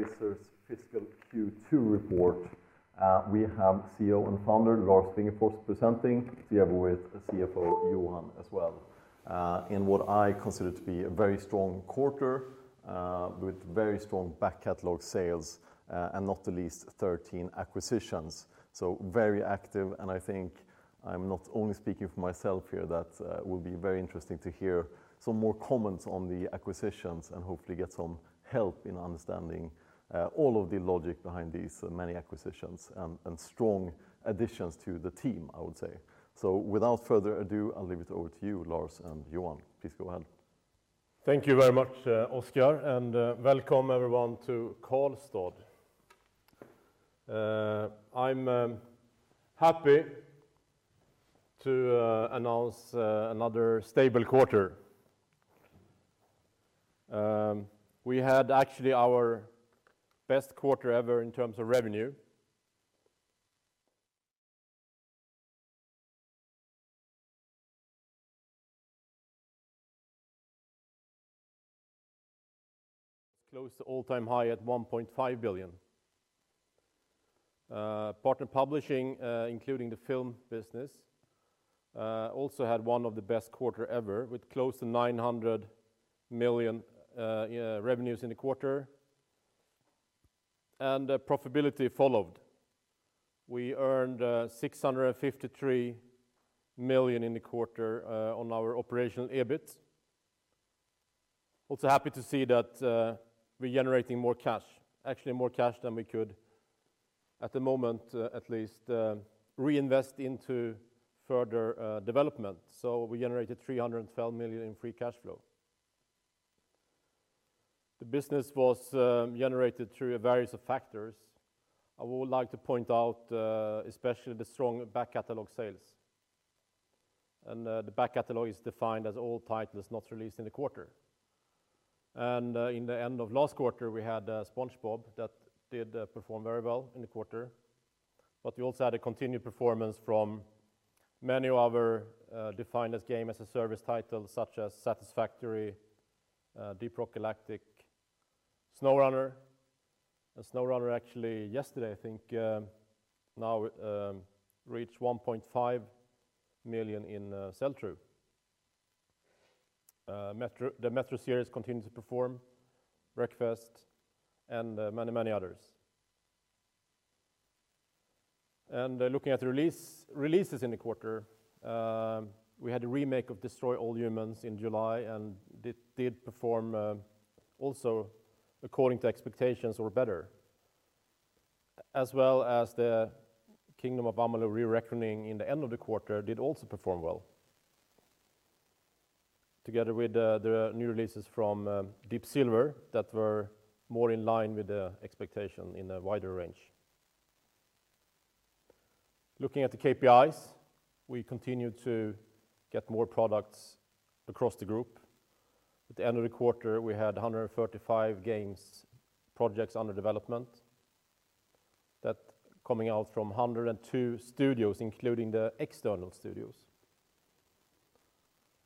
Embracer's fiscal Q2 report. We have CEO and founder, Lars Wingefors, presenting together with CFO, Johan, as well, in what I consider to be a very strong quarter with very strong back catalog sales, and not the least, 13 acquisitions. Very active, I think I'm not only speaking for myself here, that will be very interesting to hear some more comments on the acquisitions and hopefully get some help in understanding all of the logic behind these many acquisitions and strong additions to the team, I would say. Without further ado, I'll leave it over to you, Lars and Johan. Please go ahead. Thank you very much, Oscar, and welcome everyone to Karlstad. I'm happy to announce another stable quarter. We had actually our best quarter ever in terms of revenue. Close to all-time high at 1.5 billion. Partner publishing, including the film business, also had one of the best quarter ever with close to 900 million revenues in the quarter. Profitability followed. We earned 653 million in the quarter on our operational EBIT. Also happy to see that we're generating more cash, actually more cash than we could, at the moment at least, reinvest into further development. We generated 312 million in free cash flow. The business was generated through various factors. I would like to point out especially the strong back catalog sales. The back catalog is defined as all titles not released in the quarter. In the end of last quarter, we had SpongeBob that did perform very well in the quarter. We also had a continued performance from many other defined-as-game-as-a-service titles, such as Satisfactory, Deep Rock Galactic, SnowRunner. SnowRunner actually yesterday, I think, now reached 1.5 million in sell-through. The Metro series continued to perform, Wreckfest, and many others. Looking at the releases in the quarter, we had a remake of Destroy All Humans! in July, and it did perform also according to expectations or better, as well as the Kingdoms of Amalur: Re-Reckoning in the end of the quarter did also perform well. Together with the new releases from Deep Silver that were more in line with the expectation in a wider range. Looking at the KPIs, we continued to get more products across the group. At the end of the quarter, we had 135 games projects under development. Coming out from 102 studios, including the external studios.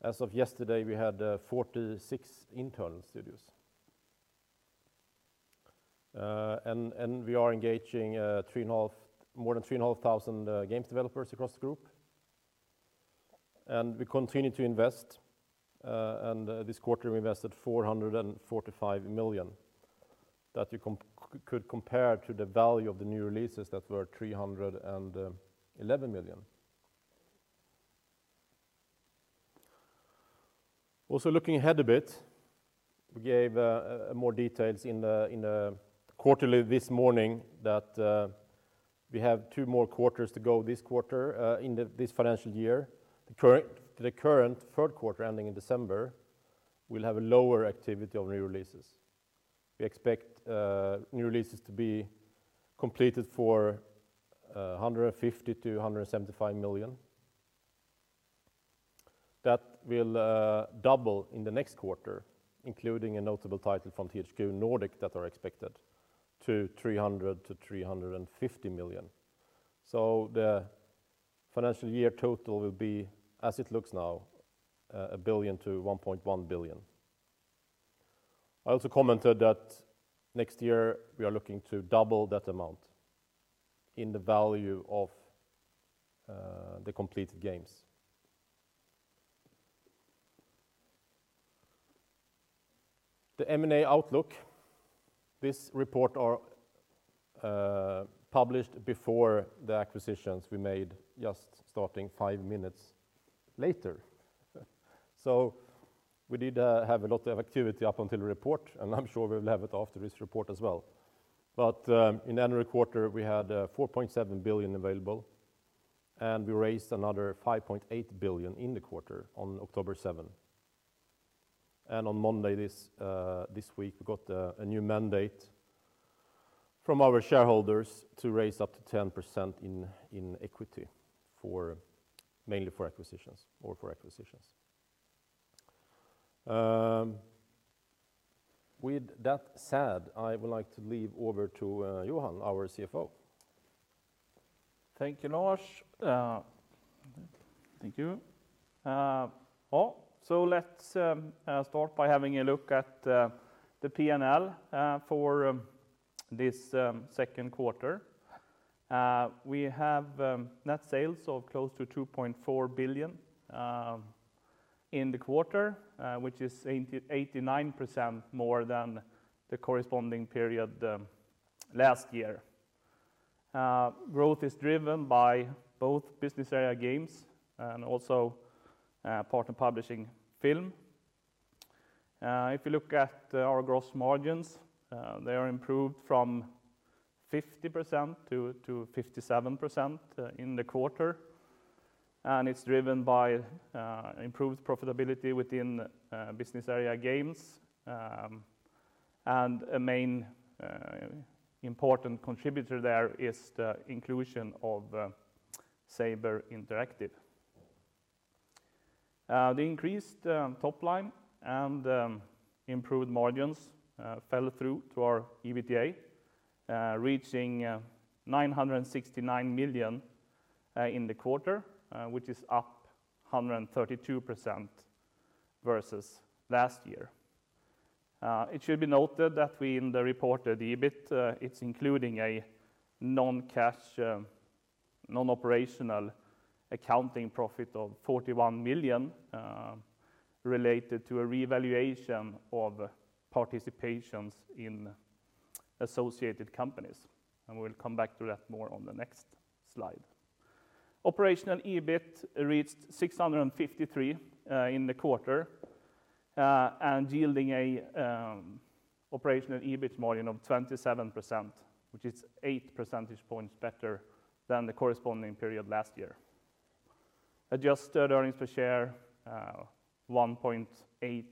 As of yesterday, we had 46 internal studios. We are engaging more than 350,000 game developers across the group. We continue to invest, and this quarter, we invested 445 million that you could compare to the value of the new releases that were 311 million. Also looking ahead a bit, we gave more details in the quarterly this morning that we have two more quarters to go this quarter in this financial year. The current third quarter ending in December will have a lower activity of new releases. We expect new releases to be completed for 150 million-175 million. Will double in the next quarter, including a notable title from THQ Nordic that are expected to 300 million-350 million. The financial year total will be, as it looks now, 1 billion to 1.1 billion. I also commented that next year we are looking to double that amount in the value of the completed games. The M&A outlook, this report are published before the acquisitions we made just starting five minutes later. We did have a lot of activity up until the report, and I'm sure we'll have it after this report as well. In the end of the quarter, we had 4.7 billion available, and we raised another 5.8 billion in the quarter on October 7. On Monday this week, we got a new mandate from our shareholders to raise up to 10% in equity mainly for acquisitions. With that said, I would like to leave over to Johan, our CFO. Thank you, Lars. Thank you. Let's start by having a look at the P&L for this second quarter. We have net sales of close to 2.4 billion in the quarter, which is 89% more than the corresponding period last year. Growth is driven by both business area games and also partner publishing film. If you look at our gross margins, they are improved from 50% to 57% in the quarter, and it's driven by improved profitability within business area games. A main important contributor there is the inclusion of Saber Interactive. The increased top line and improved margins fell through to our EBITDA, reaching 969 million in the quarter, which is up 132% versus last year. It should be noted that we in the reported EBIT, it's including a non-cash, non-operational accounting profit of 41 million related to a revaluation of participations in associated companies, and we'll come back to that more on the next slide. Operational EBIT reached 653 in the quarter, and yielding an operational EBIT margin of 27%, which is eight percentage points better than the corresponding period last year. Adjusted earnings per share, 1.8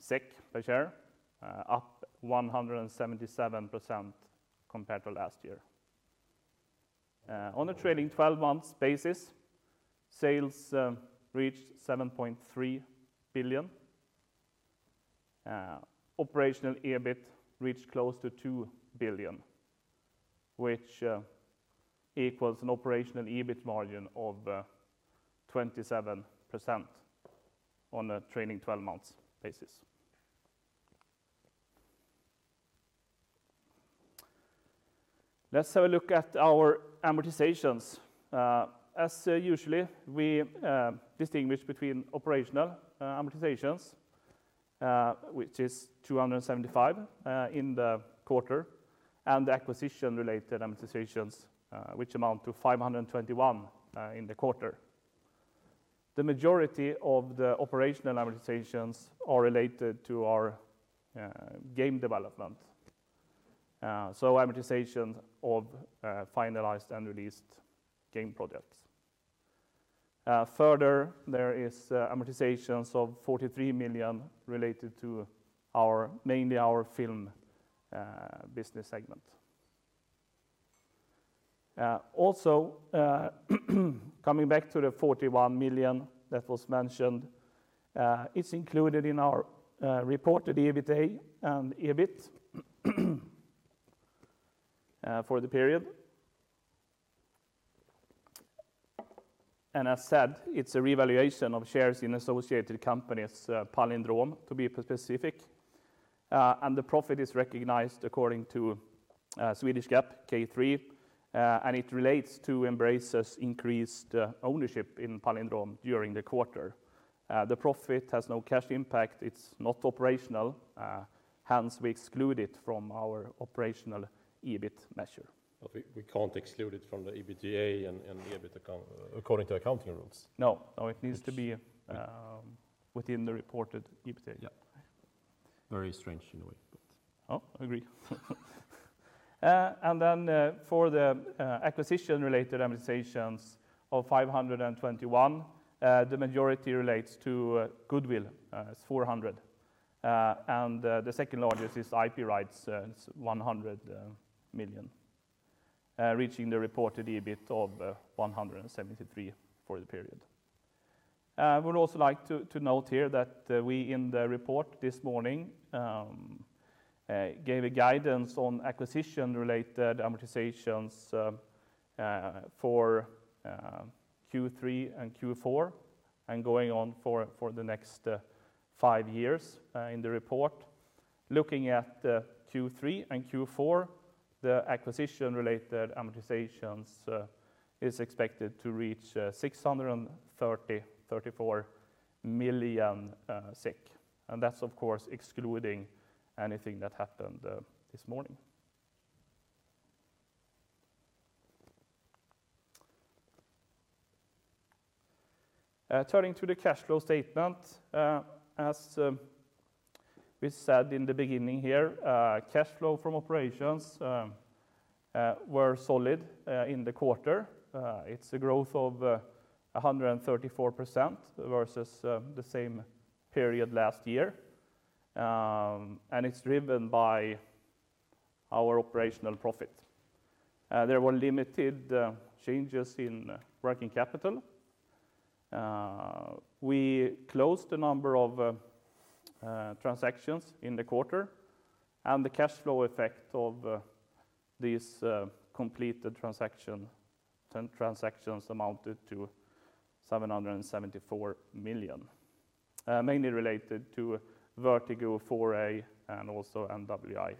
SEK per share, up 177% compared to last year. On a trailing 12 months basis, sales reached 7.3 billion. Operational EBIT reached close to 2 billion, which equals an operational EBIT margin of 27% on a trailing 12 months basis. Let's have a look at our amortizations. As usually, we distinguish between operational amortizations, which is 275 in the quarter, and the acquisition-related amortizations, which amount to 521 in the quarter. The majority of the operational amortizations are related to our game development, so amortizations of finalized and released game projects. Further, there is amortizations of 43 million related to mainly our film business segment. Also, coming back to the 41 million that was mentioned, it is included in our reported EBITDA and EBIT for the period. As said, it is a revaluation of shares in associated companies, Palindrome to be specific. The profit is recognized according to Swedish GAAP K3, and it relates to Embracer's increased ownership in Palindrome during the quarter. The profit has no cash impact. It is not operational, hence we exclude it from our operational EBIT measure. We can't exclude it from the EBITDA and the EBIT according to accounting rules. No, it needs to be within the reported EBITDA. Yeah. Very strange in a way, but. Agreed. For the acquisition-related amortizations of 521 million, the majority relates to goodwill as 400 million, and the second largest is IP rights, 100 million, reaching the reported EBIT of 173 million for the period. I would also like to note here that we in the report this morning, gave a guidance on acquisition-related amortizations for Q3 and Q4, and going on for the next five years in the report. Looking at Q3 and Q4, the acquisition-related amortizations is expected to reach 634 million, that's of course excluding anything that happened this morning. Turning to the cash flow statement, as we said in the beginning here, cash flow from operations were solid in the quarter. It's a growth of 134% versus the same period last year, it's driven by our operational profit. There were limited changes in working capital. We closed a number of transactions in the quarter, and the cash flow effect of these completed transactions amounted to 774 million, mainly related to Vertigo 4A and also NWI.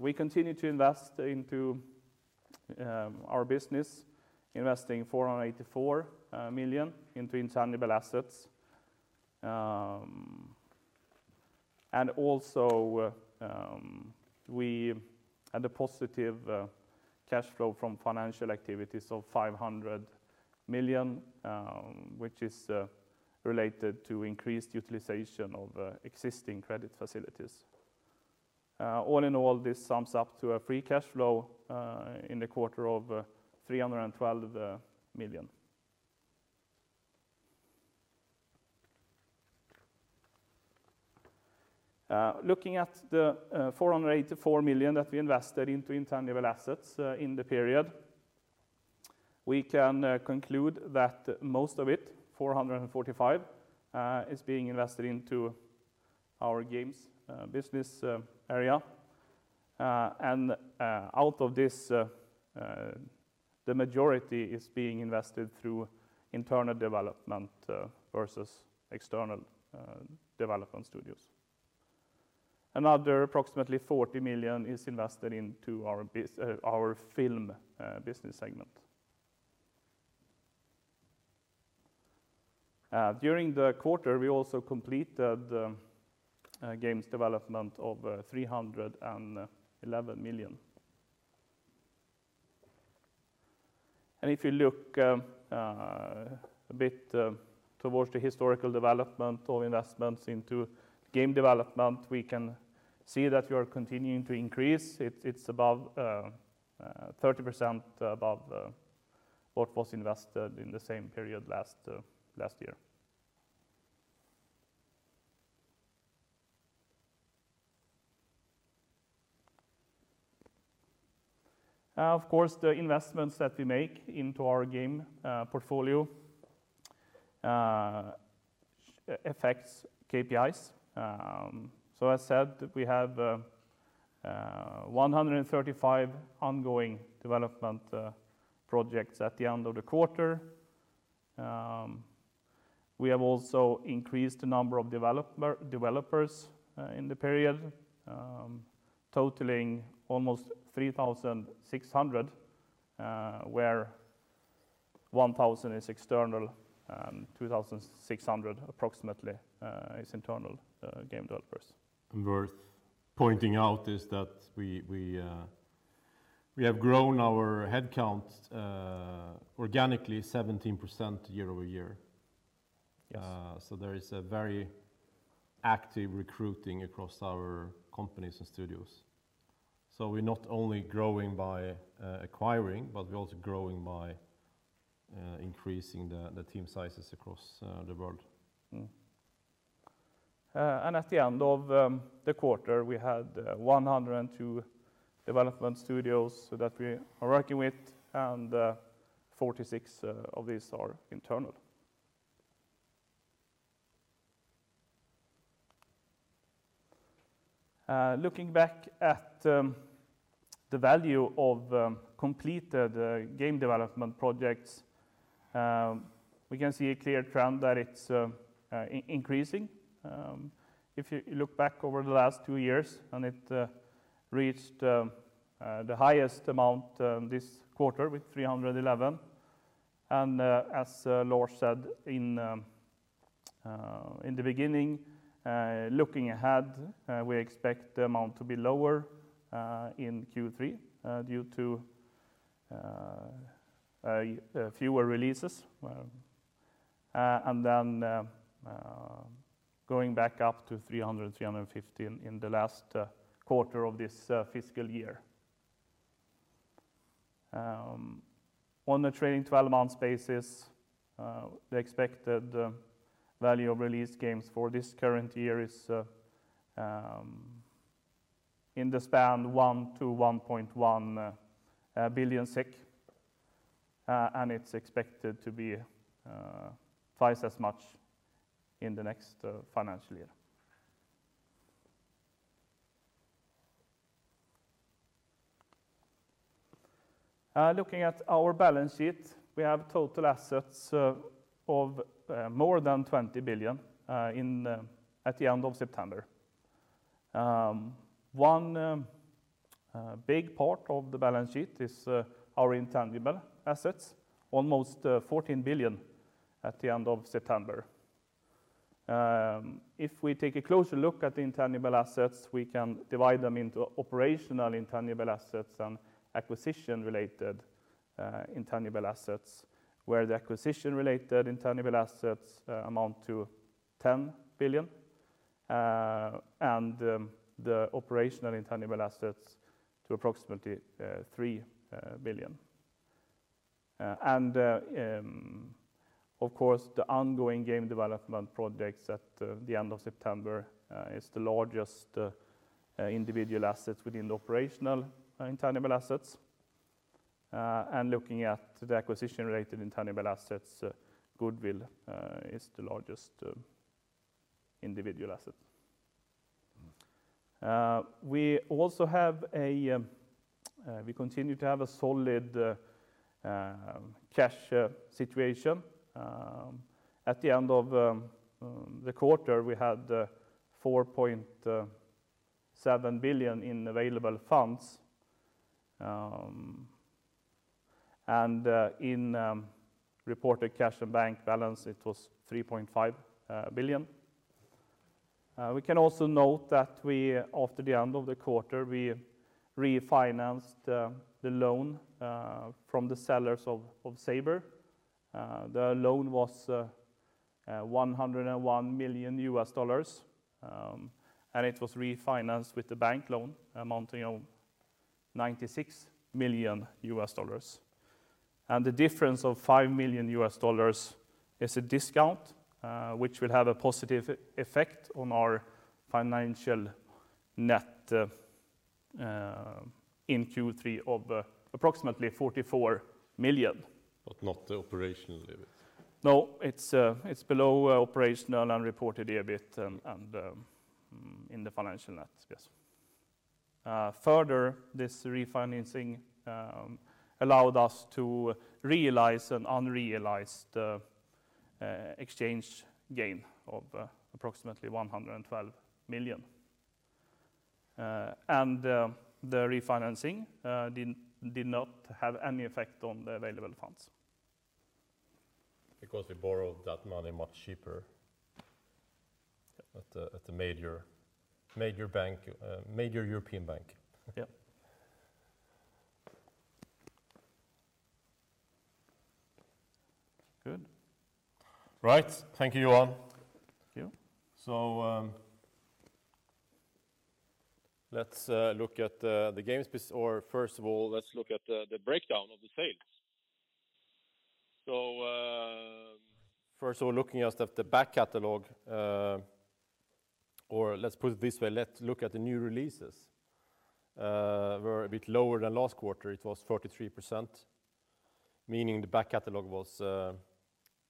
We continue to invest into our business, investing 484 million into intangible assets. Also, we had a positive cash flow from financial activities of 500 million, which is related to increased utilization of existing credit facilities. All in all, this sums up to a free cash flow in the quarter of 312 million. Looking at the 484 million that we invested into intangible assets in the period, we can conclude that most of it, 445 million, is being invested into our games business area. Out of this, the majority is being invested through internal development versus external development studios. Another approximately 40 million is invested into our film business segment. During the quarter, we also completed games development of SEK 311 million. If you look a bit towards the historical development of investments into game development, we can see that we are continuing to increase. It's about 30% above what was invested in the same period last year. Of course, the investments that we make into our game portfolio affects KPIs. As said, we have 135 ongoing development projects at the end of the quarter. We have also increased the number of developers in the period, totaling almost 3,600, where 1,000 is external and 2,600 approximately is internal game developers. Worth pointing out is that we have grown our headcount organically 17% year-over-year. Yes. There is a very active recruiting across our companies and studios. We're not only growing by acquiring, but we're also growing by increasing the team sizes across the world. At the end of the quarter, we had 102 development studios that we are working with, and 46 of these are internal. Looking back at the value of completed game development projects, we can see a clear trend that it's increasing. If you look back over the last two years, and it reached the highest amount this quarter with 311. As Lars said, in the beginning, looking ahead, we expect the amount to be lower in Q3 due to fewer releases. Then going back up to 300-350 in the last quarter of this fiscal year. On a trailing 12 months basis, the expected value of released games for this current year is in the span 1 billion-1.1 billion SEK, and it's expected to be twice as much in the next financial year. Looking at our balance sheet, we have total assets of more than 20 billion at the end of September. One big part of the balance sheet is our intangible assets, almost 14 billion at the end of September. If we take a closer look at the intangible assets, we can divide them into operational intangible assets and acquisition-related intangible assets, where the acquisition-related intangible assets amount to 10 billion, and the operational intangible assets to approximately 3 billion. Of course, the ongoing game development projects at the end of September is the largest individual assets within the operational intangible assets. Looking at the acquisition-related intangible assets, goodwill is the largest individual asset. We continue to have a solid cash situation. At the end of the quarter, we had 4.7 billion in available funds. In reported cash and bank balance, it was 3.5 billion. We can also note that after the end of the quarter, we refinanced the loan from the sellers of Saber. The loan was $101 million U.S., and it was refinanced with the bank loan amounting of $96 million U.S. The difference of $5 million U.S. is a discount, which will have a positive effect on our financial net in Q3 of approximately 44 million. Not the operational EBIT. It's below operational and reported EBIT and in the financial net. Yes. This refinancing allowed us to realize an unrealized exchange gain of approximately SEK 112 million. The refinancing did not have any effect on the available funds. We borrowed that money much cheaper at the major European bank. Yeah. Good. Right. Thank you, Johan. Thank you. Let's look at the Games business, or first of all, let's look at the breakdown of the sales. First of all, looking at the back catalog, or let's put it this way, let's look at the new releases. Were a bit lower than last quarter. It was 43%, meaning the back catalog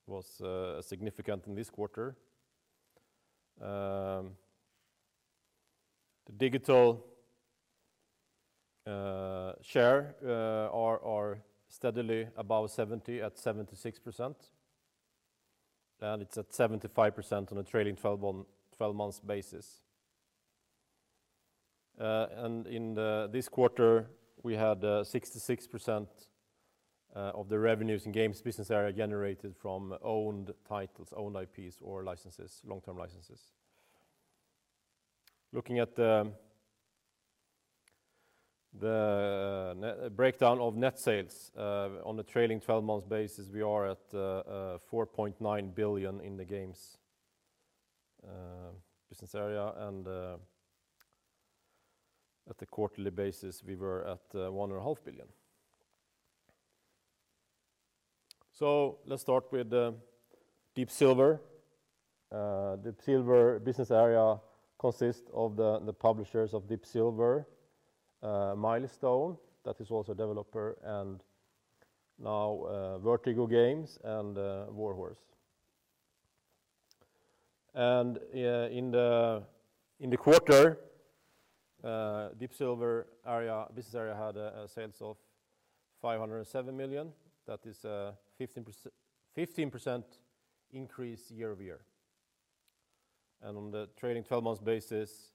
was significant in this quarter. The digital share are steadily above 70, at 76%, and it's at 75% on a trailing 12 months basis. In this quarter, we had 66% of the revenues in Games business area generated from owned titles, owned IPs, or long-term licenses. Looking at the breakdown of net sales. On a trailing 12 months basis, we are at 4.9 billion in the Games business area, and at the quarterly basis, we were at 1.5 billion. Let's start with Deep Silver. Deep Silver business area consists of the publishers of Deep Silver, Milestone, that is also a developer, and now Vertigo Games and Warhorse. In the quarter, Deep Silver business area had sales of 507 million. That is a 15% increase year-over-year. On the trailing 12 months basis,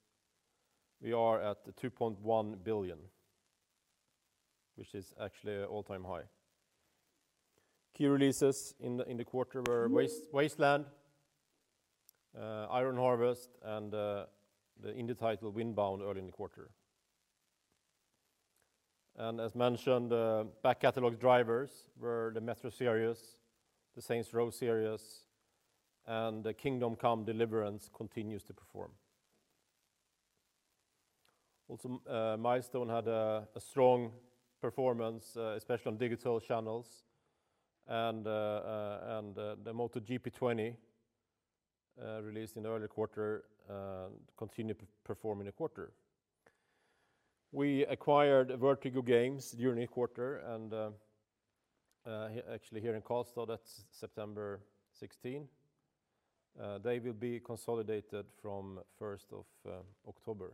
we are at 2.1 billion, which is actually all-time high. Key releases in the quarter were Wasteland, Iron Harvest, and the indie title Windbound early in the quarter. As mentioned, back catalog drivers were the Metro series, the Saints Row series, and Kingdom Come: Deliverance continues to perform. Also, Milestone had a strong performance, especially on digital channels, and the MotoGP 20, released in the early quarter, continued performing in the quarter. We acquired Vertigo Games during the quarter, and actually here in Karlstad, that is September 16. They will be consolidated from 1st of October.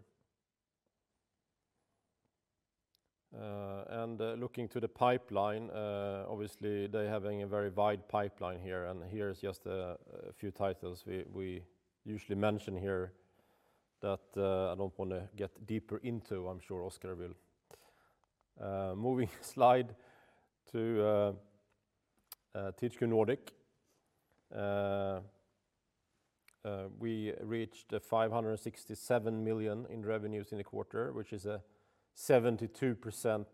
Looking to the pipeline, obviously, they're having a very wide pipeline here, and here is just a few titles we usually mention here that I don't want to get deeper into. I'm sure Oscar will. Moving slide to THQ Nordic. We reached 567 million in revenues in the quarter, which is a 72%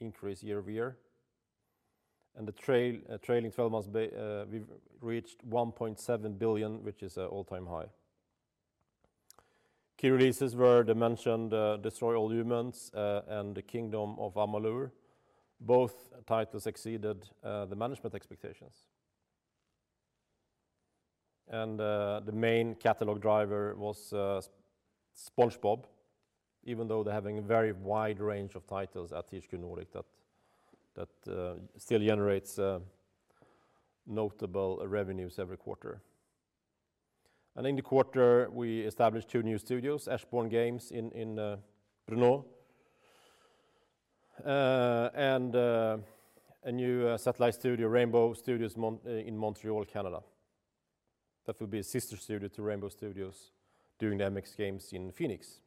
increase year-over-year. The trailing 12 months, we've reached 1.7 billion, which is all-time high. Key releases were the mentioned Destroy All Humans! and the Kingdoms of Amalur. Both titles exceeded the management expectations. The main catalog driver was SpongeBob, even though they're having a very wide range of titles at THQ Nordic that still generates notable revenues every quarter. In the quarter, we established two new studios, Ashborne Games in Brno, and a new satellite studio, Rainbow Studios in Montreal, Canada. That would be a sister studio to Rainbow Studios doing the MX games in Phoenix.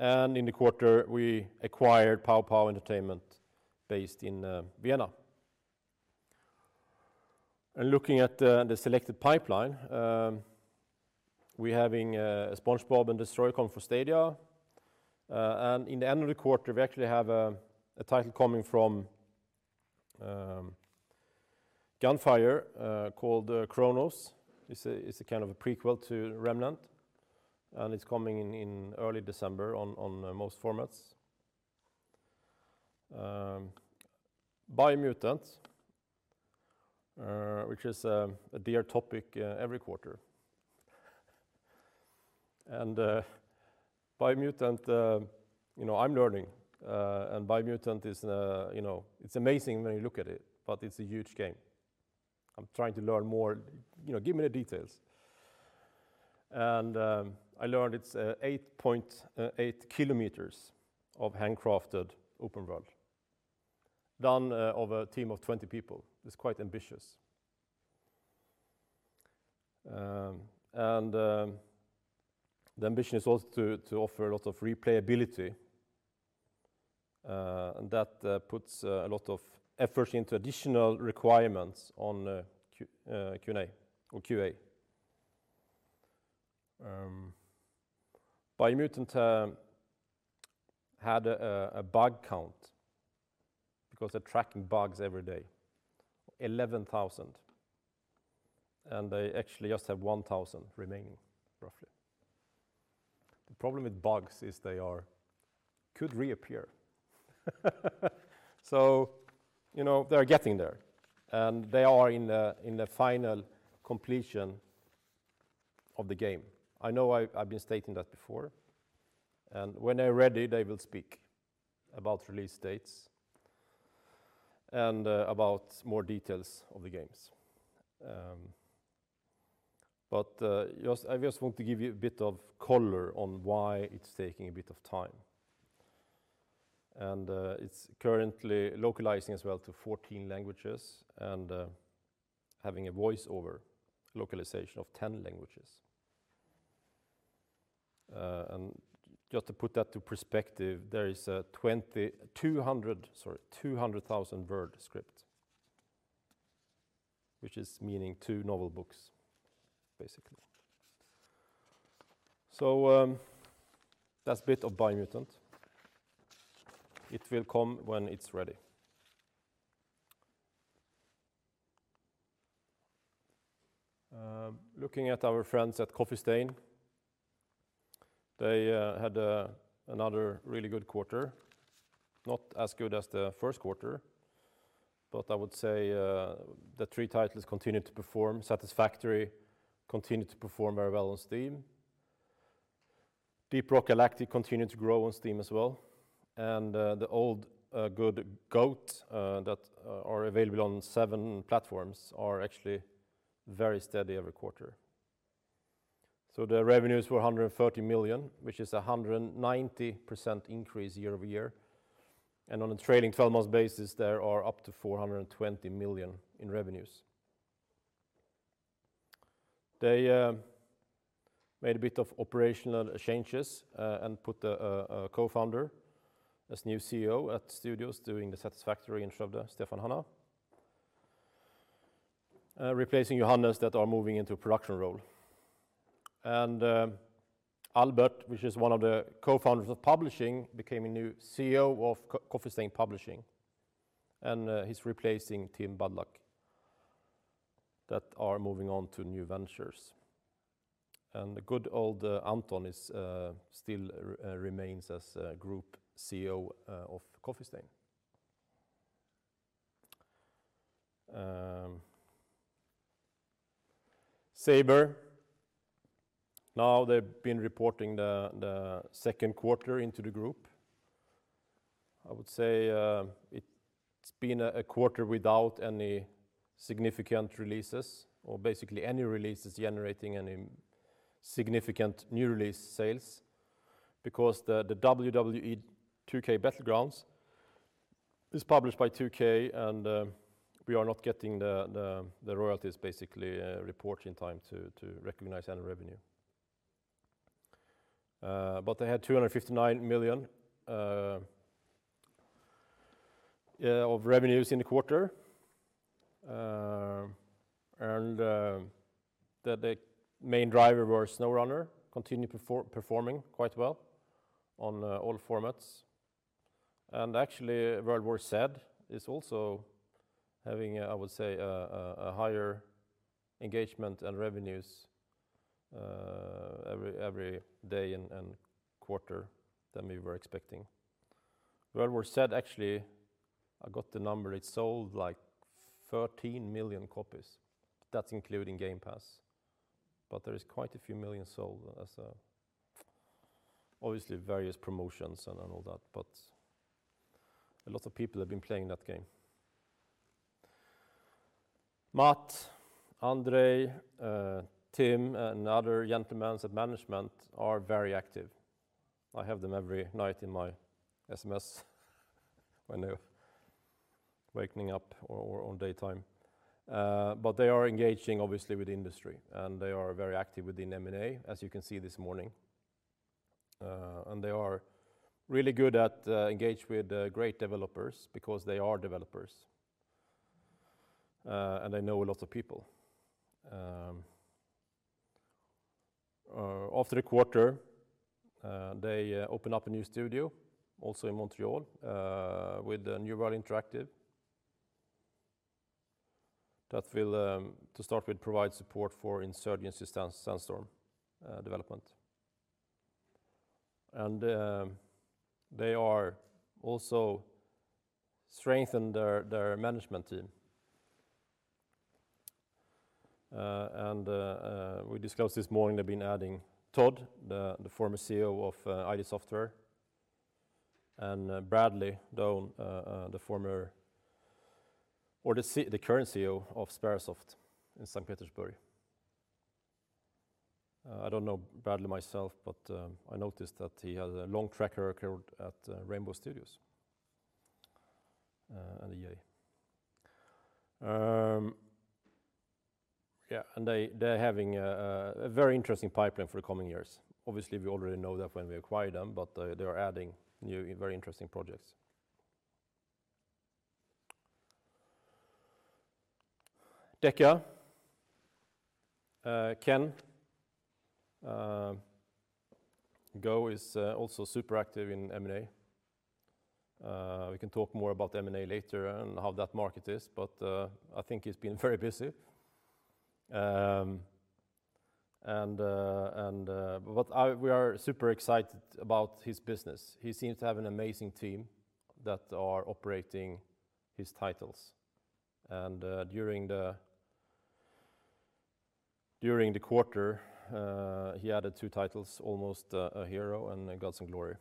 In the quarter, we acquired Pow Wow Entertainment based in Vienna. Looking at the selected pipeline, we're having SpongeBob and Destroy coming for Stadia. In the end of the quarter, we actually have a title coming from Gunfire called Chronos. It's a kind of a prequel to Remnant, and it's coming in early December on most formats. Biomutant, which is a dear topic every quarter. Biomutant, I'm learning, and Biomutant it's amazing when you look at it, but it's a huge game. I'm trying to learn more, give me the details. I learned it's 8.8 kilometers of handcrafted open world done of a team of 20 people. It's quite ambitious. The ambition is also to offer a lot of replayability, and that puts a lot of effort into additional requirements on QA. Biomutant had a bug count because they're tracking bugs every day, 11,000, and they actually just have 1,000 remaining, roughly. The problem with bugs is they could reappear. They're getting there, and they are in the final completion of the game. I know I've been stating that before, and when they're ready, they will speak about release dates and about more details of the games. I just want to give you a bit of color on why it's taking a bit of time. It's currently localizing as well to 14 languages and having a voiceover localization of 10 languages. Just to put that to perspective, there is a 200,000-word script, which is meaning two novel books, basically. That's a bit of Biomutant. It will come when it's ready. Looking at our friends at Coffee Stain, they had another really good quarter. Not as good as the first quarter, I would say the three titles continued to perform Satisfactory, continued to perform very well on Steam. Deep Rock Galactic continued to grow on Steam as well. The old good Goat that are available on seven platforms are actually very steady every quarter. The revenues were 130 million, which is 190% increase year-over-year. On a trailing 12 months basis, there are up to 420 million in revenues. They made a bit of operational changes, and put a co-founder as new CEO at studios doing the Satisfactory in Stefan Hanna, replacing Johannes that are moving into a production role. Albert, which is one of the co-founders of publishing, became a new CEO of Coffee Stain Publishing, and he's replacing Tim Badin that are moving on to new ventures. The good old Anton still remains as group CEO of Coffee Stain. Saber, now they've been reporting the second quarter into the group. I would say it's been a quarter without any significant releases or basically any releases generating any significant new release sales because the WWE 2K Battlegrounds is published by 2K and we are not getting the royalties basically report in time to recognize any revenue. They had SEK 259 million of revenues in the quarter, and that the main driver was SnowRunner, continued performing quite well on all formats. Actually, World War Z is also having, I would say, a higher engagement and revenues every day and quarter than we were expecting. World War Z" actually, I got the number, it sold 13 million copies. That's including Game Pass. There is quite a few million sold. Obviously, various promotions and all that, but a lot of people have been playing that game. Matt, Andrey, Tim, and other gentlemen at management are very active. I have them every night in my SMS when waking up or on daytime. They are engaging, obviously, with the industry, and they are very active within M&A, as you can see this morning. They are really good at engaging with great developers because they are developers, and they know a lot of people. After the quarter, they opened up a new studio, also in Montreal, with New World Interactive. That will, to start with, provide support for "Insurgency: Sandstorm" development. They are also strengthening their management team. We discussed this morning, they've been adding Todd, the former CEO of id Software, and Andrey Iones, the current CEO of Saber Interactive in St. Petersburg. I don't know Andrey myself, but I noticed that he has a long track record at Rainbow Studios at EA. Yeah, they're having a very interesting pipeline for the coming years. Obviously, we already know that when we acquired them, but they are adding new, very interesting projects. DECA. Ken Go is also super active in M&A. We can talk more about M&A later and how that market is, but I think he's been very busy. We are super excited about his business. He seems to have an amazing team that are operating his titles. During the quarter, he added two titles, "Almost a Hero" and "Gods & Glory."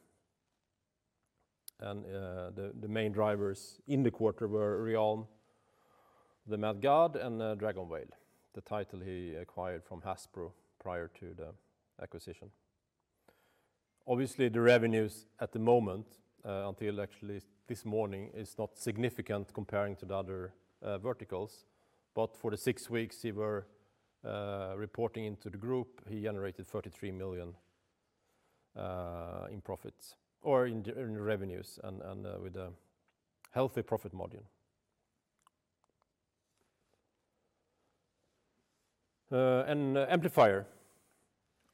The main drivers in the quarter were "Realm of the Mad God" and "DragonVale," the title he acquired from Hasbro prior to the acquisition. Obviously, the revenues at the moment, until actually this morning, is not significant comparing to the other verticals. For the six weeks he was reporting into the group, he generated 33 million in revenues and with a healthy profit margin. Amplifier.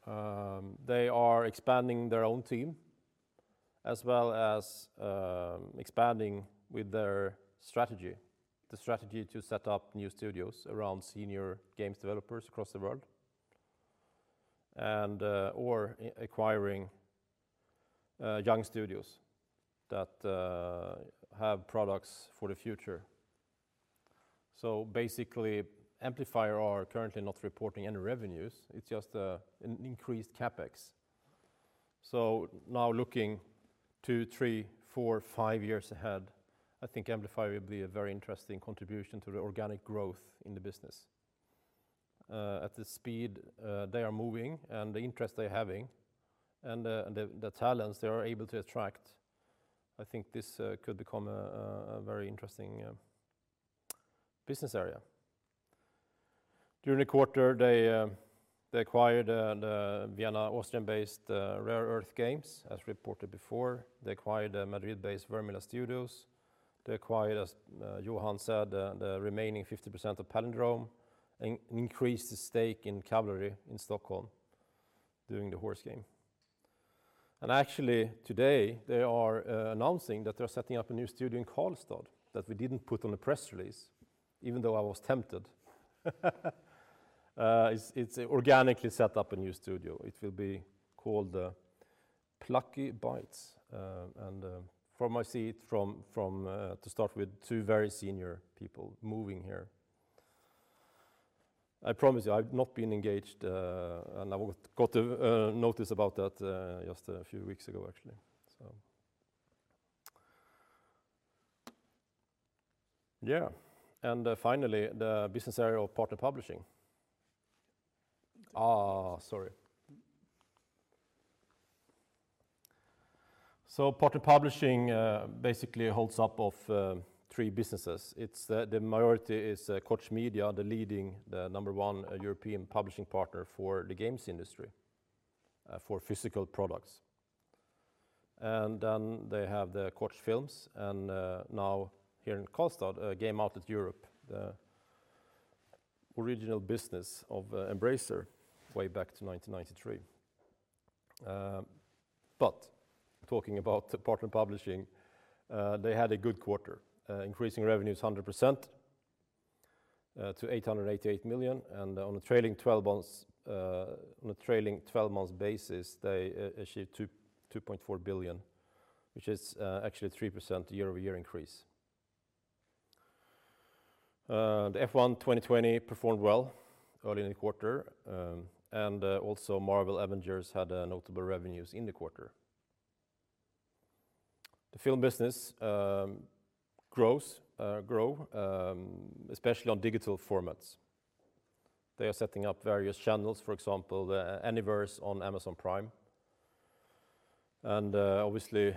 They are expanding their own team, as well as expanding with their strategy, the strategy to set up new studios around senior games developers across the world, and/or acquiring young studios that have products for the future. Basically, Amplifier are currently not reporting any revenues. It's just an increased CapEx. Now looking two, three, four, five years ahead, I think Amplifier will be a very interesting contribution to the organic growth in the business. At the speed they are moving and the interest they're having and the talents they are able to attract, I think this could become a very interesting business area. During the quarter, they acquired the Vienna, Austrian-based Rare Earth Games, as reported before. They acquired the Madrid-based Vermila Studios. They acquired, as Johan said, the remaining 50% of Palindrome, and increased the stake in Kavalri in Stockholm, doing the horse game. Actually, today, they are announcing that they're setting up a new studio in Karlstad that we didn't put on a press release, even though I was tempted. It's organically set up a new studio. It will be called Plucky Bytes. From my seat, to start with two very senior people moving here. I promise you, I've not been engaged, and I got a notice about that just a few weeks ago, actually. Yeah. Finally, the business area of Partner Publishing. Sorry. Partner Publishing basically holds up of three businesses. The majority is Koch Media, the leading, the number one European publishing partner for the games industry for physical products. Then they have the Koch Films, and now here in Karlstad, Game Outlet Europe, the original business of Embracer way back to 1993. Talking about Partner Publishing, they had a good quarter, increasing revenues 100% to 888 million. On a trailing 12 months basis, they issued 2.4 billion, which is actually a 3% year-over-year increase. The "F1 2020" performed well early in the quarter, also "Marvel's Avengers" had notable revenues in the quarter. The film business grow, especially on digital formats. They are setting up various channels, for example, the Aniverse on Amazon Prime. Obviously,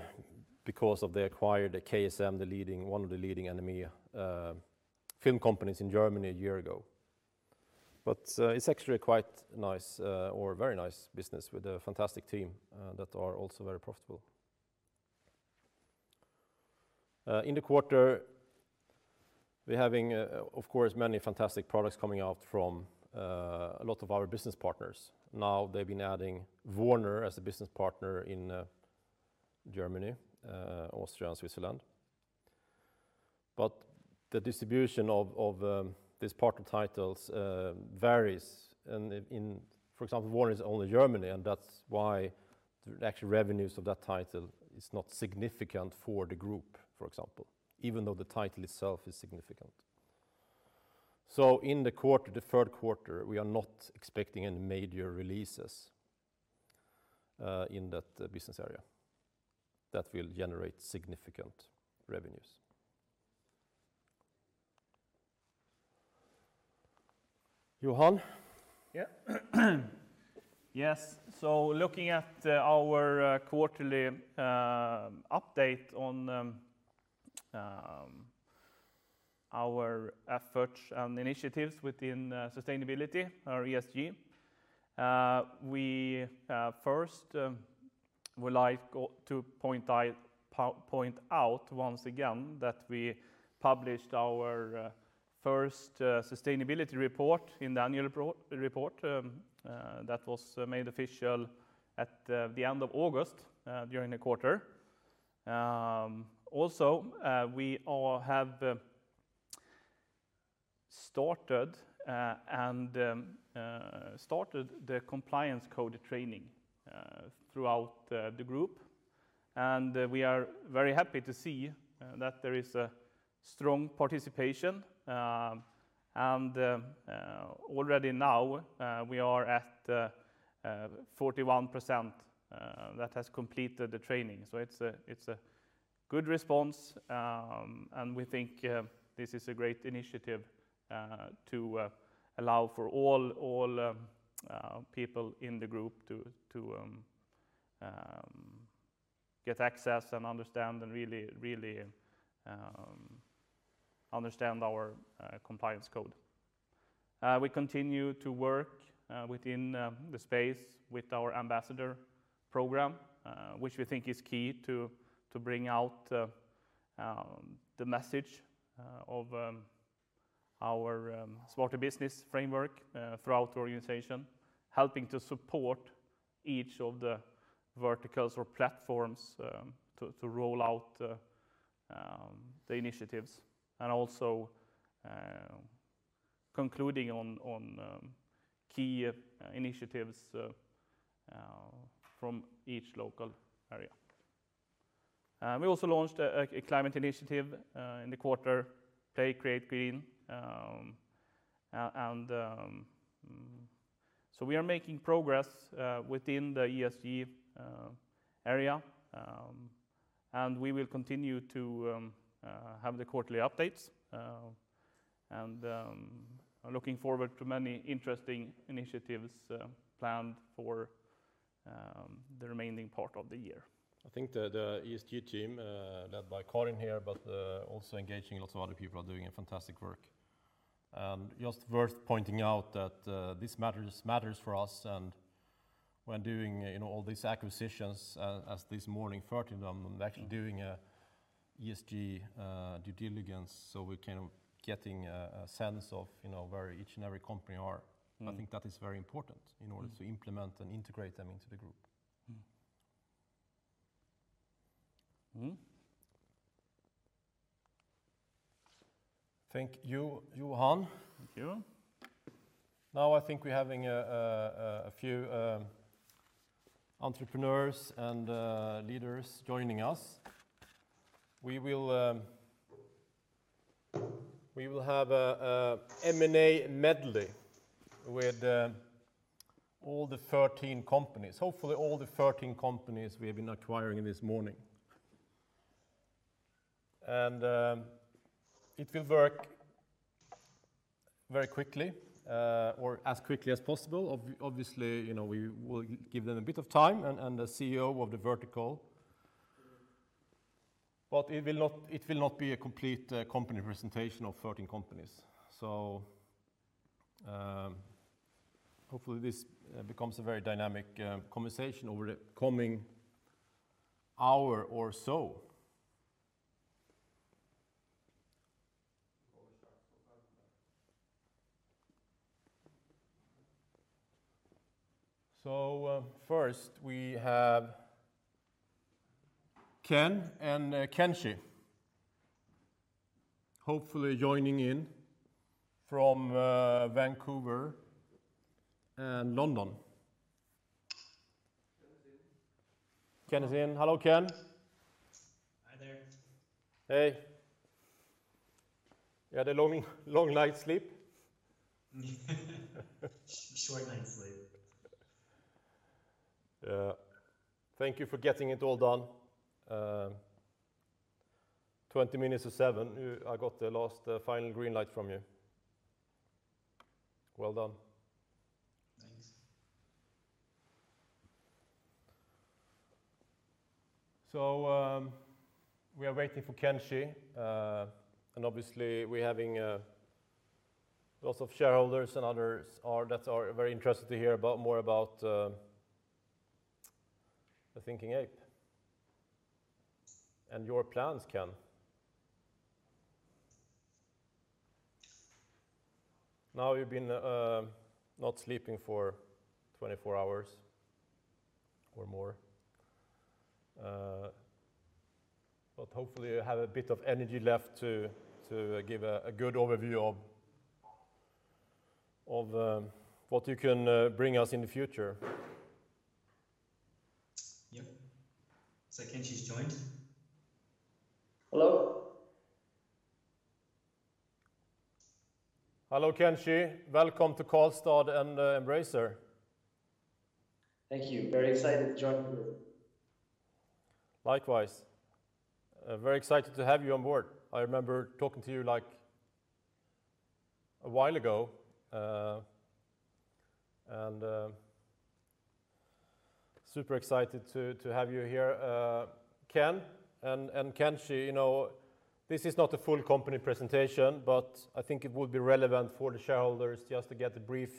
because of they acquired KSM, one of the leading anime film companies in Germany a year ago. It's actually a very nice business with a fantastic team that are also very profitable. In the quarter, we're having, of course, many fantastic products coming out from a lot of our business partners. Now they've been adding Warner as a business partner in Germany, Austria, and Switzerland. The distribution of these partner titles varies in, for example, Warner is only Germany, and that's why the actual revenues of that title is not significant for the group, for example, even though the title itself is significant. In the third quarter, we are not expecting any major releases in that business area that will generate significant revenues. Johan? Yes. Looking at our quarterly update on our efforts and initiatives within sustainability, our ESG, we first would like to point out once again that we published our first sustainability report in the annual report that was made official at the end of August, during the quarter. We have started the compliance code training throughout the group, and we are very happy to see that there is a strong participation. Already now, we are at 41% that has completed the training. It's a good response, and we think this is a great initiative to allow for all people in the group to get access and understand and really understand our compliance code. We continue to work within the space with our ambassador program, which we think is key to bring out the message of our smarter business framework throughout our organization, helping to support each of the verticals or platforms to roll out the initiatives and also concluding on key initiatives from each local area. We also launched a climate initiative in the quarter, Play Create Green. We are making progress within the ESG area, and we will continue to have the quarterly updates, and I'm looking forward to many interesting initiatives planned for the remaining part of the year. I think the ESG team, led by Karin here, but also engaging lots of other people, are doing a fantastic work. Just worth pointing out that this matters for us, and when doing all these acquisitions, as this morning, 13 of them, actually doing an ESG due diligence, so we're kind of getting a sense of where each and every company are. I think that is very important in order to implement and integrate them into the group. Thank you, Johan. Thank you. I think we're having a few entrepreneurs and leaders joining us. We will have a M&A medley with all the 13 companies. Hopefully, all the 13 companies we have been acquiring this morning. It will work very quickly, or as quickly as possible. Obviously, we will give them a bit of time and the CEO of the vertical. It will not be a complete company presentation of 13 companies. Hopefully, this becomes a very dynamic conversation over the coming hour or so. First we have Ken and Kenshi hopefully joining in from Vancouver and London. Ken is in. Ken is in. Hello, Ken. Hi there. Hey. You had a long night's sleep? Short night's sleep. Thank you for getting it all done. 20 minutes to 7:00. I got the final green light from you. Well done. Thanks. We are waiting for Kenshi, and obviously we're having lots of shareholders and others that are very interested to hear more about Thinking Ape and your plans, Ken. You've been not sleeping for 24 hours or more, but hopefully you have a bit of energy left to give a good overview of what you can bring us in the future. Yep. Kenshi's joined. Hello. Hello, Kenshi. Welcome to Karlstad and Embracer. Thank you. Very excited to join the group. Likewise. Very excited to have you on board. I remember talking to you a while ago, and super excited to have you here. Ken and Kenshi, this is not a full company presentation, but I think it would be relevant for the shareholders just to get a brief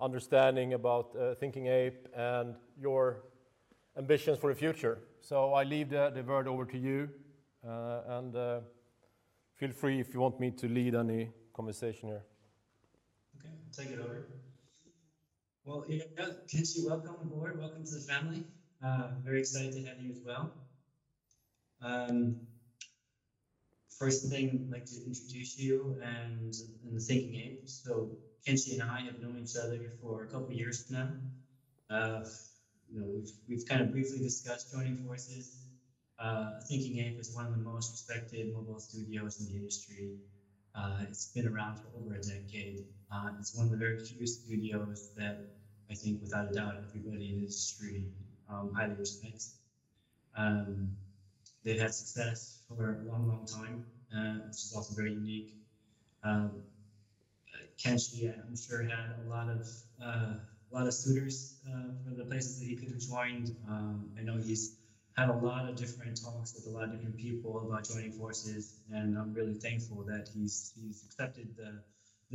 understanding about A Thinking Ape and your ambitions for the future. I leave the word over to you, and feel free if you want me to lead any conversation here. Okay, take it over. Well, Kenshi, welcome aboard. Welcome to the family. Very excited to have you as well. First thing, I'd like to introduce you and A Thinking Ape. Kenshi and I have known each other for a couple of years now. We've briefly discussed joining forces. A Thinking Ape is one of the most respected mobile studios in the industry. It's been around for over a decade. It's one of the very few studios that I think, without a doubt, everybody in the industry highly respects. They've had success for a long, long time, which is also very unique. Kenshi, I'm sure, had a lot of suitors for the places that he could have joined. I know he's had a lot of different talks with a lot of different people about joining forces, and I'm really thankful that he's accepted the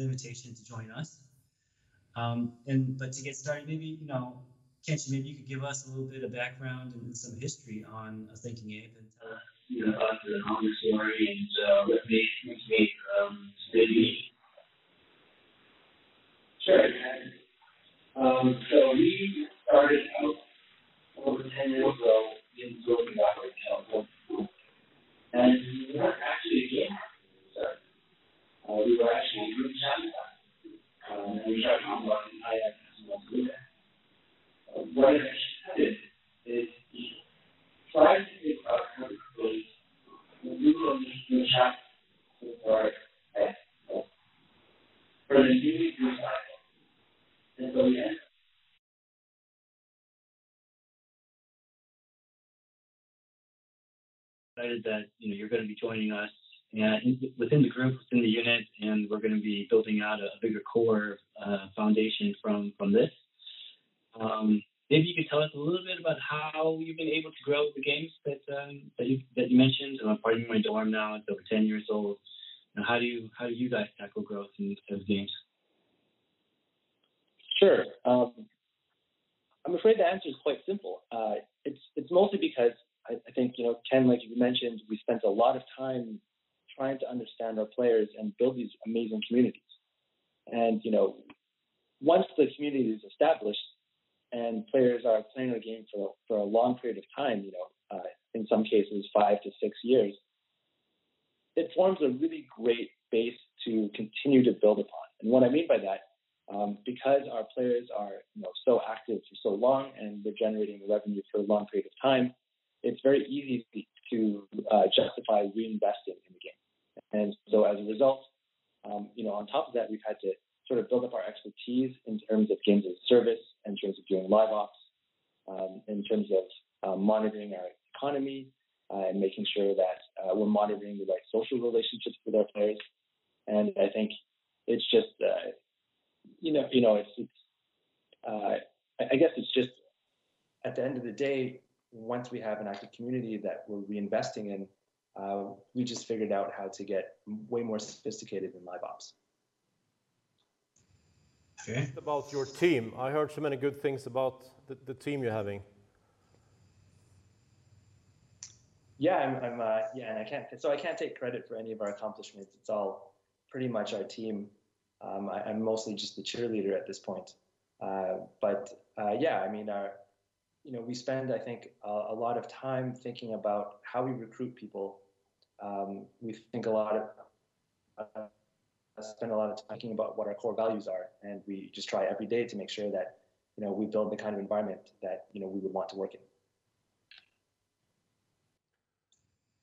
invitation to join us. To get started, Kenshi, maybe you could give us a little bit of background and some history on Thinking Ape and tell us about the company story and what made you make this big move. Sure. We started out over 10 years ago in Silicon Valley, California. We were not actually a game company to start. We were actually a group chat app, and we were talking about how you actually want to do that. What eventually happened is we tried to think about how we could build the Google group chat for Facebook for the gaming group chat. Excited that you're going to be joining us within the group, within the unit, and we're going to be building out a bigger core foundation from this. Maybe you could tell us a little bit about how you've been able to grow the games that you mentioned, and pardon me if I don't remember, now it's over 10 years old. How do you guys tackle growth in those games? Sure. I'm afraid the answer is quite simple. It is mostly because I think, Ken, like you mentioned, we spent a lot of time trying to understand our players and build these amazing communities. Once the community is established and players are playing our game for a long period of time, in some cases five to six years, it forms a really great base to continue to build upon. What I mean by that, because our players are so active for so long and they are generating revenue for a long period of time, it is very easy to justify reinvesting in the game. As a result, on top of that, we have had to build up our expertise in terms of games as service, in terms of doing LiveOps, in terms of monitoring our economy and making sure that we are monitoring the right social relationships with our players. I think it's just, at the end of the day, once we have an active community that we're reinvesting in, we just figured out how to get way more sophisticated in LiveOps. Just about your team. I heard so many good things about the team you're having. Yeah. I can't take credit for any of our accomplishments. It's all pretty much our team. I'm mostly just the cheerleader at this point. Yeah, we spend, I think, a lot of time thinking about how we recruit people. We spend a lot of time thinking about what our core values are, and we just try every day to make sure that we build the kind of environment that we would want to work in.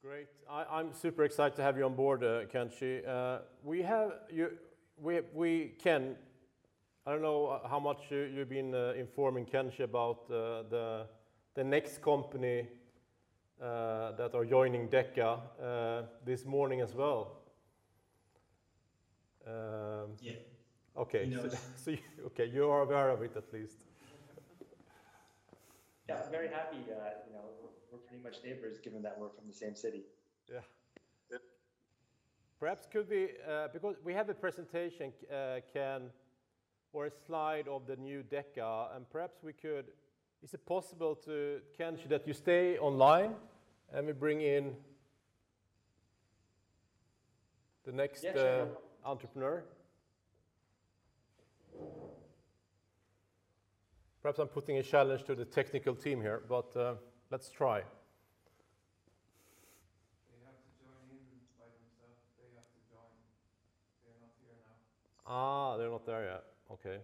Great. I'm super excited to have you on board, Kenshi. Ken, I don't know how much you've been informing Kenshi about the next company that are joining DECA this morning as well. Yeah. Okay. He knows. okay. You are aware of it, at least. Yeah, I'm very happy. We're pretty much neighbors, given that we're from the same city. Yeah. We have a presentation, Ken, or a slide of the new DECA. Is it possible, Kenshi, that you stay online? Yes, sure. entrepreneur? Perhaps I'm putting a challenge to the technical team here, but let's try. They have to join in by themselves. They have to join. They're not here now. They're not there yet. Okay.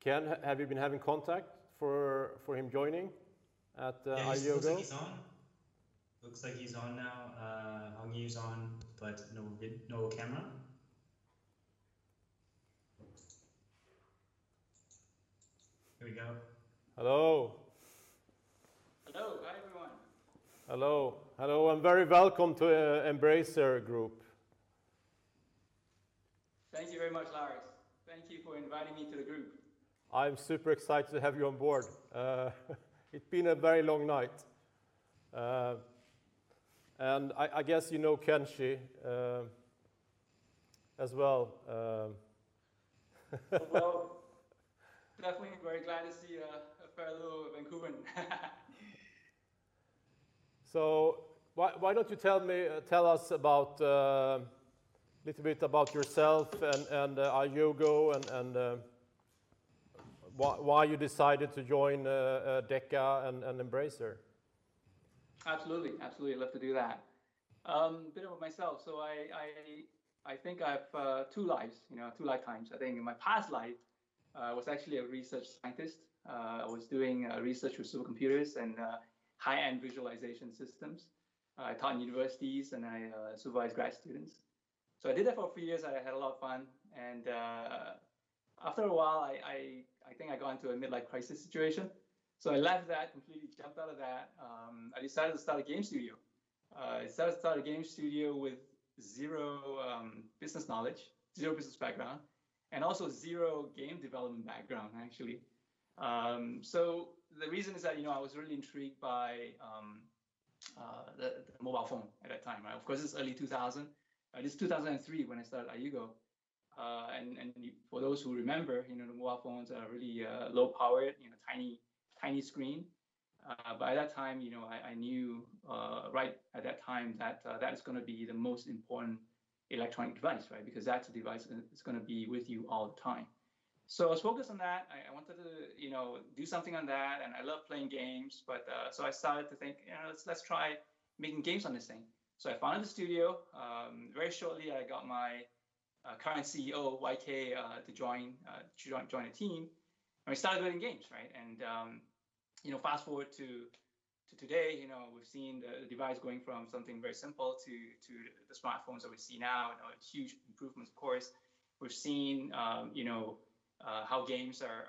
Ken, have you been having contact for him joining at IUGO? It looks like he's on. Looks like he's on now. Hong-Yee is on, but no camera. Here we go. Hello. Hello. Hi, everyone. Hello. Hello, very welcome to Embracer Group. Thank you very much, Lars. Thank you for inviting me to the group. I'm super excited to have you on board. It's been a very long night. I guess you know Kenshi as well. Hello. Definitely very glad to see a fellow Vancouverite. Why don't you tell us a little bit about yourself and IUGO and why you decided to join DECA and Embracer? Absolutely. Love to do that. A bit about myself. I think I have two lives, two lifetimes. I think in my past life, I was actually a research scientist. I was doing research with supercomputers and high-end visualization systems. I taught in universities, and I supervised grad students. I did that for a few years, and I had a lot of fun. After a while, I think I got into a midlife crisis situation. I left that, completely jumped out of that. I decided to start a game studio. I decided to start a game studio with zero business knowledge, zero business background, and also zero game development background, actually. The reason is that I was really intrigued by the mobile phone at that time. Of course, it's early 2000. It's 2003 when I started IUGO. For those who remember, the mobile phones are really low-powered, tiny screen. By that time, I knew right at that time that that is going to be the most important electronic device. That's a device that's going to be with you all the time. I was focused on that. I wanted to do something on that, and I love playing games. I started to think, "Let's try making games on this thing." I founded the studio. Very shortly, I got my current CEO, YK, to join the team, and we started building games. Fast-forward to today, we've seen the device going from something very simple to the smartphones that we see now, and huge improvements, of course. We've seen how games are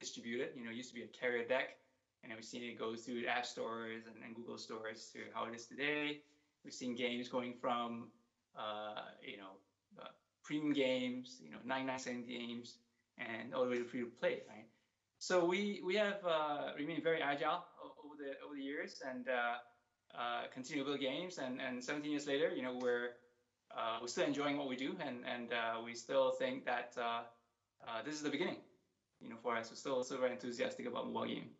distributed. It used to be a carrier deck. We've seen it go through the App Stores and Google Play Store to how it is today. We've seen games going from premium games, $0.99 games, all the way to free-to-play. We have remained very agile over the years and continue to build games. 17 years later, we're still enjoying what we do, and we still think that this is the beginning for us. We're still very enthusiastic about mobile gaming.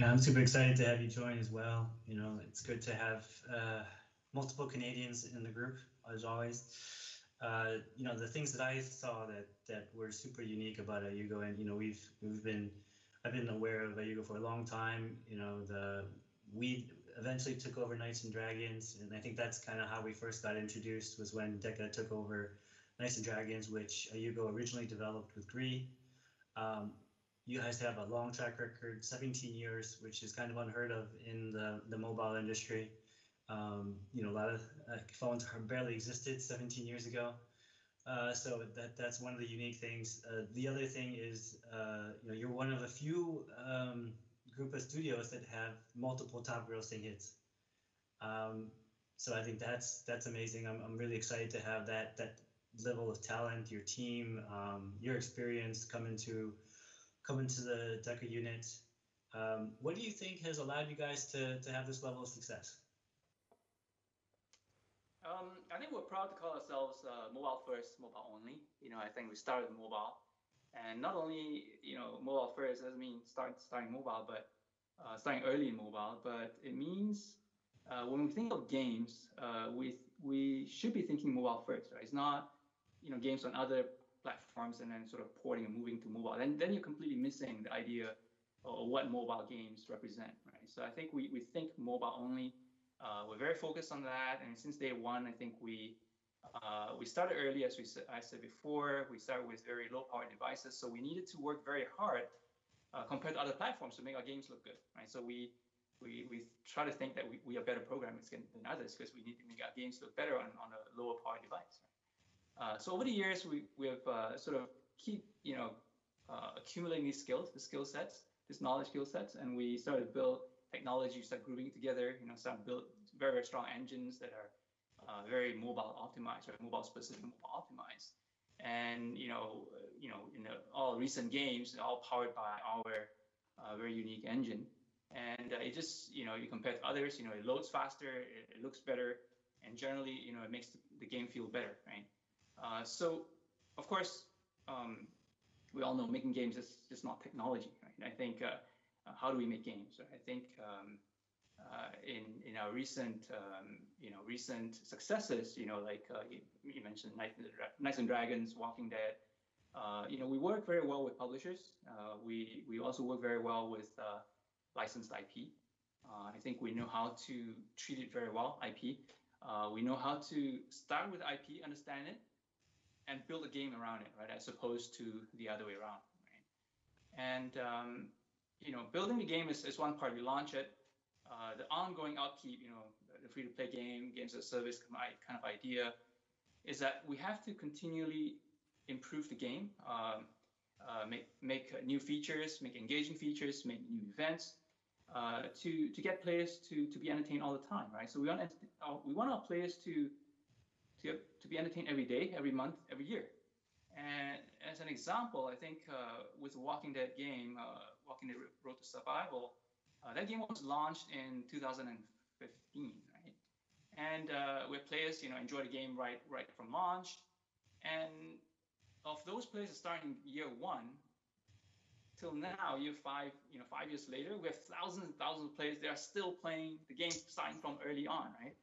I'm super excited to have you join as well. It's good to have multiple Canadians in the group, as always. The things that I saw that were super unique about IUGO, and I've been aware of IUGO for a long time. We eventually took over Knights & Dragons, and I think that's kind of how we first got introduced was when DECA took over Knights & Dragons, which IUGO originally developed with three. You guys have a long track record, 17 years, which is kind of unheard of in the mobile industry. A lot of phones barely existed 17 years ago. That's one of the unique things. The other thing is you're one of the few group of studios that have multiple top grossing hits. I think that's amazing. I'm really excited to have that level of talent, your team, your experience coming to the DECA unit. What do you think has allowed you guys to have this level of success? I think we're proud to call ourselves mobile first, mobile only. I think we started mobile, not only mobile first doesn't mean starting mobile, but starting early in mobile. It means when we think of games, we should be thinking mobile first, right. It's not games on other platforms and then sort of porting and moving to mobile. You're completely missing the idea of what mobile games represent, right. I think we think mobile only. We're very focused on that, and since day one, I think we started early, as I said before. We started with very low-power devices. We needed to work very hard compared to other platforms to make our games look good, right. We try to think that we are better programmers than others because we need to make our games look better on a lower power device. Over the years, we have sort of keep accumulating these skills, the skillsets, this knowledge skillsets, and we started to build technology, started grouping it together, started to build very strong engines that are very mobile optimized, right? Mobile specific, mobile optimized. All recent games are all powered by our very unique engine. You compare it to others, it loads faster, it looks better, and generally, it makes the game feel better, right? Of course, we all know making games is not technology, right? I think how do we make games, right? I think in our recent successes, like you mentioned, Knights & Dragons, The Walking Dead. We work very well with publishers. We also work very well with licensed IP. I think we know how to treat it very well, IP. We know how to start with IP, understand it, and build a game around it, right? As opposed to the other way around, right? Building a game is one part. We launch it. The ongoing upkeep, the free-to-play game, games as a service kind of idea is that we have to continually improve the game, make new features, make engaging features, make new events, to get players to be entertained all the time, right? We want our players to be entertained every day, every month, every year. As an example, I think with Walking Dead game, Walking Dead: Road to Survival, that game was launched in 2015, right? Where players enjoyed the game right from launch. Of those players that started in year 1 till now, year 5, five years later, we have thousands and thousands of players that are still playing the game starting from early on, right?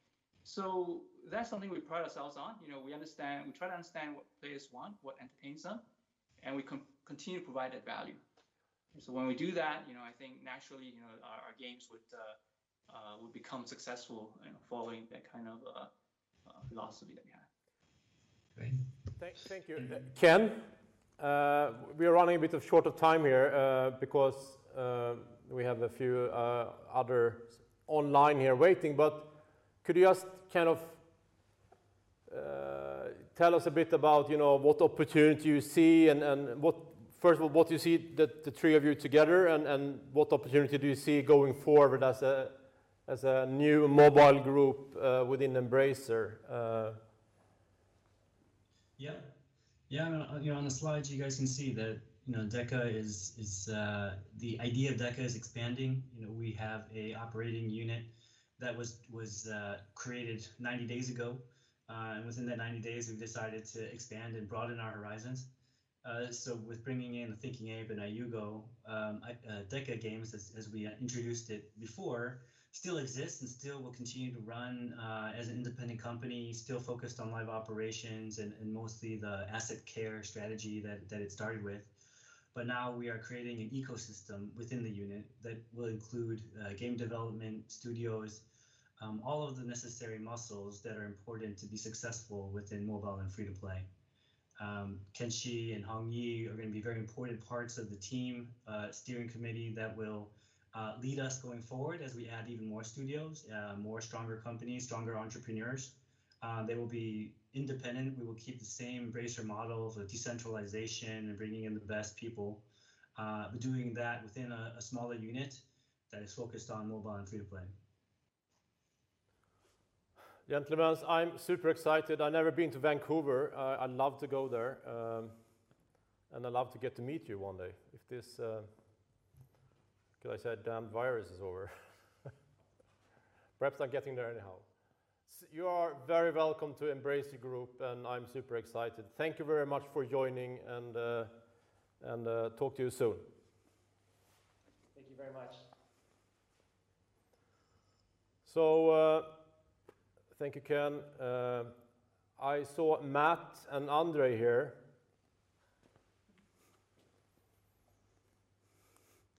That's something we pride ourselves on. We try to understand what players want, what entertains them, and we continue to provide that value. When we do that, I think naturally, our games would become successful following that kind of philosophy that we have. Great. Thank you. Ken, we are running a bit of short of time here because we have a few others online here waiting. Could you just kind of tell us a bit about what opportunity you see, and first of all, what you see the three of you together, and what opportunity do you see going forward as a new mobile group within Embracer? Yeah. On the slides, you guys can see that the idea of DECA is expanding. We have an operating unit that was created 90 days ago. Within that 90 days, we've decided to expand and broaden our horizons. With bringing in A Thinking Ape and IUGO Mobile Entertainment, DECA Games, as we introduced it before, still exists and still will continue to run as an independent company, still focused on live operations and mostly the asset care strategy that it started with. Now we are creating an ecosystem within the unit that will include game development studios, all of the necessary muscles that are important to be successful within mobile and free-to-play. Kenshi and Hong-Yee are going to be very important parts of the team steering committee that will lead us going forward as we add even more studios, more stronger companies, stronger entrepreneurs. They will be independent. We will keep the same Embracer model of decentralization and bringing in the best people, but doing that within a smaller unit that is focused on mobile and free-to-play. Gentlemen, I'm super excited. I've never been to Vancouver. I'd love to go there, and I'd love to get to meet you one day if this, could I say, damned virus is over. Perhaps I'm getting there anyhow. You are very welcome to Embracer Group, and I'm super excited. Thank you very much for joining, and talk to you soon. Thank you very much. Thank you, Ken. I saw Matt and Andrey here.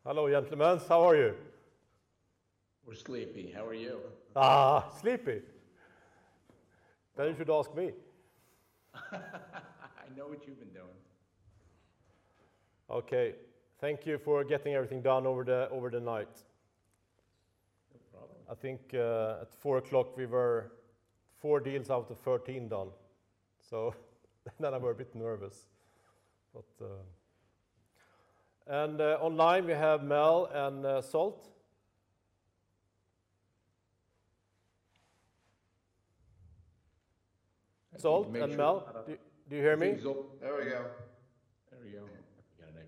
Hello, gentlemen. How are you? We're sleepy. How are you? sleepy? You should ask me. I know what you've been doing. Okay. Thank you for getting everything done over the night. No problem. I think at 4:00 we were 14 deals out of 13 done, I were a bit nervous. Online we have Mel and Zsolt and Mel, do you hear me? I think Zsolt. There we go. There we go. We got an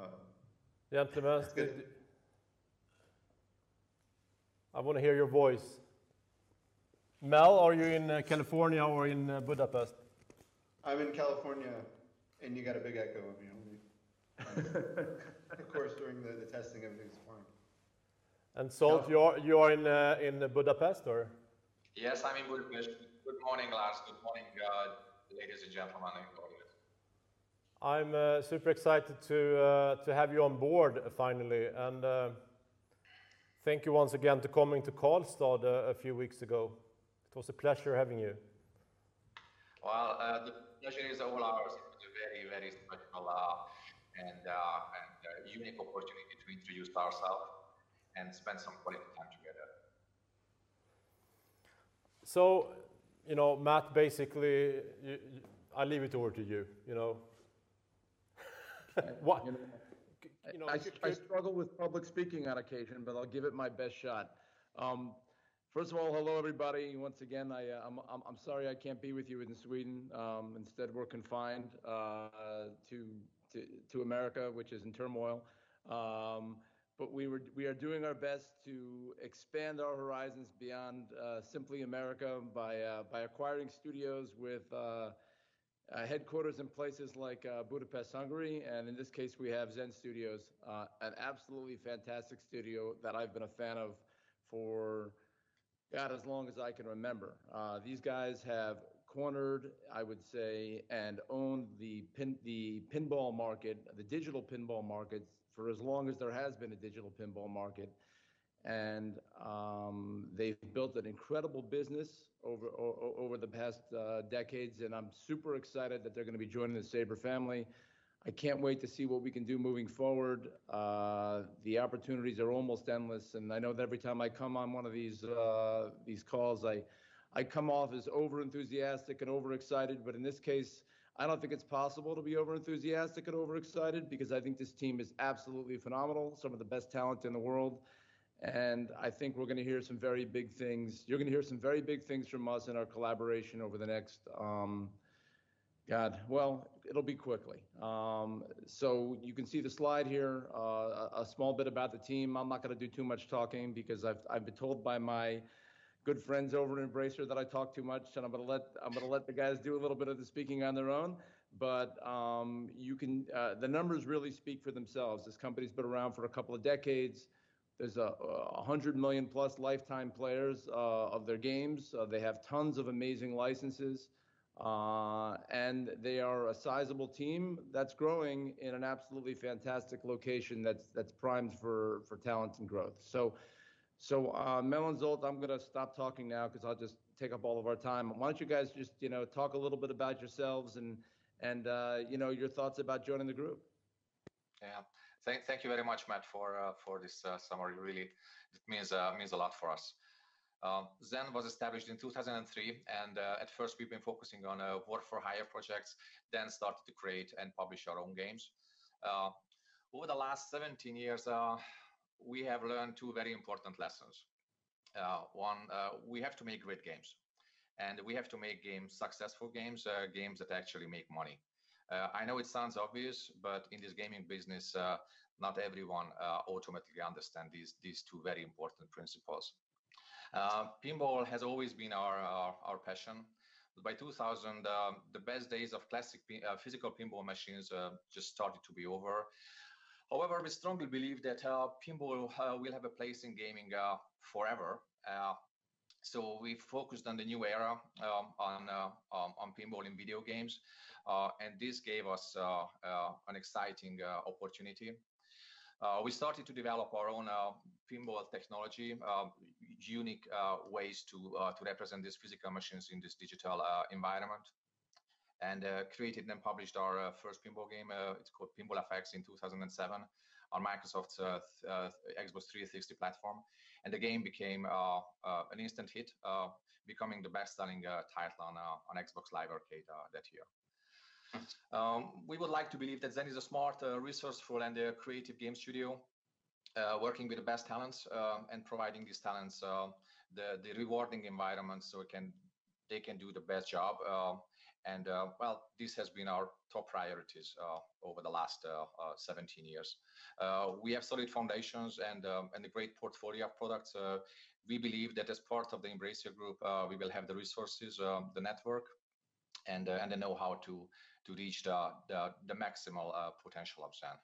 echo. Gentlemen, I want to hear your voice. Mel, are you in California or in Budapest? I'm in California, and you got a big echo of me. Of course, during the testing, everything's fine. Zsolt, you are in Budapest, or? Yes, I'm in Budapest. Good morning, Lars. Good morning, guys, ladies and gentlemen, and colleagues. I'm super excited to have you on board finally. Thank you once again for coming to Karlstad a few weeks ago. It was a pleasure having you. Well, the pleasure is all ours. It was a very, very special and unique opportunity to introduce ourselves and spend some quality time together. Matt, basically, I leave it over to you. What? I struggle with public speaking on occasion, but I'll give it my best shot. First of all, hello, everybody. Once again, I'm sorry I can't be with you in Sweden. Instead, we're confined to America, which is in turmoil. We are doing our best to expand our horizons beyond simply America by acquiring studios with headquarters in places like Budapest, Hungary. In this case, we have Zen Studios, an absolutely fantastic studio that I've been a fan of for about as long as I can remember. These guys have cornered, I would say, and owned the digital pinball market for as long as there has been a digital pinball market. They've built an incredible business over the past decades, and I'm super excited that they're going to be joining the Saber family. I can't wait to see what we can do moving forward. The opportunities are almost endless. I know that every time I come on one of these calls, I come off as over-enthusiastic and overexcited. In this case, I don't think it's possible to be over-enthusiastic and overexcited because I think this team is absolutely phenomenal, some of the best talent in the world. I think you're going to hear some very big things from us in our collaboration. It'll be quickly. You can see the slide here, a small bit about the team. I'm not going to do too much talking because I've been told by my good friends over in Embracer that I talk too much, and I'm going to let the guys do a little bit of the speaking on their own. The numbers really speak for themselves. This company's been around for a couple of decades. There's 100 million plus lifetime players of their games. They have tons of amazing licenses. They are a sizable team that's growing in an absolutely fantastic location that's primed for talent and growth. Mel and Zsolt, I'm going to stop talking now because I'll just take up all of our time. Why don't you guys just talk a little bit about yourselves and your thoughts about joining the group? Yeah. Thank you very much, Matt, for this summary. Really, it means a lot for us. Zen was established in 2003. At first, we've been focusing on work-for-hire projects, then started to create and publish our own games. Over the last 17 years, we have learned two very important lessons. One, we have to make great games. We have to make successful games that actually make money. I know it sounds obvious. In this gaming business, not everyone automatically understands these two very important principles. Pinball has always been our passion. By 2000, the best days of classic physical pinball machines just started to be over. However, we strongly believe that pinball will have a place in gaming forever. We focused on the new era on pinball and video games. This gave us an exciting opportunity. We started to develop our own pinball technology, unique ways to represent these physical machines in this digital environment, and created and published our first pinball game. It's called "Pinball FX" in 2007 on Microsoft's Xbox 360 platform. The game became an instant hit, becoming the best-selling title on Xbox Live Arcade that year. We would like to believe that Zen is a smart, resourceful, and a creative game studio, working with the best talents, and providing these talents the rewarding environment so they can do the best job. Well, this has been our top priorities over the last 17 years. We have solid foundations and a great portfolio of products. We believe that as part of the Embracer Group, we will have the resources, the network, and the know-how to reach the maximal potential of Zen.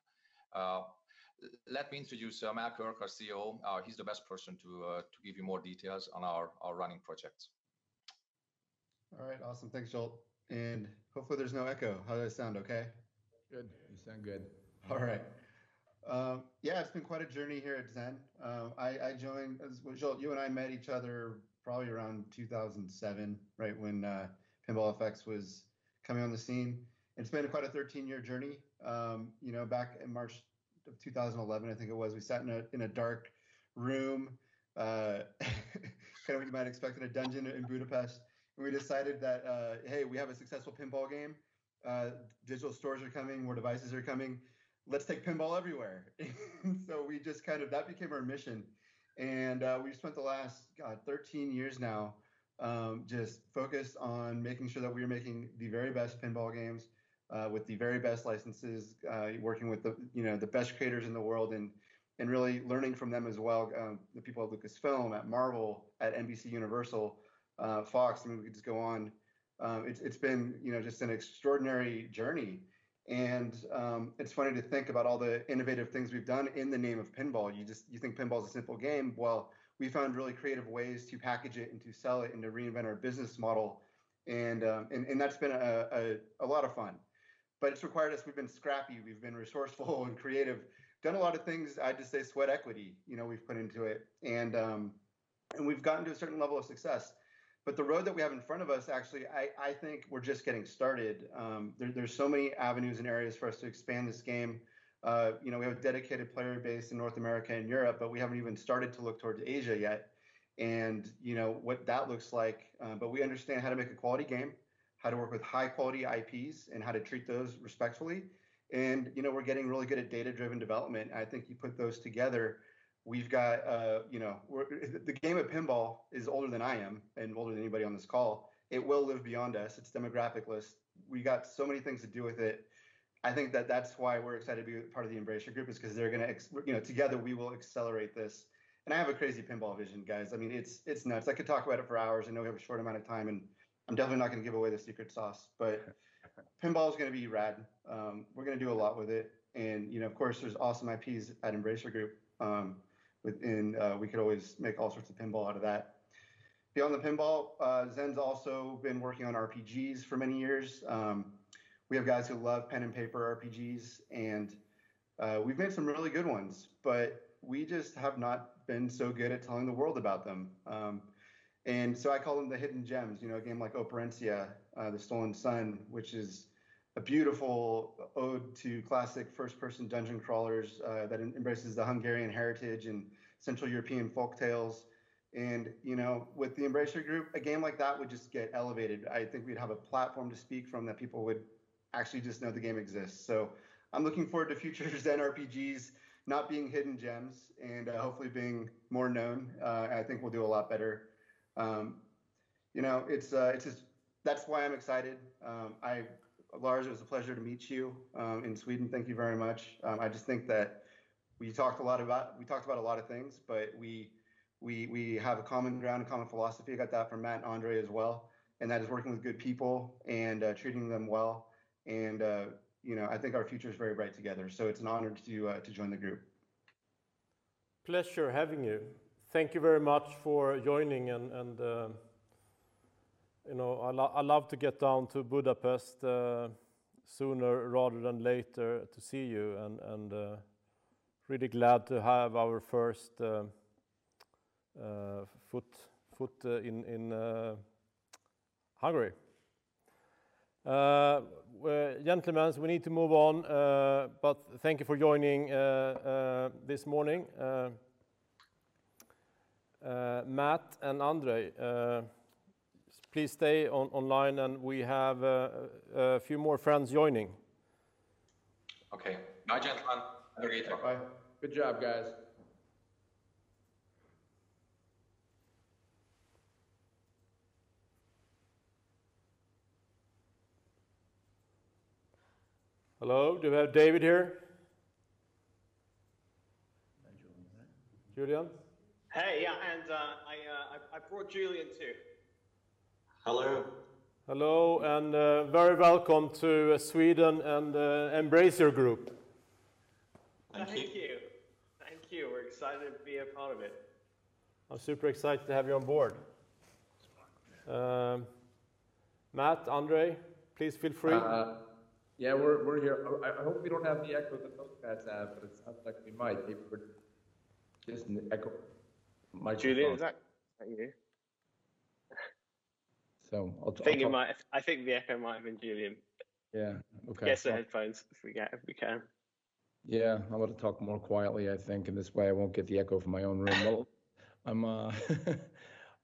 Let me introduce Mel Kirk, our CEO. He's the best person to give you more details on our running projects. All right. Awesome. Thanks, Zsolt, and hopefully there is no echo. How does that sound, okay? Good. You sound good. All right. Yeah, it's been quite a journey here at Zen. Zsolt, you and I met each other probably around 2007, right when Pinball FX was coming on the scene, and it's been quite a 13-year journey. Back in March of 2011, I think it was, we sat in a dark room, kind of what you might expect in a dungeon in Budapest. Hey, we have a successful pinball game. Digital stores are coming, more devices are coming. Let's take pinball everywhere. That became our mission, and we've spent the last, God, 13 years now just focused on making sure that we are making the very best pinball games, with the very best licenses, working with the best creators in the world, and really learning from them as well, the people at Lucasfilm, at Marvel, at NBCUniversal, Fox. I mean, we could just go on. It's been just an extraordinary journey, and it's funny to think about all the innovative things we've done in the name of pinball. You think pinball is a simple game, well, we found really creative ways to package it, and to sell it, and to reinvent our business model, and that's been a lot of fun. We've been scrappy, we've been resourceful and creative. Done a lot of things, I'd just say sweat equity, we've put into it. We've gotten to a certain level of success, but the road that we have in front of us, actually, I think we're just getting started. There's so many avenues and areas for us to expand this game. We have a dedicated player base in North America and Europe, but we haven't even started to look towards Asia yet, and what that looks like. We understand how to make a quality game, how to work with high-quality IPs, and how to treat those respectfully. We're getting really good at data-driven development, and I think you put those together. The game of pinball is older than I am and older than anybody on this call. It will live beyond us. It's demographic-less. We got so many things to do with it. I think that that's why we're excited to be a part of the Embracer Group is because together, we will accelerate this. I have a crazy pinball vision, guys. It's nuts. I could talk about it for hours. I know we have a short amount of time, and I'm definitely not going to give away the secret sauce, but pinball's going to be rad. We're going to do a lot with it, and of course, there's awesome IPs at Embracer Group, and we could always make all sorts of pinball out of that. Beyond the pinball, Zen Studios' also been working on RPGs for many years. We have guys who love pen and paper RPGs, and we've made some really good ones, but we just have not been so good at telling the world about them. I call them the hidden gems. A game like Operencia: The Stolen Sun, which is a beautiful ode to classic first-person dungeon crawlers, that embraces the Hungarian heritage and Central European folk tales. With the Embracer Group, a game like that would just get elevated. I think we'd have a platform to speak from that people would actually just know the game exists. I'm looking forward to future Zen RPGs not being hidden gems and hopefully being more known. I think we'll do a lot better. That's why I'm excited. Lars, it was a pleasure to meet you in Sweden. Thank you very much. I just think that we talked about a lot of things, but we have a common ground, a common philosophy. I got that from Matt and Andrey as well. That is working with good people and treating them well. I think our future's very bright together. It's an honor to join the group. Pleasure having you. Thank you very much for joining, and I'd love to get down to Budapest sooner rather than later to see you, and really glad to have our first foot in Hungary. Gentlemen, we need to move on, but thank you for joining this morning. Matt and Andre, please stay online, and we have a few more friends joining. Okay. Bye, gentlemen. Later. Bye. Good job, guys. Hello, do we have David here? Hi, Julian. Julian? Hey, yeah, I brought Julian too. Hello. Hello, and very welcome to Sweden and Embracer Group. Thank you. Thank you. Thank you. We're excited to be a part of it. I'm super excited to have you on board. Matt, Andre, please feel free. Yeah, we're here. I hope we don't have the echo the folks had, but it sounds like we might. There's an echo. Microphone. Julian, is that you? I'll talk. I think the echo might have been Julian. Yeah. Okay. Get us the headphones if we can. Yeah, I'm going to talk more quietly, I think, and this way I won't get the echo from my own room.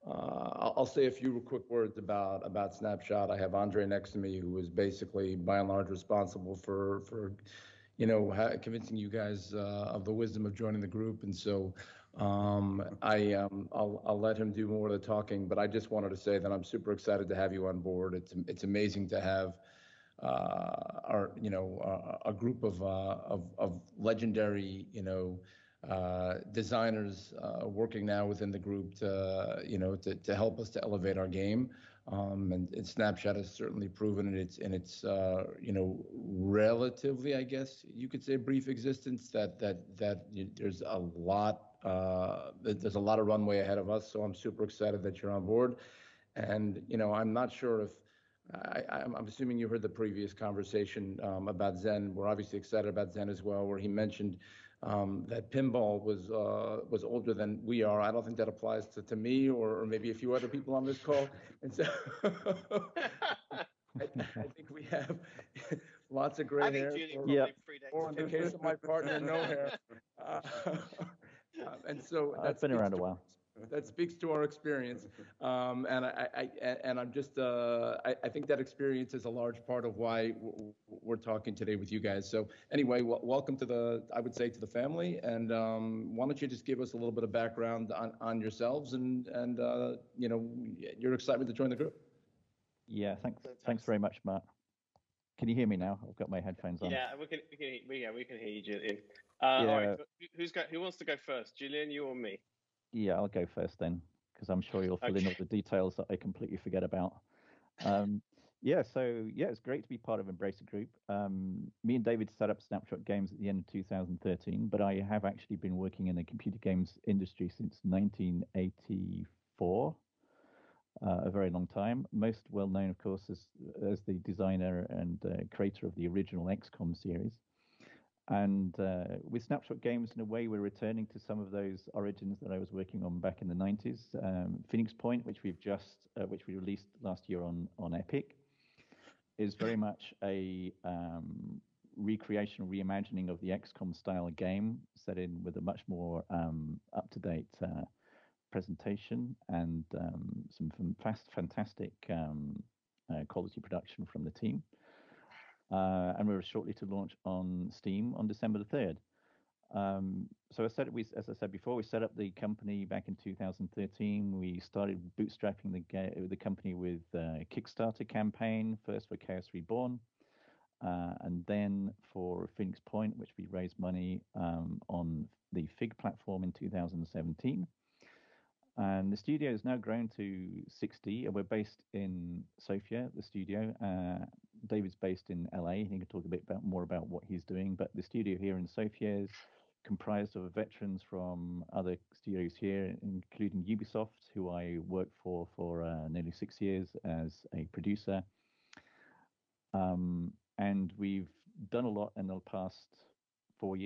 I'll say a few quick words about Snapshot. I have Andrey next to me, who was basically, by and large, responsible for convincing you guys of the wisdom of joining the group, and so I'll let him do more of the talking. I just wanted to say that I'm super excited to have you on board. It's amazing to have a group of legendary designers working now within the group to help us to elevate our game. Snapshot has certainly proven in its relatively, I guess you could say, brief existence, that there's a lot of runway ahead of us. I'm super excited that you're on board. I'm assuming you heard the previous conversation about Zen. We're obviously excited about Zen as well, where he mentioned that pinball was older than we are. I don't think that applies to me or maybe a few other people on this call, and so I think we have lots of gray hair. I think Julian might be pretty. Yeah close. Yeah. That speaks- I've been around a while. That speaks to our experience. I think that experience is a large part of why we are talking today with you guys. Anyway, welcome, I would say, to the family, and why don't you just give us a little bit of background on yourselves and your excitement to join the group? Yeah. Thanks very much, Matt. Can you hear me now? I've got my headphones on. We can hear you, Julian. Yeah. All right. Who wants to go first, Julian, you or me? I'll go first, because I'm sure you'll fill in all the details that I completely forget about. It's great to be part of Embracer Group. Me and David set up Snapshot Games at the end of 2013, but I have actually been working in the computer games industry since 1984. A very long time. Most well known, of course, as the designer and creator of the original XCOM series. With Snapshot Games, in a way, we're returning to some of those origins that I was working on back in the '90s. Phoenix Point, which we released last year on Epic, is very much a recreation, reimagining of the XCOM-style game, set in with a much more up-to-date presentation and some fantastic quality production from the team. We're shortly to launch on Steam on December the 3rd. As I said before, we set up the company back in 2013. We started bootstrapping the company with a Kickstarter campaign, first for Chaos Reborn, and then for Phoenix Point, which we raised money on the Fig platform in 2017. The studio's now grown to 60, and we're based in Sofia, the studio. David's based in L.A. He can talk a bit more about what he's doing. The studio here in Sofia is comprised of veterans from other studios here, including Ubisoft, who I worked for for nearly six years as a producer. We've done a lot in the past four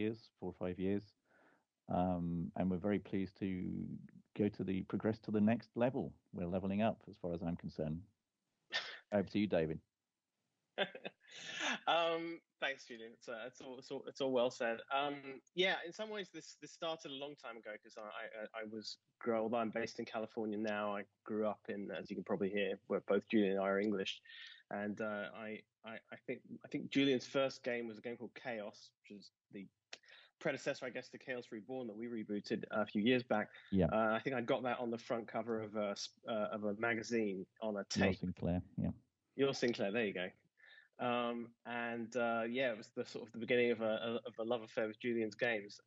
or five years, and we're very pleased to progress to the next level. We're leveling up as far as I'm concerned. Over to you, David. Thanks, Julian. It's all well said. Yeah, in some ways, this started a long time ago because I'm based in California now. I grew up in, as you can probably hear, both Julian and I are English, and I think Julian's first game was a game called Chaos, which was the predecessor, I guess, to Chaos Reborn that we rebooted a few years back. Yeah. I think I got that on the front cover of a magazine on a tape. Your Sinclair, yeah. Your Sinclair, there you go. Yeah, it was the sort of the beginning of a love affair with Julian's games.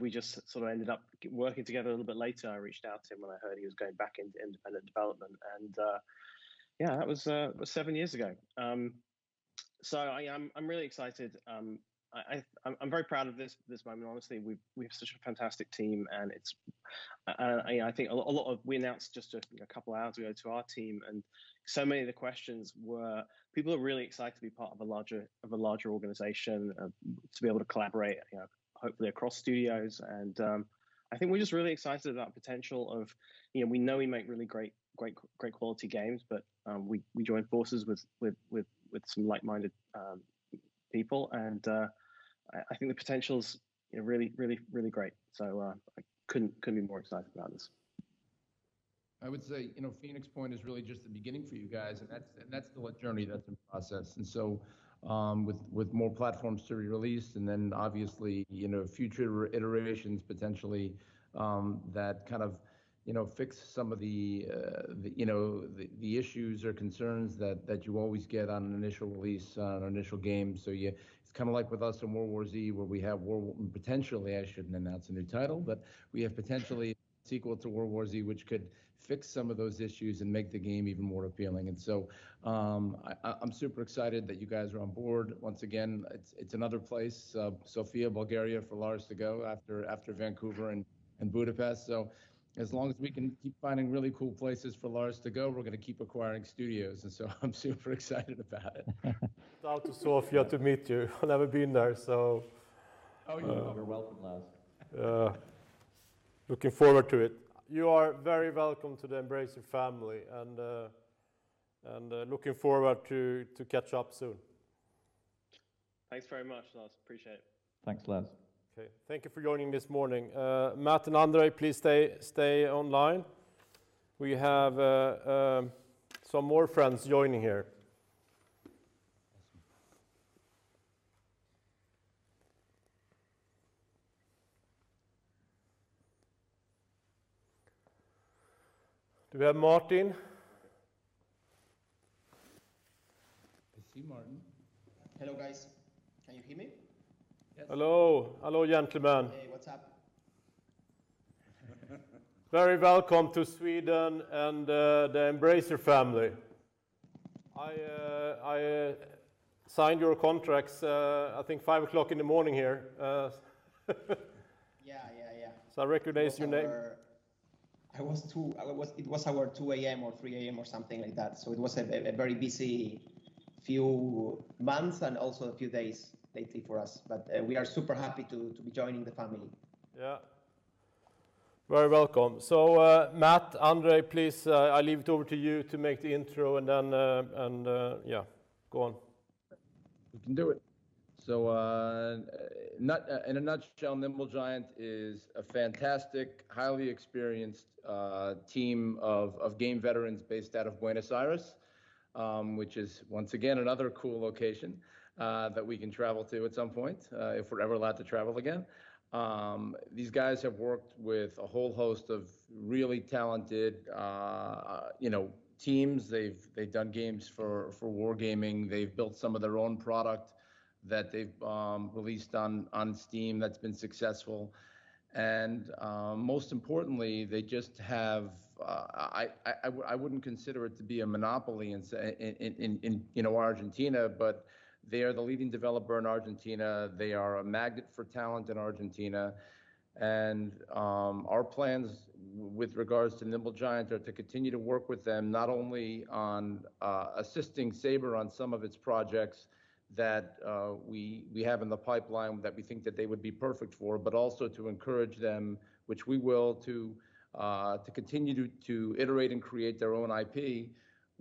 We just sort of ended up working together a little bit later. I reached out to him when I heard he was going back into independent development. Yeah, that was seven years ago. I'm really excited. I'm very proud of this moment, honestly. We have such a fantastic team. We announced just a couple hours ago to our team. Many of the questions were people are really excited to be part of a larger organization, to be able to collaborate, hopefully across studios. I think we're just really excited about the potential of we know we make really great quality games, but we joined forces with some like-minded people, and I think the potential's really great. I couldn't be more excited about this. I would say Phoenix Point is really just the beginning for you guys, that's still a journey that's in process. With more platforms to be released and then obviously future iterations potentially that kind of fix some of the issues or concerns that you always get on an initial release on an initial game. It's kind of like with us and World War Z, where we have potentially, I shouldn't announce a new title, but we have potentially a sequel to World War Z, which could fix some of those issues and make the game even more appealing. I'm super excited that you guys are on board. Once again, it's another place, Sofia, Bulgaria, for Lars to go after Vancouver and Budapest. As long as we can keep finding really cool places for Lars to go, we're going to keep acquiring studios, and so I'm super excited about it. Out to Sofia to meet you. I've never been there, so Oh, you're welcome, Lars. Looking forward to it. You are very welcome to the Embracer family, and looking forward to catch up soon. Thanks very much, Lars. Appreciate it. Thanks, Lars. Okay. Thank you for joining this morning. Matt and Andrej, please stay online. We have some more friends joining here. Do we have Martin? I see Martin. Hello, guys. Can you hear me? Yes. Hello. Hello, gentleman. Hey, what's up? Very welcome to Sweden and the Embracer family. I signed your contracts I think 5:00 A.M. here. Yeah. I recognize your name. It was our 2:00 A.M. or 3:00 A.M. or something like that. It was a very busy few months and also a few days lately for us, but we are super happy to be joining the family. Very welcome. Matt Andrey, please, I leave it over to you to make the intro and then, go on. You can do it. In a nutshell, Nimble Giant is a fantastic, highly experienced team of game veterans based out of Buenos Aires, which is, once again, another cool location that we can travel to at some point, if we're ever allowed to travel again. These guys have worked with a whole host of really talented teams. They've done games for Wargaming. They've built some of their own product that they've released on Steam that's been successful. Most importantly, they just I wouldn't consider it to be a monopoly in Argentina, but they are the leading developer in Argentina. They are a magnet for talent in Argentina. Our plans with regards to Nimble Giant are to continue to work with them, not only on assisting Saber on some of its projects that we have in the pipeline that we think that they would be perfect for, but also to encourage them, which we will, to continue to iterate and create their own IP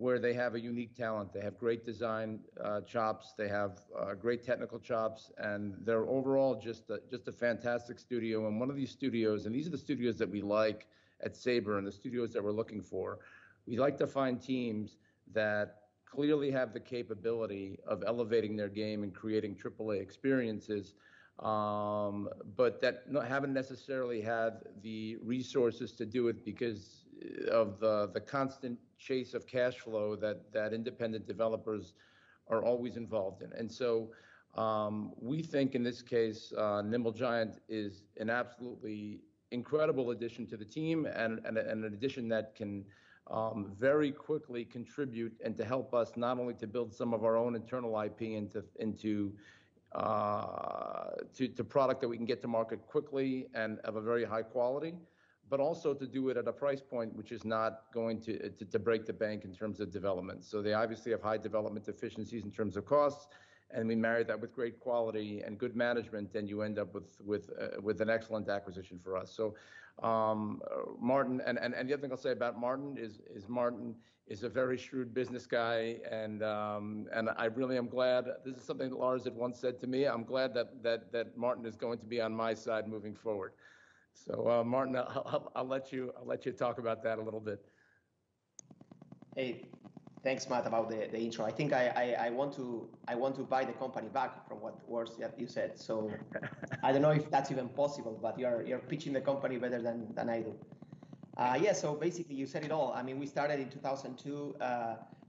where they have a unique talent. They have great design chops, they have great technical chops, and they are overall just a fantastic studio and one of these studios, and these are the studios that we like at Saber and the studios that we are looking for. We like to find teams that clearly have the capability of elevating their game and creating triple-A experiences, but that haven't necessarily had the resources to do it because of the constant chase of cash flow that independent developers are always involved in. We think in this case, Nimble Giant is an absolutely incredible addition to the team and an addition that can very quickly contribute and to help us, not only to build some of our own internal IP into product that we can get to market quickly and of a very high quality, but also to do it at a price point which is not going to break the bank in terms of development. They obviously have high development efficiencies in terms of cost, and we marry that with great quality and good management, then you end up with an excellent acquisition for us. The other thing I will say about Martin is Martin is a very shrewd business guy, and I really am glad, this is something that Lars had once said to me, I am glad that Martin is going to be on my side moving forward. Martin, I'll let you talk about that a little bit. Hey, thanks, Matt, about the intro. I think I want to buy the company back from what words that you said. I don't know if that's even possible, but you're pitching the company better than I do. Yeah, basically you said it all. We started in 2002.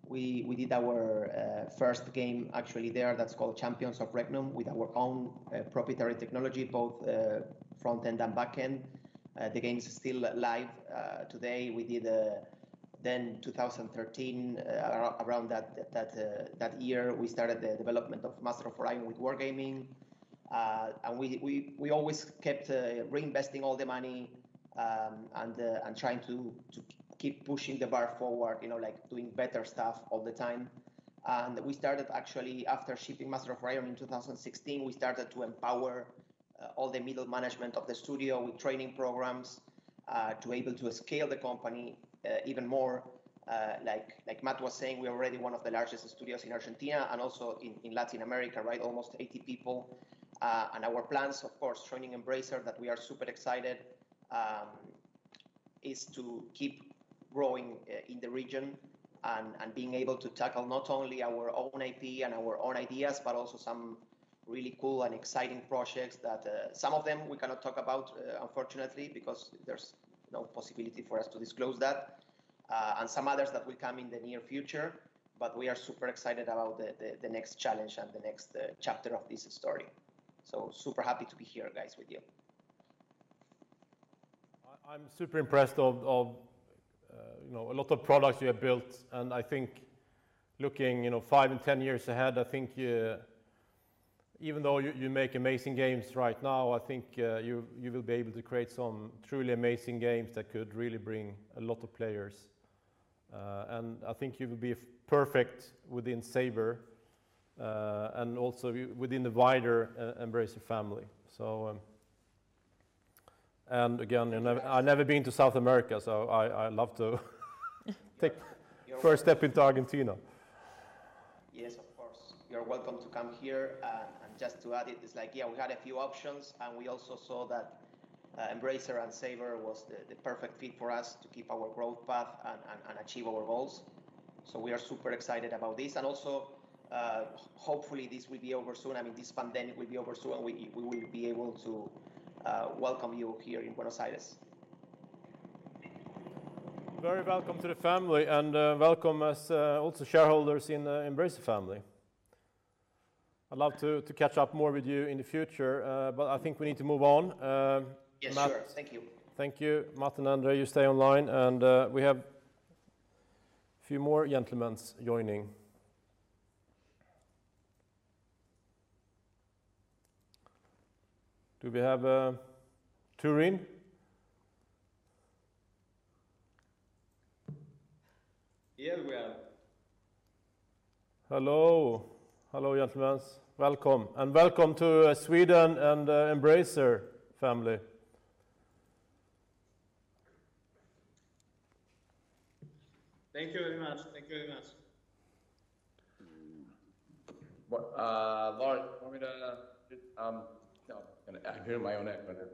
We did our first game actually there, that's called Champions of Regnum, with our own proprietary technology, both front-end and back-end. The game's still live today. 2013, around that year, we started the development of Master of Orion with Wargaming. We always kept reinvesting all the money, and trying to keep pushing the bar forward, doing better stuff all the time. We started actually after shipping Master of Orion in 2016, we started to empower all the middle management of the studio with training programs, to able to scale the company even more. Like Matt was saying, we're already one of the largest studios in Argentina and also in Latin America, almost 80 people. Our plans, of course, joining Embracer, that we are super excited, is to keep growing in the region and being able to tackle not only our own IP and our own ideas, but also some really cool and exciting projects that some of them we cannot talk about, unfortunately, because there's no possibility for us to disclose that. Some others that will come in the near future. We are super excited about the next challenge and the next chapter of this story. Super happy to be here, guys, with you. I'm super impressed of a lot of products you have built, and I think looking five and 10 years ahead, I think even though you make amazing games right now, I think you will be able to create some truly amazing games that could really bring a lot of players. I think you will be perfect within Saber, and also within the wider Embracer family. Again, I've never been to South America, so I love to take first step into Argentina. Yes, of course. You're welcome to come here. Just to add it, we had a few options, and we also saw that Embracer and Saber was the perfect fit for us to keep our growth path and achieve our goals. We are super excited about this. Also, hopefully this will be over soon. This pandemic will be over soon, and we will be able to welcome you here in Buenos Aires. Very welcome to the family, and welcome as also shareholders in the Embracer Group family. I'd love to catch up more with you in the future, but I think we need to move on. Yes, sir. Thank you. Thank you, Matt and Andre. You stay online, we have a few more gentlemen joining. Do we have Turin? Yeah, we are. Hello. Hello, gentlemen. Welcome, and welcome to Sweden and Embracer family. Thank you very much. Thank you very much. No, I hear my own echo there.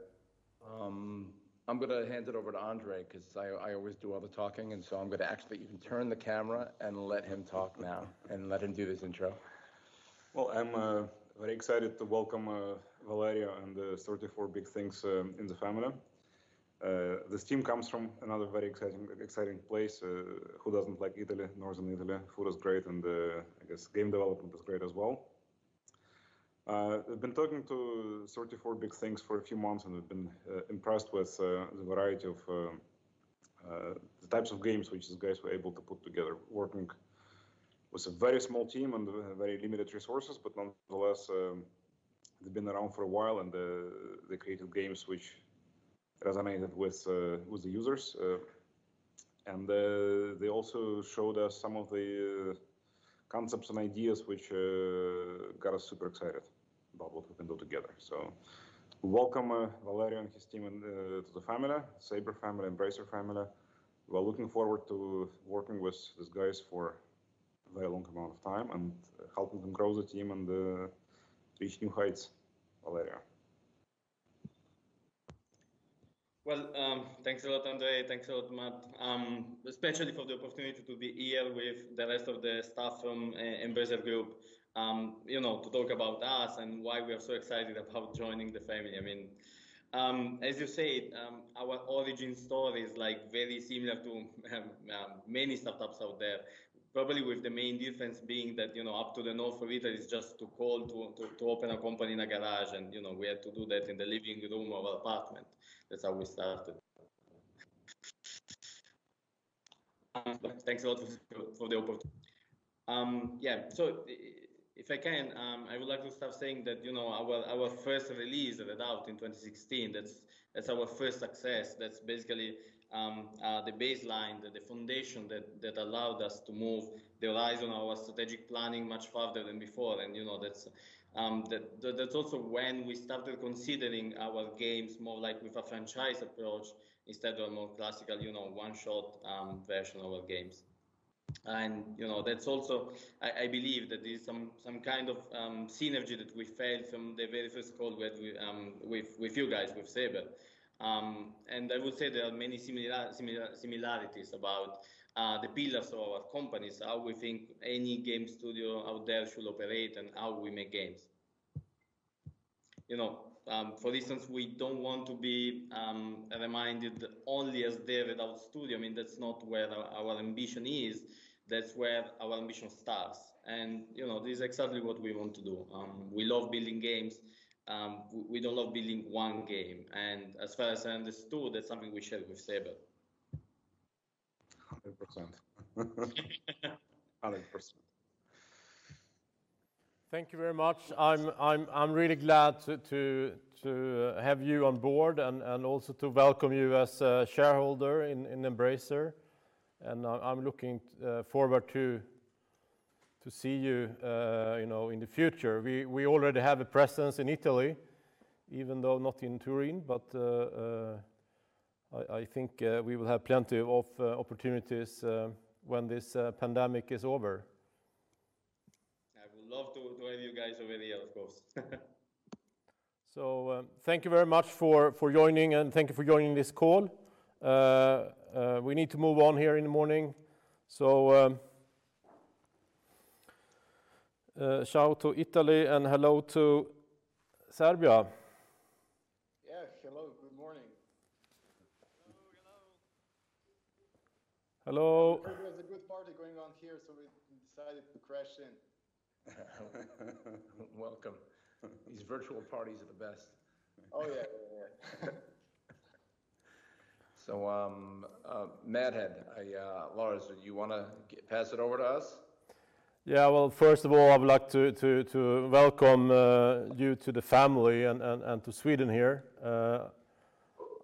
I'm going to hand it over to Andrey because I always do all the talking, and so I'm going to actually even turn the camera and let him talk now and let him do this intro. Well, I'm very excited to welcome Valerio and 34BigThings in the family. This team comes from another very exciting place. Who doesn't like Italy, Northern Italy? Food is great, and I guess game development is great as well. We've been talking to 34BigThings for a few months, and we've been impressed with the variety of the types of games which these guys were able to put together, working with a very small team and very limited resources, but nonetheless, they've been around for a while, and they created games which resonated with the users. They also showed us some of the concepts and ideas which got us super excited about what we can build together. Welcome Valerio and his team to the family, Saber family, Embracer family. We're looking forward to working with these guys for a very long amount of time and helping them grow the team and reach new heights. Valerio. Thanks a lot, Andrey. Thanks a lot, Matt, especially for the opportunity to be here with the rest of the staff from Embracer Group to talk about us and why we are so excited about joining the family. As you said, our origin story is very similar to many startups out there, probably with the main difference being that up to the north of Italy, it's just too cold to open a company in a garage, and we had to do that in the living room of our apartment. That's how we started. Thanks a lot for the opportunity. If I can, I would like to start saying that our first release of Redout in 2016, that's our first success. That's basically the baseline, the foundation that allowed us to move the horizon of our strategic planning much farther than before. That's also when we started considering our games more with a franchise approach instead of a more classical, one-shot version of our games. That's also, I believe, that there's some kind of synergy that we felt from the very first call with you guys, with Saber. I would say there are many similarities about the pillars of our companies, how we think any game studio out there should operate, and how we make games. For instance, we don't want to be reminded only as the Redout studio. That's not where our ambition is. That's where our ambition starts. This is exactly what we want to do. We love building games. We don't love building one game. As far as I understood, that's something we share with Saber. 100%. 100%. Thank you very much. I'm really glad to have you on board and also to welcome you as a shareholder in Embracer. I'm looking forward to see you in the future. We already have a presence in Italy, even though not in Turin, but I think we will have plenty of opportunities when this pandemic is over. I would love to have you guys over here, of course. Thank you very much for joining, and thank you for joining this call. We need to move on here in the morning. Shout to Italy and hello to Serbia. Yes, hello. Good morning. Hello, hello. Hello. I can hear there's a good party going on here, so we decided to crash in. Welcome. These virtual parties are the best. Oh, yeah. Mad Head, Lars, do you want to pass it over to us? Well, first of all, I would like to welcome you to the family and to Sweden here.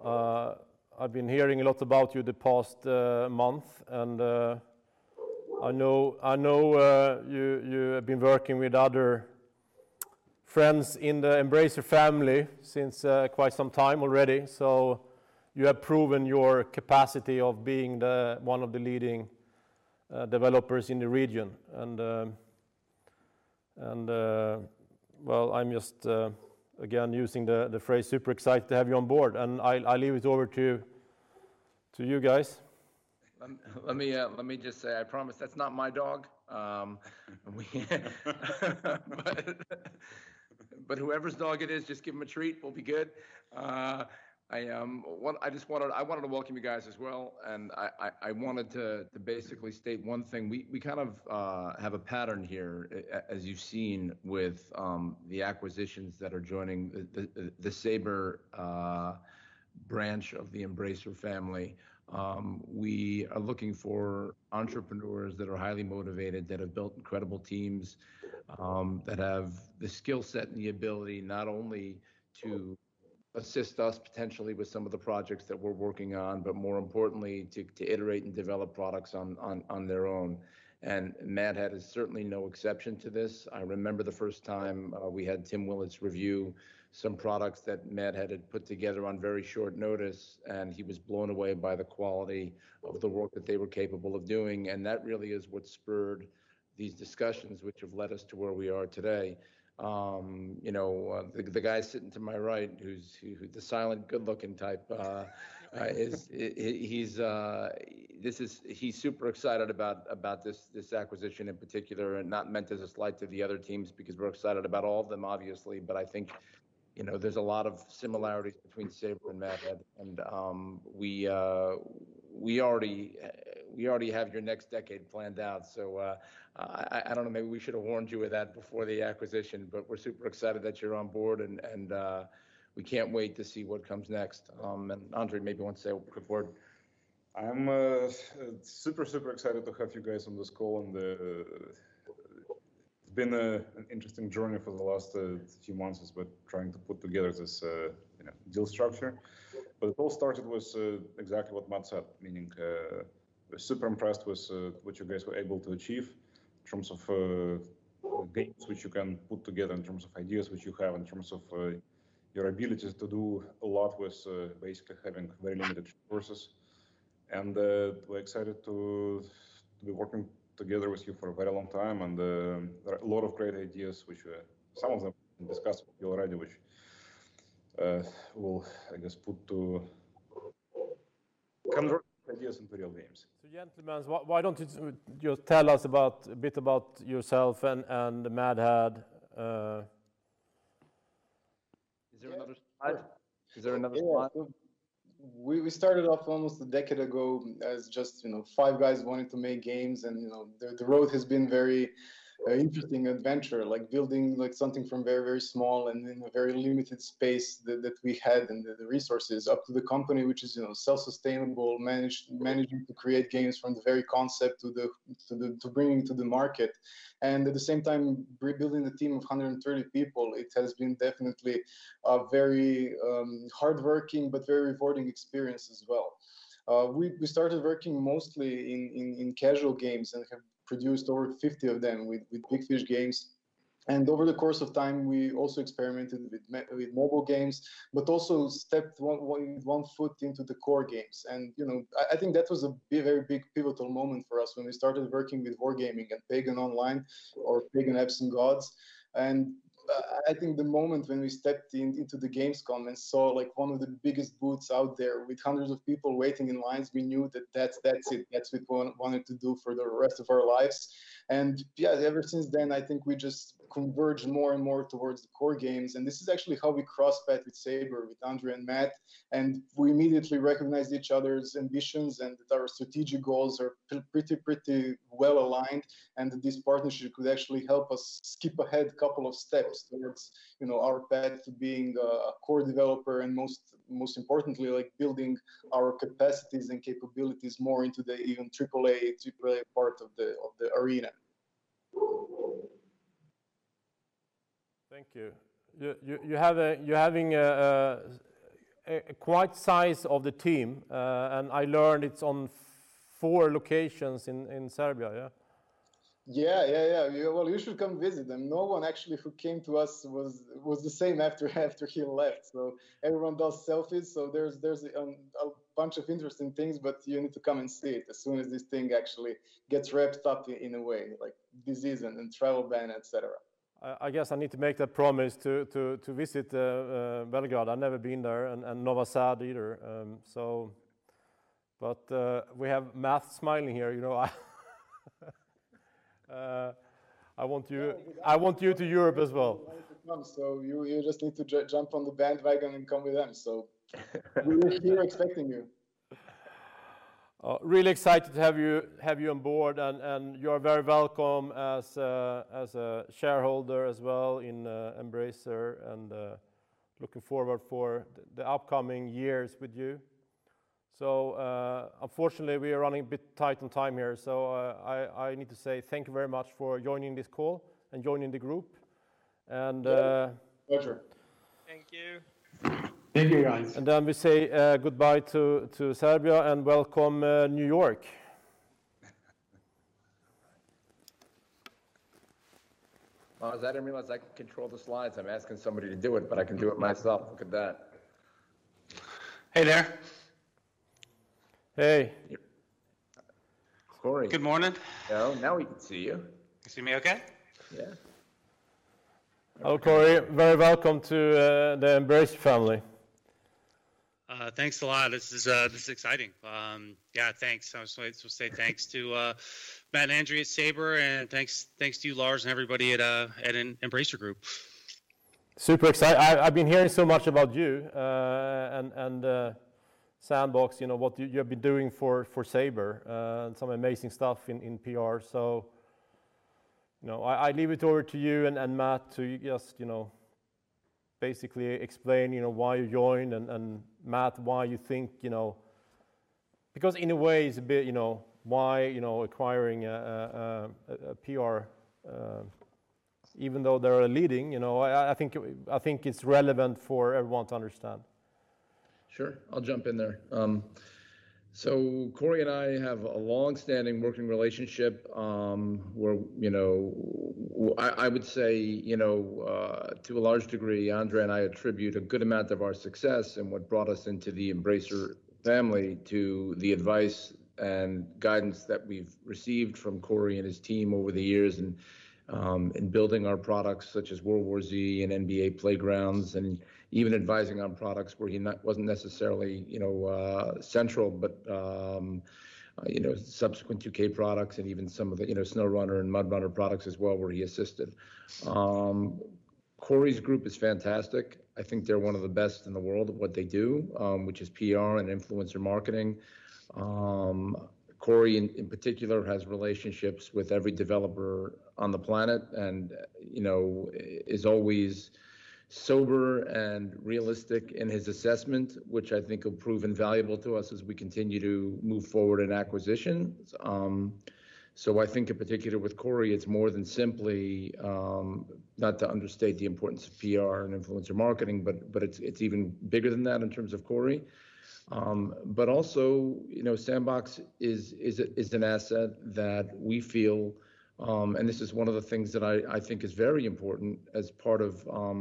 I've been hearing a lot about you the past month, and I know you have been working with other friends in the Embracer family since quite some time already. You have proven your capacity of being one of the leading developers in the region. Well, I'm just, again, using the phrase super excited to have you on board, and I'll leave it over to you guys. Let me just say, I promise that's not my dog. Whoever's dog it is, just give him a treat, we'll be good. I wanted to welcome you guys as well, and I wanted to basically state one thing. We kind of have a pattern here, as you've seen with the acquisitions that are joining the Saber branch of the Embracer family. We are looking for entrepreneurs that are highly motivated, that have built incredible teams, that have the skill set and the ability not only to assist us potentially with some of the projects that we're working on, but more importantly, to iterate and develop products on their own. Mad Head is certainly no exception to this. I remember the first time we had Tim Willits review some products that Mad Head had put together on very short notice, and he was blown away by the quality of the work that they were capable of doing, and that really is what spurred these discussions, which have led us to where we are today. The guy sitting to my right, the silent, good-looking type, he's super excited about this acquisition in particular, and not meant as a slight to the other teams because we're excited about all of them, obviously. I think there's a lot of similarities between Saber and Mad Head, and we already have your next decade planned out. I don't know, maybe we should've warned you of that before the acquisition, but we're super excited that you're on board, and we can't wait to see what comes next. Andrey maybe wants to say a word. I'm super excited to have you guys on this call, and it's been an interesting journey for the last few months as we're trying to put together this deal structure. It all started with exactly what Matt said, meaning we're super impressed with what you guys were able to achieve in terms of games which you can put together, in terms of ideas which you have, in terms of your abilities to do a lot with basically having very limited resources. We're excited to be working together with you for a very long time, and there are a lot of great ideas, some of them we discussed with you already, which we'll, I guess, put to convert ideas into real games. Gentlemen, why don't you just tell us a bit about yourself and Mad Head? Is there another slide? Yeah. Is there another slide? We started off almost a decade ago as just five guys wanting to make games. The road has been very interesting adventure, building something from very small and in a very limited space that we had, and the resources, up to the company which is self-sustainable, managing to create games from the very concept to bringing to the market. At the same time, building a team of 130 people, it has been definitely a very hardworking but very rewarding experience as well. We started working mostly in casual games and have produced over 50 of them with Big Fish Games. Over the course of time, we also experimented with mobile games, but also stepped one foot into the core games. I think that was a very big pivotal moment for us, when we started working with Wargaming and Pagan Online or Pagan: Absent Gods. I think the moment when we stepped into the gamescom and saw one of the biggest booths out there with hundreds of people waiting in lines, we knew that's it. That's what we wanted to do for the rest of our lives. Yeah, ever since then, I think we just converged more and more towards the core games, and this is actually how we crossed path with Saber, with Andre and Matt, and we immediately recognized each other's ambitions, and that our strategic goals are pretty well aligned, and that this partnership could actually help us skip ahead couple of steps towards our path to being a core developer, and most importantly, building our capacities and capabilities more into the even triple-A part of the arena. Thank you. You're having a quite size of the team, and I learned it's on four locations in Serbia, yeah? Well, you should come visit them. No one actually who came to us was the same after he left. Everyone does selfies, so there's a bunch of interesting things, but you need to come and see it as soon as this thing actually gets wrapped up in a way, like disease and travel ban, et cetera. I guess I need to make that promise to visit Belgrade. I've never been there, and Novi Sad either. We have Matt smiling here. I want you to Europe as well. You have to come. You just need to jump on the bandwagon and come with them. We're here expecting you. Really excited to have you on board, and you are very welcome as a shareholder as well in Embracer, and looking forward for the upcoming years with you. Unfortunately we are running a bit tight on time here, so I need to say thank you very much for joining this call and joining the group. Yeah. Pleasure. Thank you. Thank you, guys. We say goodbye to Serbia, and welcome, New York. Well, as I didn't realize I could control the slides, I am asking somebody to do it, but I can do it myself. Look at that. Hey there. Hey. Cory. Good morning. Oh, now we can see you. You see me okay? Yeah. Oh, Cory, very welcome to the Embracer family. Thanks a lot. This is exciting. Yeah, thanks. I just wanted to say thanks to Matt and Andre at Saber, and thanks to you, Lars, and everybody at Embracer Group. Super excited. I've been hearing so much about you, and Sandbox, what you have been doing for Saber, and some amazing stuff in PR. I leave it over to you and Matt to just basically explain why you joined, and Matt, Because in a way, it's a bit why acquiring a PR even though they're leading. I think it's relevant for everyone to understand. Sure. I'll jump in there. Cory and I have a longstanding working relationship where I would say to a large degree, Andre and I attribute a good amount of our success and what brought us into the Embracer family to the advice and guidance that we've received from Cory and his team over the years in building our products, such as World War Z and NBA Playgrounds, and even advising on products where he wasn't necessarily central, but subsequent U.K. products and even some of the SnowRunner and MudRunner products as well, where he assisted. Cory's group is fantastic. I think they're one of the best in the world at what they do, which is PR and influencer marketing. Cory in particular, has relationships with every developer on the planet, and is always sober and realistic in his assessment, which I think will prove invaluable to us as we continue to move forward in acquisitions. I think in particular with Cory, it's more than simply, not to understate the importance of PR and influencer marketing, but it's even bigger than that in terms of Cory. Also Sandbox is an asset that we feel, and this is one of the things that I think is very important as part of a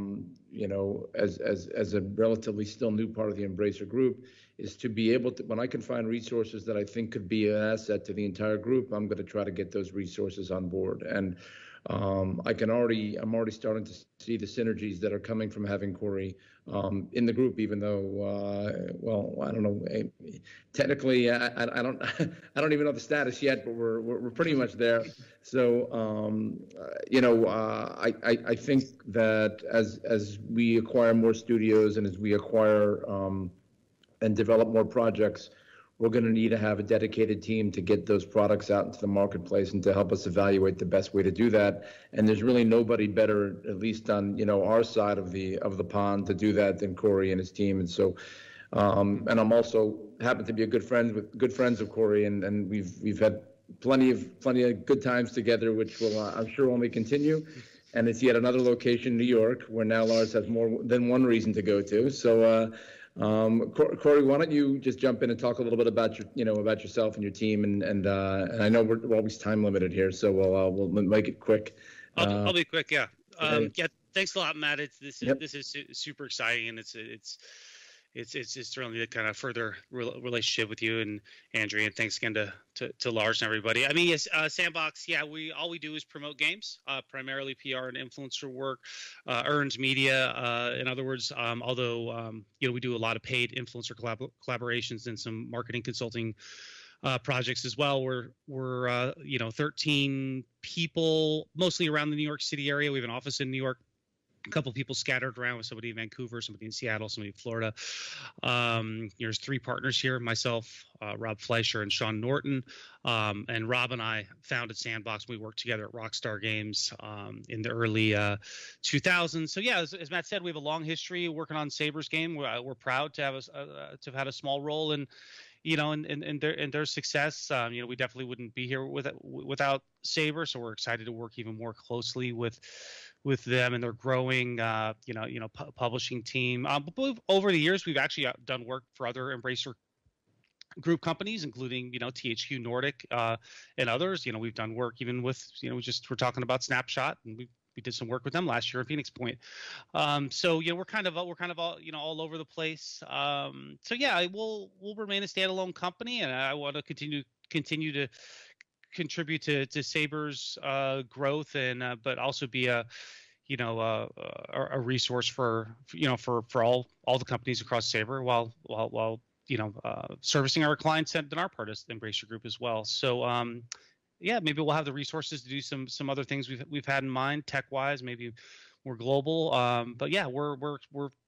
relatively still new part of the Embracer Group, is to be able to, when I can find resources that I think could be an asset to the entire group, I'm going to try to get those resources on board. I'm already starting to see the synergies that are coming from having Cory in the group, even though, well, I don't know. Technically, I don't even know the status yet, but we're pretty much there. I think that as we acquire more studios and as we acquire and develop more projects, we're going to need to have a dedicated team to get those products out into the marketplace and to help us evaluate the best way to do that. There's really nobody better, at least on our side of the pond to do that than Cory and his team. I also happen to be good friends with Cory, and we've had plenty of good times together, which will, I'm sure, only continue. It's yet another location, New York, where now Lars has more than one reason to go to. Cory, why don't you just jump in and talk a little bit about yourself and your team and, I know we're always time-limited here, so we'll make it quick. I'll be quick. Yeah. Okay. Thanks a lot, Matt. Yep super exciting, and it's thrilling to further the relationship with you and Andre, and thanks again to Lars and everybody. Sandbox, all we do is promote games, primarily PR and influencer work, earned media. In other words, although we do a lot of paid influencer collaborations and some marketing consulting projects as well. We're 13 people, mostly around the New York City area. We have an office in New York, a couple people scattered around with somebody in Vancouver, somebody in Seattle, somebody in Florida. There's three partners here, myself, Rob Fleischer, and Sean Norton. Rob and I founded Sandbox. We worked together at Rockstar Games in the early 2000s. Yeah, as Matt said, we have a long history working on Saber's game. We're proud to have had a small role in their success. We definitely wouldn't be here without Saber. We're excited to work even more closely with them and their growing publishing team. Over the years, we've actually done work for other Embracer Group companies, including THQ Nordic, and others. We've done work even with just Snapshot, and we did some work with them last year at Phoenix Point. Yeah, we'll remain a standalone company, and I want to continue to contribute to Saber's growth, but also be a resource for all the companies across Saber while servicing our client set on our part as the Embracer Group as well. Yeah, maybe we'll have the resources to do some other things we've had in mind tech-wise, maybe more global. Yeah, we're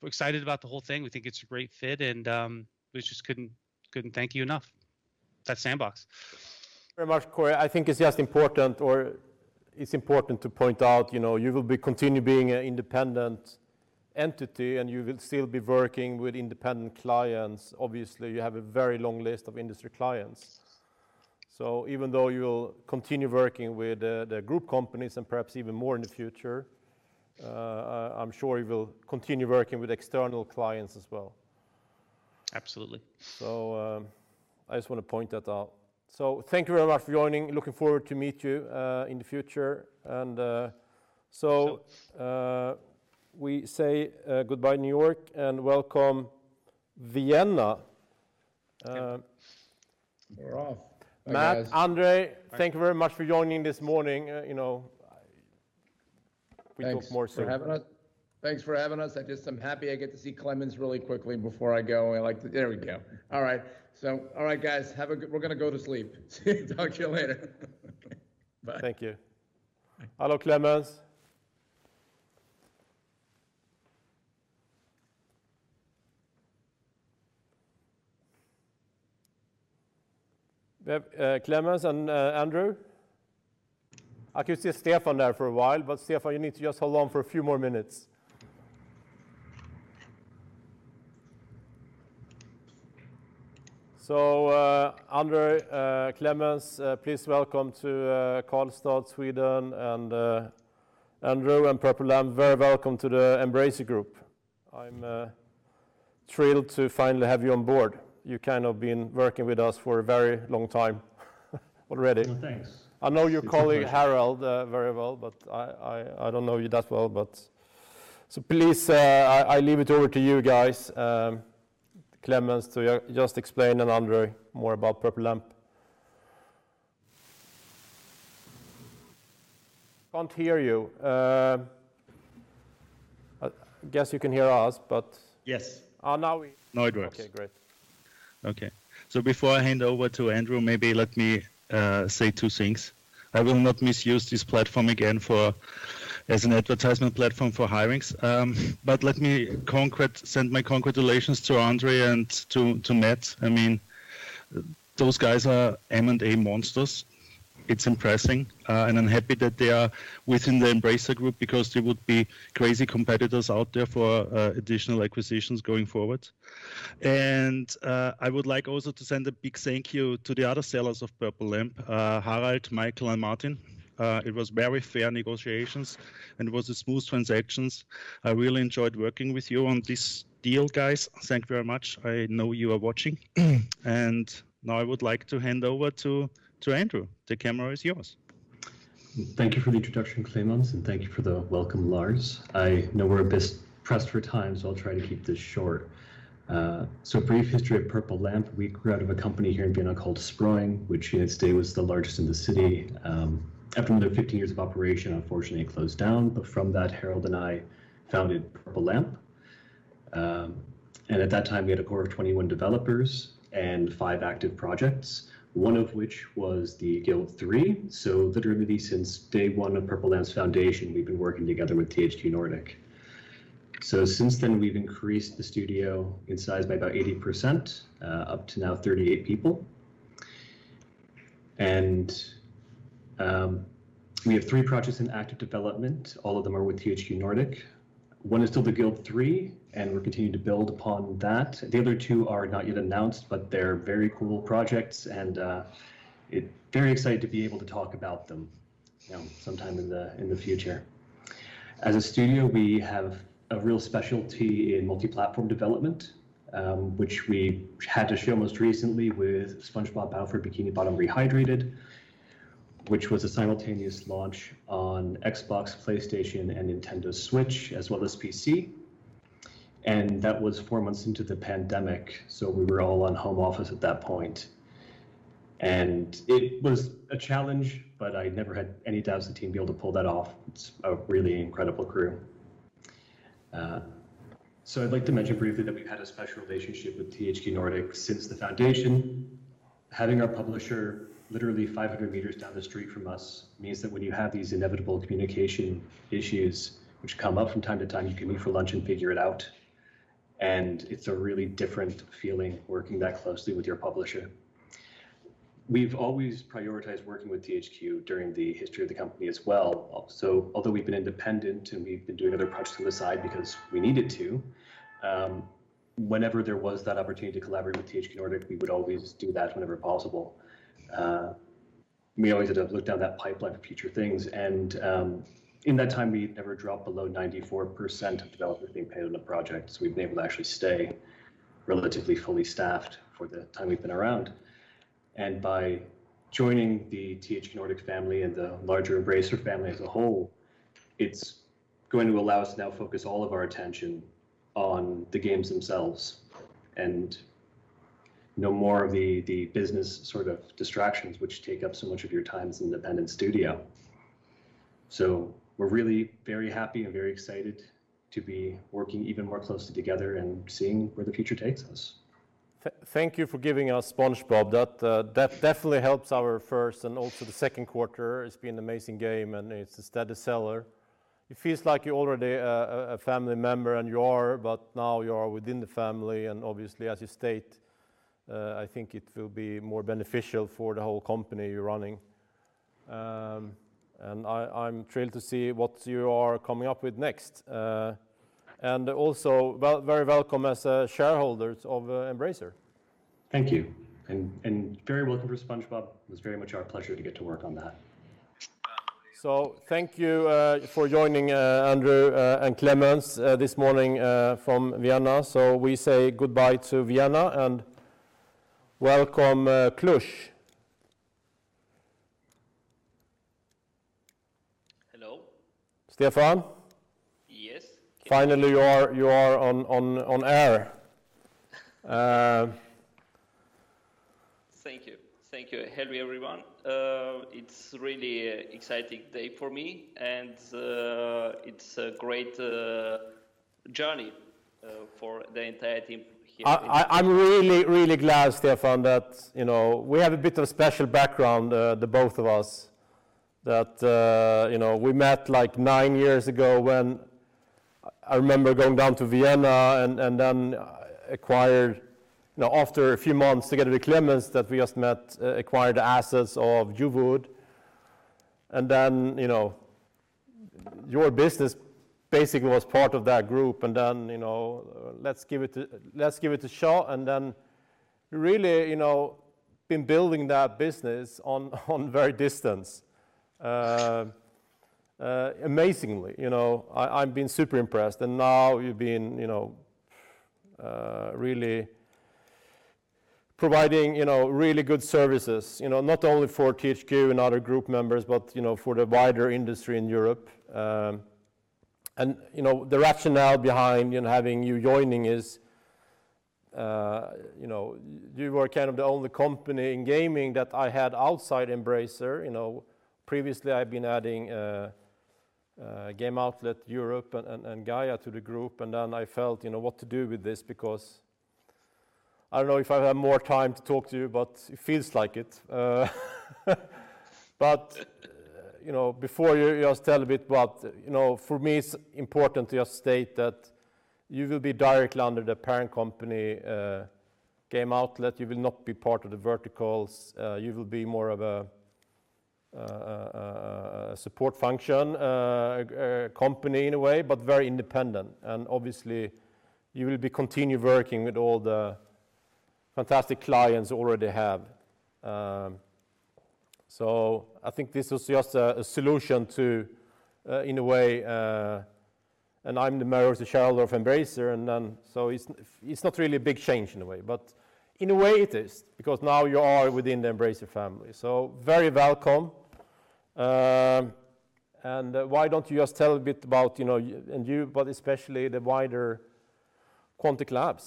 excited about the whole thing. We think it's a great fit, and we just couldn't thank you enough. That's Sandbox. Very much, Cory. It's important to point out, you will continue being an independent entity, and you will still be working with independent clients. Obviously, you have a very long list of industry clients. Even though you will continue working with the group companies and perhaps even more in the future, I'm sure you will continue working with external clients as well. Absolutely. I just want to point that out. Thank you very much for joining. Looking forward to meet you in the future. Sure We say goodbye New York and welcome Vienna. We're off, I guess. Matt, Andre, thank you very much for joining this morning. We talk more soon. Thanks for having us. I'm happy I get to see Klemens really quickly before I go. There we go. All right. All right, guys. We're going to go to sleep. Talk to you later. Bye. Thank you. Hello, Klemens. We have Klemens and Andrew. I could see Stefan there for a while. Stefan, you need to just hold on for a few more minutes. Andrey, Klemens, please welcome to Karlstad, Sweden. Andrew and Purple Lamp, very welcome to the Embracer Group. I am thrilled to finally have you on board. You've kind of been working with us for a very long time already. Thanks. I know your colleague Harald very well, but I don't know you that well. Please, I leave it over to you guys, Klemens, to just explain, and Andre, more about Purple Lamp. Can't hear you. I guess you can hear us, but- Yes. Now we- Now it works. Okay, great. Okay. Before I hand over to Andrew, maybe let me say two things. I will not misuse this platform again as an advertisement platform for hirings. Let me send my congratulations to Andre and to Matt. Those guys are M&A monsters. It's impressive, and I'm happy that they are within the Embracer Group because they would be crazy competitors out there for additional acquisitions going forward. I would like also to send a big thank you to the other sellers of Purple Lamp, Harald, Michael, and Martin. It was very fair negotiations, and it was a smooth transaction. I really enjoyed working with you on this deal, guys. Thank you very much. I know you are watching. Now I would like to hand over to Andrew. The camera is yours. Thank you for the introduction, Klemens, thank you for the welcome, Lars. I know we're a bit pressed for time, I'll try to keep this short. Brief history of Purple Lamp. We grew out of a company here in Vienna called Sproing, which in its day was the largest in the city. After another 15 years of operation, unfortunately it closed down, from that, Harald and I founded Purple Lamp. At that time, we had a core of 21 developers and five active projects, one of which was The Guild 3. Literally since day one of Purple Lamp's foundation, we've been working together with THQ Nordic. Since then, we've increased the studio in size by about 80%, up to now 38 people. We have three projects in active development. All of them are with THQ Nordic. One is still "The Guild 3," we're continuing to build upon that. The other two are not yet announced, they're very cool projects and very excited to be able to talk about them sometime in the future. As a studio, we have a real specialty in multi-platform development, which we had to show most recently with "SpongeBob Battle for Bikini Bottom Rehydrated," which was a simultaneous launch on Xbox, PlayStation, and Nintendo Switch, as well as PC. That was four months into the pandemic, we were all on home office at that point. It was a challenge, I never had any doubts the team would be able to pull that off. It's a really incredible crew. I'd like to mention briefly that we've had a special relationship with THQ Nordic since the foundation. Having our publisher literally 500 meters down the street from us means that when you have these inevitable communication issues which come up from time to time, you can meet for lunch and figure it out, and it's a really different feeling working that closely with your publisher. We've always prioritized working with THQ during the history of the company as well. Although we've been independent and we've been doing other projects on the side because we needed to, whenever there was that opportunity to collaborate with THQ Nordic, we would always do that whenever possible. We always had to look down that pipeline for future things, and in that time, we never dropped below 94% of developers being paid on a project. We've been able to actually stay relatively fully staffed for the time we've been around. By joining the THQ Nordic family and the larger Embracer family as a whole, it's going to allow us to now focus all of our attention on the games themselves and no more of the business sort of distractions which take up so much of your time as an independent studio. We're really very happy and very excited to be working even more closely together and seeing where the future takes us. Thank you for giving us SpongeBob. That definitely helps our first and also the second quarter. It's been an amazing game, and it's a steady seller. It feels like you're already a family member, and you are, but now you are within the family, and obviously, as you state, I think it will be more beneficial for the whole company you're running. I'm thrilled to see what you are coming up with next. Also, very welcome as shareholders of Embracer. Thank you, very welcome for SpongeBob. It was very much our pleasure to get to work on that. Thank you for joining, Andrew and Klemens, this morning from Vienna. We say goodbye to Vienna, and welcome, Cluj. Hello. Stefan? Yes. Finally, you are on air. Thank you. Thank you. Hello, everyone. It's really a exciting day for me, and it's a great journey for the entire team here. I'm really glad, Stefan. We have a bit of a special background, the both of us, that we met nine years ago when I remember going down to Vienna and then acquired, after a few months together with Klemens that we just met, acquired the assets of JoWooD. Then your business basically was part of that group, and then let's give it a shot, and then really been building that business on very distance. Amazingly, I've been super impressed. Now you've been really providing really good services, not only for THQ and other group members, but for the wider industry in Europe. The rationale behind having you joining is you were kind of the only company in gaming that I had outside Embracer. Previously, I've been adding Game Outlet Europe and GAIA to the group, and then I felt what to do with this because I don't know if I have more time to talk to you, but it feels like it. Before you just tell a bit about, for me, it's important to just state that you will be directly under the parent company, Game Outlet. You will not be part of the verticals. You will be more of a support function company in a way, but very independent. Obviously, you will be continue working with all the fantastic clients you already have. I think this was just a solution to, in a way. I'm the mayor of the shareholder of Embracer. It's not really a big change in a way, but in a way it is because now you are within the Embracer family. Very welcome. Why don't you just tell a bit about you, but especially the wider Quantic Lab.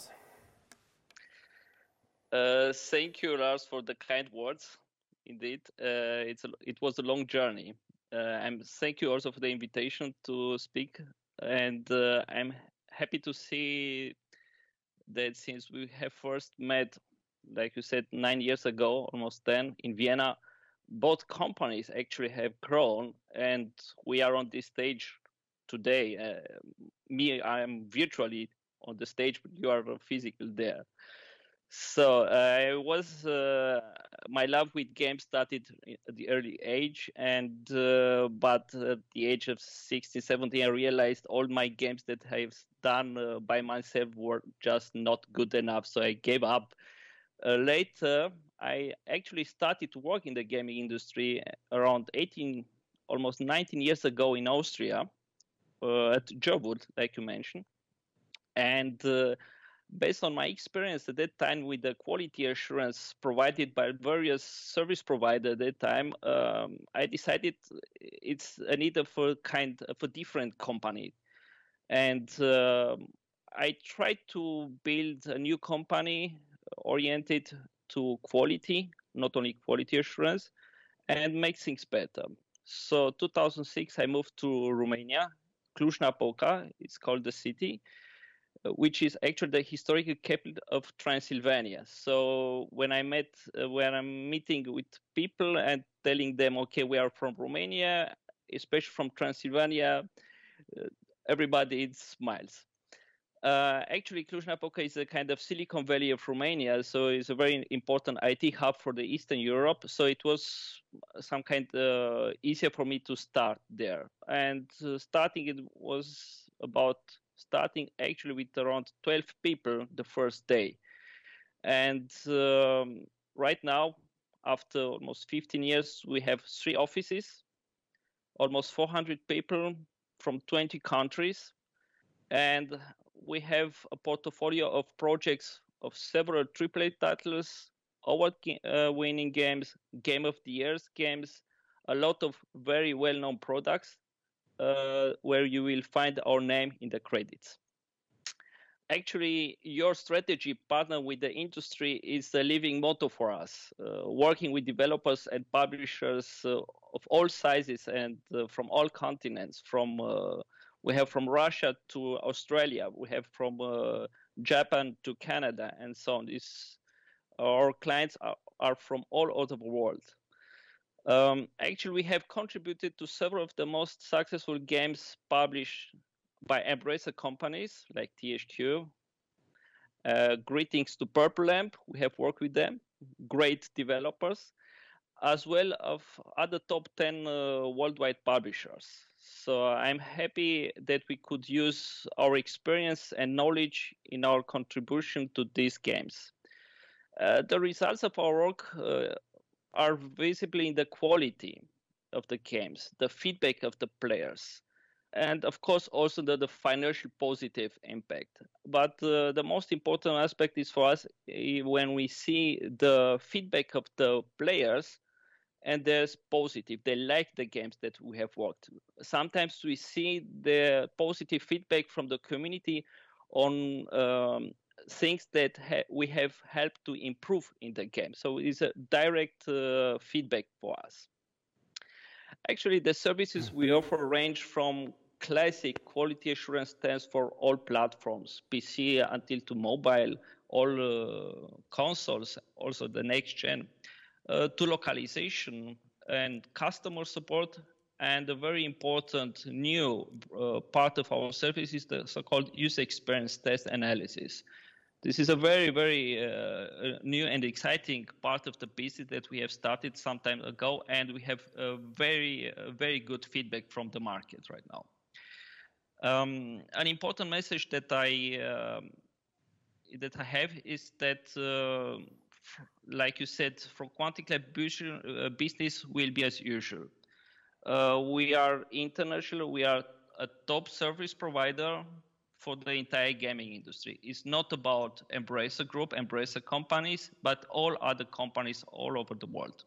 Thank you, Lars, for the kind words. Indeed, it was a long journey. Thank you also for the invitation to speak, and I'm happy to see that since we have first met, like you said, nine years ago, almost 10 in Vienna, both companies actually have grown, and we are on this stage today. Me, I am virtually on the stage, you are physically there. My love with games started at the early age, at the age of 16, 17, I realized all my games that I've done by myself were just not good enough, I gave up. Later, I actually started to work in the gaming industry around 18, almost 19 years ago in Austria, at JoWooD, like you mentioned. Based on my experience at that time with the quality assurance provided by various service provider at that time, I decided it's a need for different company. I tried to build a new company oriented to quality, not only quality assurance, and make things better. 2006, I moved to Romania, Cluj-Napoca, it's called the city, which is actually the historical capital of Transylvania. When I'm meeting with people and telling them, okay, we are from Romania, especially from Transylvania, everybody smiles. Actually, Cluj-Napoca is a kind of Silicon Valley of Romania, it's a very important IT hub for the Eastern Europe, it was some kind easier for me to start there. Starting it was about starting actually with around 12 people the first day. Right now, after almost 15 years, we have three offices, almost 400 people from 20 countries, and we have a portfolio of projects of several AAA titles, award-winning games, Game of the Years games, a lot of very well-known products where you will find our name in the credits. Actually, your strategy partner with the industry is the living motto for us, working with developers and publishers of all sizes and from all continents. We have from Russia to Australia, we have from Japan to Canada, and so on. Our clients are from all over the world. Actually, we have contributed to several of the most successful games published by Embracer companies like THQ. Greetings to Purple Lamp. We have worked with them, great developers, as well of other top 10 worldwide publishers. I'm happy that we could use our experience and knowledge in our contribution to these games. The results of our work are visible in the quality of the games, the feedback of the players, and of course, also the financial positive impact. The most important aspect is for us when we see the feedback of the players, and there's positive. They like the games that we have worked. Sometimes we see the positive feedback from the community on things that we have helped to improve in the game. It's a direct feedback for us. Actually, the services we offer range from classic quality assurance tests for all platforms, PC to mobile, all consoles, also the next gen, to localization and customer support. A very important new part of our service is the so-called user experience test analysis. This is a very new and exciting part of the business that we have started some time ago, and we have very good feedback from the market right now. An important message that I have is that, like you said, for Quantic Lab business will be as usual. We are international. We are a top service provider for the entire gaming industry. It is not about Embracer Group, Embracer companies, but all other companies all over the world.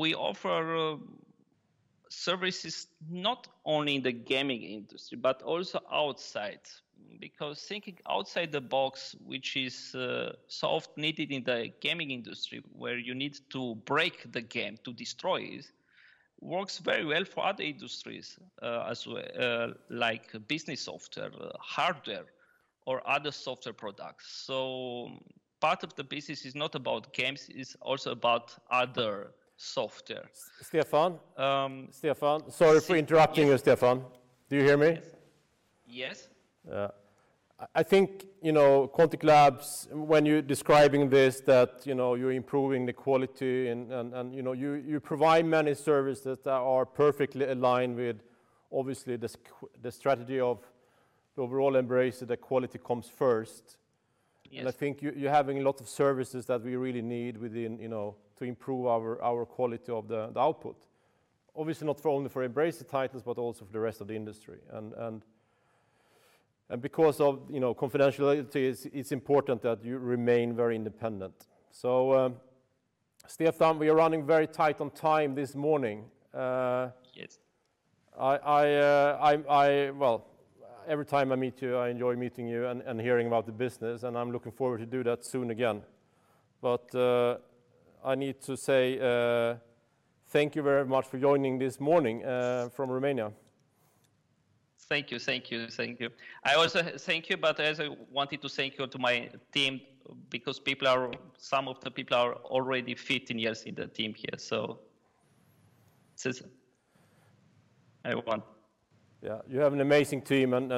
We offer services not only in the gaming industry, but also outside. Thinking outside the box, which is so often needed in the gaming industry, where you need to break the game, to destroy it, works very well for other industries, as well, like business software, hardware, or other software products. Part of the business is not about games, it is also about other software. Stefan? Um- Stefan. Sorry for interrupting you, Stefan. Do you hear me? Yes. Yeah. I think, Quantic Lab, when you're describing this, that you're improving the quality and you provide many services that are perfectly aligned with, obviously, the strategy of the overall Embracer that quality comes first. Yes. I think you're having a lot of services that we really need to improve our quality of the output. Obviously not only for Embracer titles, but also for the rest of the industry. Because of confidentiality, it's important that you remain very independent. Stefan, we are running very tight on time this morning. Yes. Well, every time I meet you, I enjoy meeting you and hearing about the business, and I'm looking forward to do that soon again. I need to say, thank you very much for joining this morning from Romania. Thank you. I also thank you. I also wanted to say thank you to my team, because some of the people are already 15 years in the team here, so everyone. Yeah. You have an amazing team, and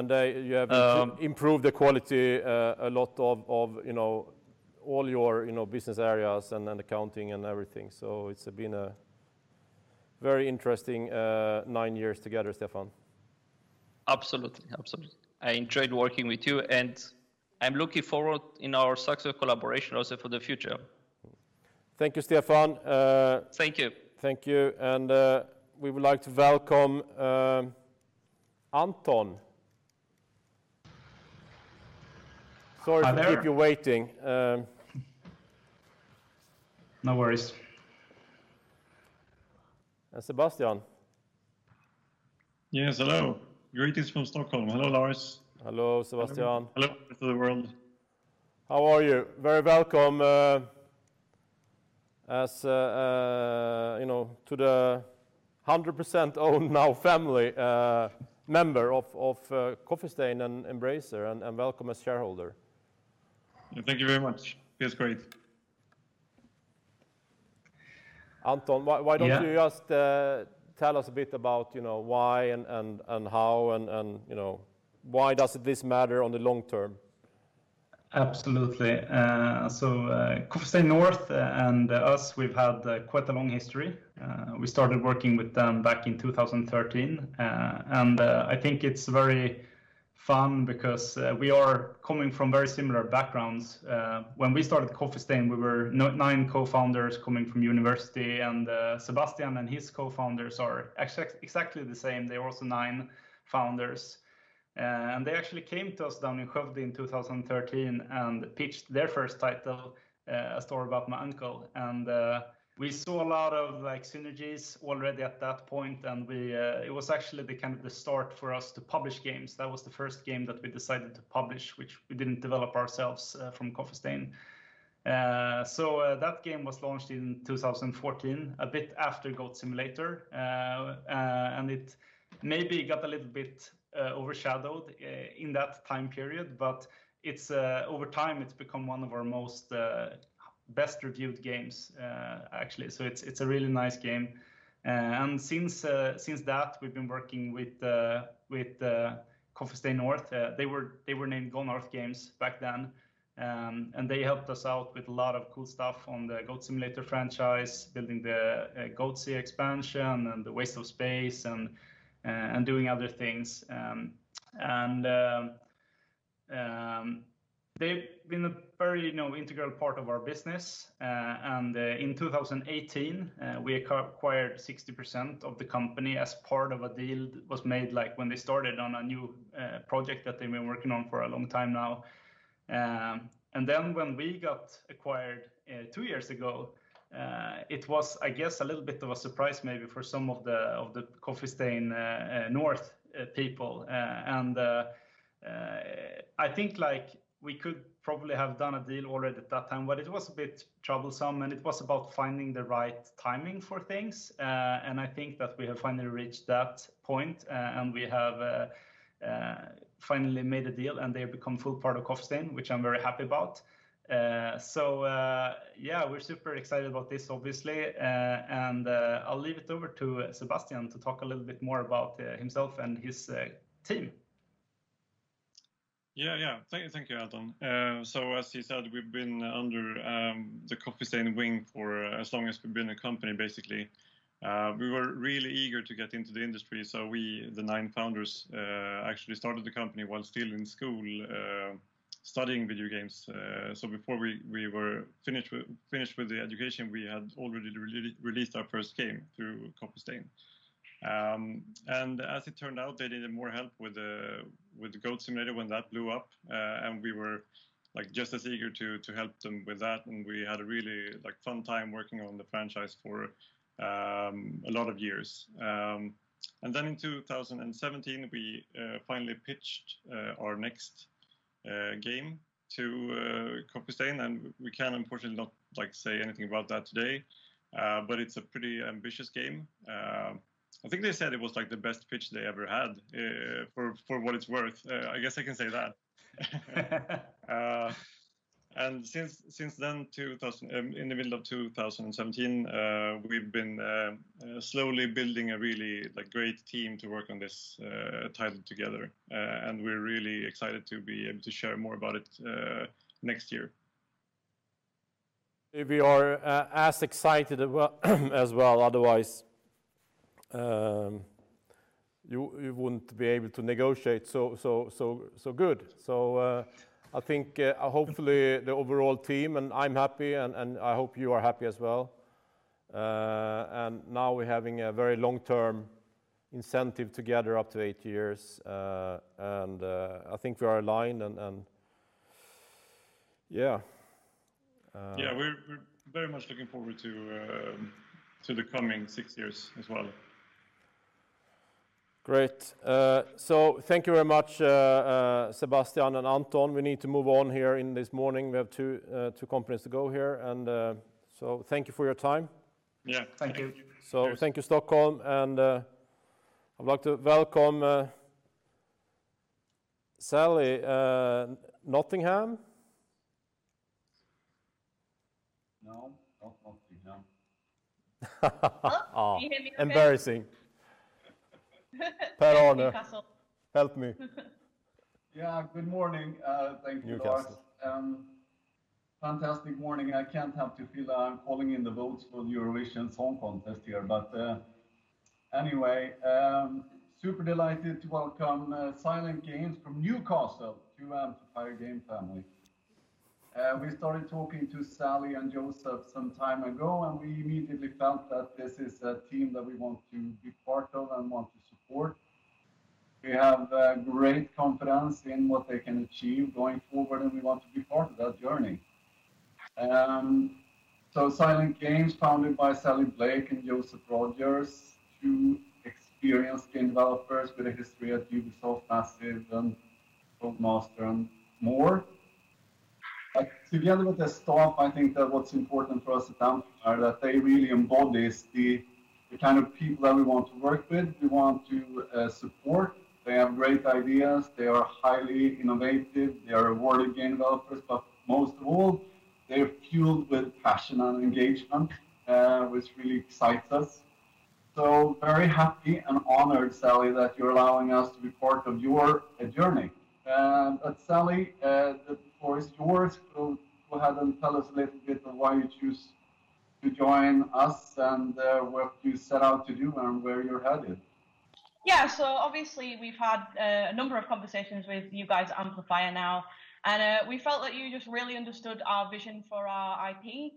you have improved the quality a lot of all your business areas and accounting and everything. It's been a very interesting nine years together, Stefan. Absolutely. I enjoyed working with you, and I'm looking forward in our successful collaboration also for the future. Thank you, Stefan. Thank you. Thank you, and we would like to welcome Anton. Sorry to keep you waiting. No worries. Sebastian. Yes, hello. Greetings from Stockholm. Hello, Lars. Hello, Sebastian. Hello to the world. How are you? Very welcome as to the 100% owned now family member of Coffee Stain and Embracer, and welcome as shareholder. Thank you very much. Feels great. Anton, why don't you just tell us a bit about why and how and why does this matter on the long term? Absolutely. Coffee Stain North and us, we've had quite a long history. We started working with them back in 2013. I think it's very fun because we are coming from very similar backgrounds. When we started Coffee Stain, we were nine co-founders coming from university, and Sebastian and his co-founders are exactly the same. They were also nine founders. They actually came to us down in Skövde in 2013 and pitched their first title, "A Story About My Uncle." We saw a lot of synergies already at that point, and it was actually the start for us to publish games. That was the first game that we decided to publish, which we didn't develop ourselves, from Coffee Stain. That game was launched in 2014, a bit after "Goat Simulator," and it maybe got a little bit overshadowed in that time period. Over time, it's become one of our most best-reviewed games, actually. It's a really nice game. Since that, we've been working with Coffee Stain North. They were named Gone North Games back then. They helped us out with a lot of cool stuff on the Goat Simulator franchise, building the GoatZ expansion, and the Waste of Space, and doing other things. They've been a very integral part of our business. In 2018, we acquired 60% of the company as part of a deal that was made when they started on a new project that they've been working on for a long time now. When we got acquired two years ago, it was, I guess a little bit of a surprise maybe for some of the Coffee Stain North people. I think we could probably have done a deal already at that time, but it was a bit troublesome, and it was about finding the right timing for things. I think that we have finally reached that point, and we have finally made a deal, and they've become full part of Coffee Stain, which I'm very happy about. Yeah, we're super excited about this obviously. I'll leave it over to Sebastian to talk a little bit more about himself and his team. Yeah. Thank you, Anton. As you said, we've been under the Coffee Stain wing for as long as we've been a company, basically. We were really eager to get into the industry, so we, the nine founders, actually started the company while still in school, studying video games. Before we were finished with the education, we had already released our first game through Coffee Stain. As it turned out, they needed more help with the Goat Simulator when that blew up. We were just as eager to help them with that, and we had a really fun time working on the franchise for a lot of years. In 2017, we finally pitched our next game to Coffee Stain, and we can unfortunately not say anything about that today. It's a pretty ambitious game. I think they said it was the best pitch they ever had, for what it's worth. I guess I can say that. Since then, in the middle of 2017, we've been slowly building a really great team to work on this title together. We're really excited to be able to share more about it next year. We are as excited as well, otherwise you wouldn't be able to negotiate so good. I think, hopefully, the overall team, and I'm happy, and I hope you are happy as well. Now we're having a very long-term incentive together up to eight years. I think we are aligned. Yeah, we're very much looking forward to the coming six years as well. Great. Thank you very much, Sebastian and Anton. We need to move on here in this morning. We have two companies to go here. Thank you for your time. Yeah. Thank you. Thank you, Stockholm, and I'd like to welcome Sally, Nottingham? No, not Nottingham. What? Can you hear me okay? Embarrassing. Per-Arne. Newcastle. Help me. Yeah. Good morning. Thank you, Lars. Newcastle. Fantastic morning. I can't help to feel I'm calling in the votes for the Eurovision Song Contest here. Anyway, super delighted to welcome Silent Games from Newcastle to the Amplifier game family. We started talking to Sally and Joseph some time ago, and we immediately felt that this is a team that we want to be part of and want to support. We have great confidence in what they can achieve going forward, and we want to be part of that journey. Silent Games, founded by Sally Blake and Joseph Rogers, two experienced game developers with a history at Ubisoft Massive and Codemasters and more. Together with the staff, I think that what's important for us at Amplifier that they really embody is the kind of people that we want to work with, we want to support. They have great ideas. They are highly innovative. They are awarded game developers, but most of all, they're fueled with passion and engagement, which really excites us. Very happy and honored, Sally, that you're allowing us to be part of your journey. Sally, the floor is yours. Go ahead and tell us a little bit of why you choose to join us and what you set out to do and where you're headed. Obviously, we've had a number of conversations with you guys at Amplifier now, and we felt that you just really understood our vision for our IP.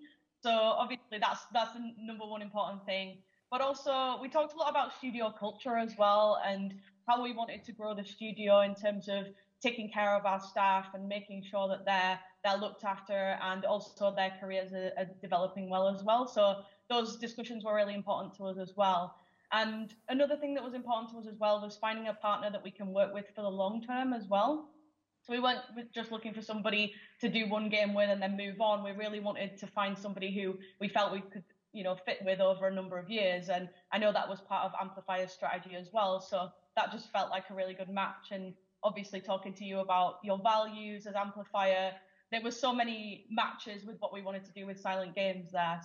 Obviously that's the number 1 important thing. Also, we talked a lot about studio culture as well and how we wanted to grow the studio in terms of taking care of our staff and making sure that they're looked after and also their careers are developing well as well. Those discussions were really important to us as well. Another thing that was important to us as well was finding a partner that we can work with for the long term as well. We weren't just looking for somebody to do one game with and then move on. We really wanted to find somebody who we felt we could fit with over a number of years, and I know that was part of Amplifier's strategy as well. That just felt like a really good match, and obviously talking to you about your values as Amplifier, there were so many matches with what we wanted to do with Silent Games there.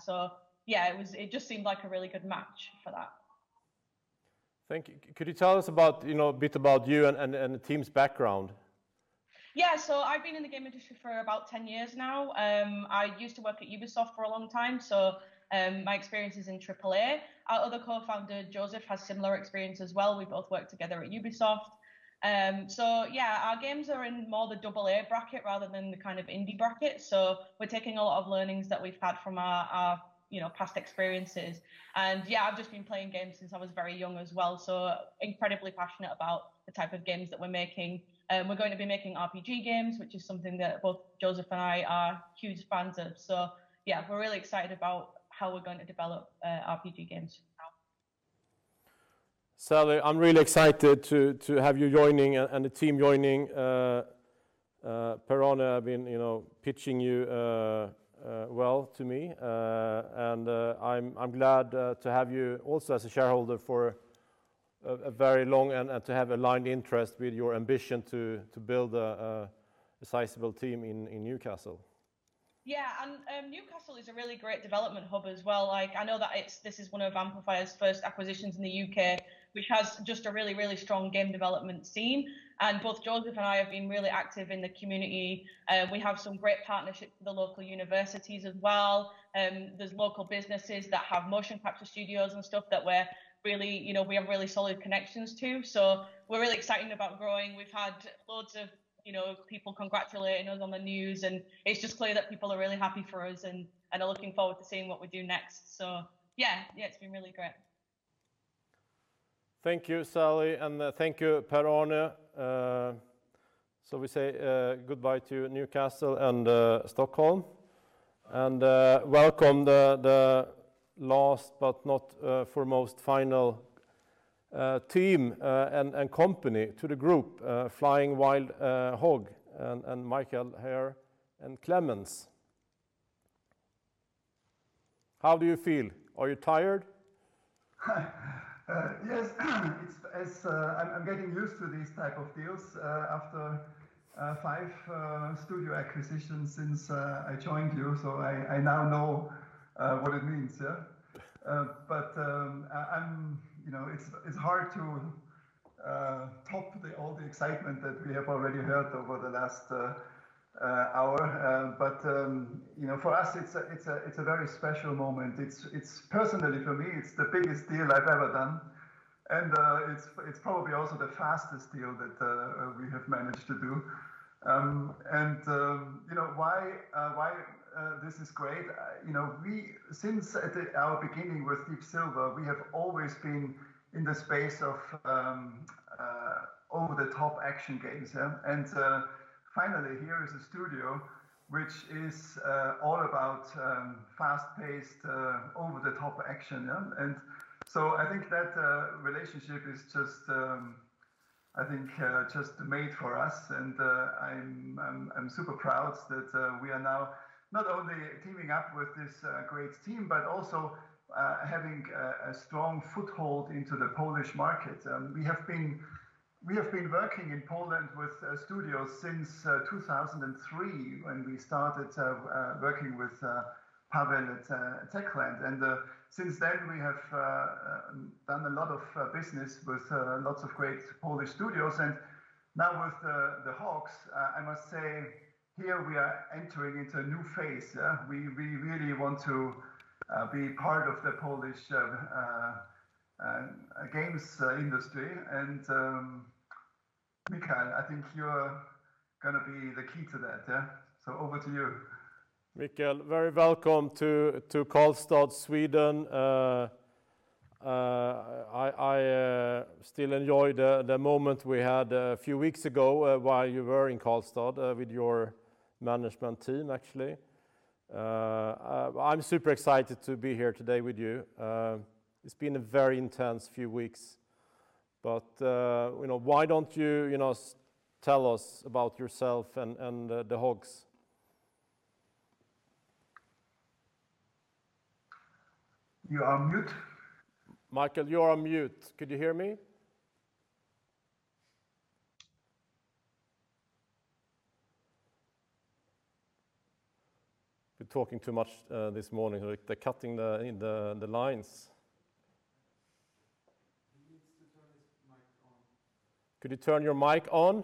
Yeah, it just seemed like a really good match for that. Thank you. Could you tell us a bit about you and the team's background? Yeah. I've been in the game industry for about 10 years now. I used to work at Ubisoft for a long time. My experience is in triple-A. Our other co-founder, Joseph, has similar experience as well. We both worked together at Ubisoft. Yeah, our games are in more the double-A bracket rather than the kind of indie bracket. We're taking a lot of learnings that we've had from our past experiences. Yeah, I've just been playing games since I was very young as well, so incredibly passionate about the type of games that we're making. We're going to be making RPG games, which is something that both Joseph and I are huge fans of. Yeah, we're really excited about how we're going to develop RPG games now. Sally, I am really excited to have you joining and the team joining. Per-Arne, have been pitching you well to me. I am glad to have you also as a shareholder and to have aligned interest with your ambition to build a sizeable team in Newcastle. Yeah, Newcastle is a really great development hub as well. I know that this is one of Amplifier's first acquisitions in the U.K., which has just a really strong game development scene, and both Joseph and I have been really active in the community. We have some great partnerships with the local universities as well. There's local businesses that have motion capture studios and stuff that we have really solid connections to. We're really excited about growing. We've had loads of people congratulating us on the news, and it's just clear that people are really happy for us and are looking forward to seeing what we do next. Yeah, it's been really great. Thank you, Sally, and thank you, Per-Arne. We say goodbye to Newcastle and Stockholm, and welcome the last but not foremost final team and company to the group, Flying Wild Hog, and Michal here, and Klemens. How do you feel? Are you tired? Yes, I'm getting used to these type of deals after five studio acquisitions since I joined you. I now know what it means. It's hard to top all the excitement that we have already heard over the last hour. For us, it's a very special moment. Personally, for me, it's the biggest deal I've ever done, and it's probably also the fastest deal that we have managed to do. Why this is great, since our beginning with Deep Silver, we have always been in the space of over-the-top action games. Finally, here is a studio which is all about fast-paced, over-the-top action. I think that relationship is just made for us, and I'm super proud that we are now not only teaming up with this great team but also having a strong foothold into the Polish market. We have been working in Poland with studios since 2003 when we started working with Paweł at Techland. Since then, we have done a lot of business with lots of great Polish studios. Now with The Hogs, I must say, here we are entering into a new phase. We really want to be part of the Polish games industry. Michal, I think you're going to be the key to that, yeah? Over to you. Michal, very welcome to Karlstad, Sweden. I still enjoy the moment we had a few weeks ago while you were in Karlstad with your management team, actually. I'm super excited to be here today with you. It's been a very intense few weeks, but why don't you tell us about yourself and The Hogs? You are on mute. Michal, you're on mute. Could you hear me? I've been talking too much this morning. They're cutting the lines. He needs to turn his mic on. Could you turn your mic on?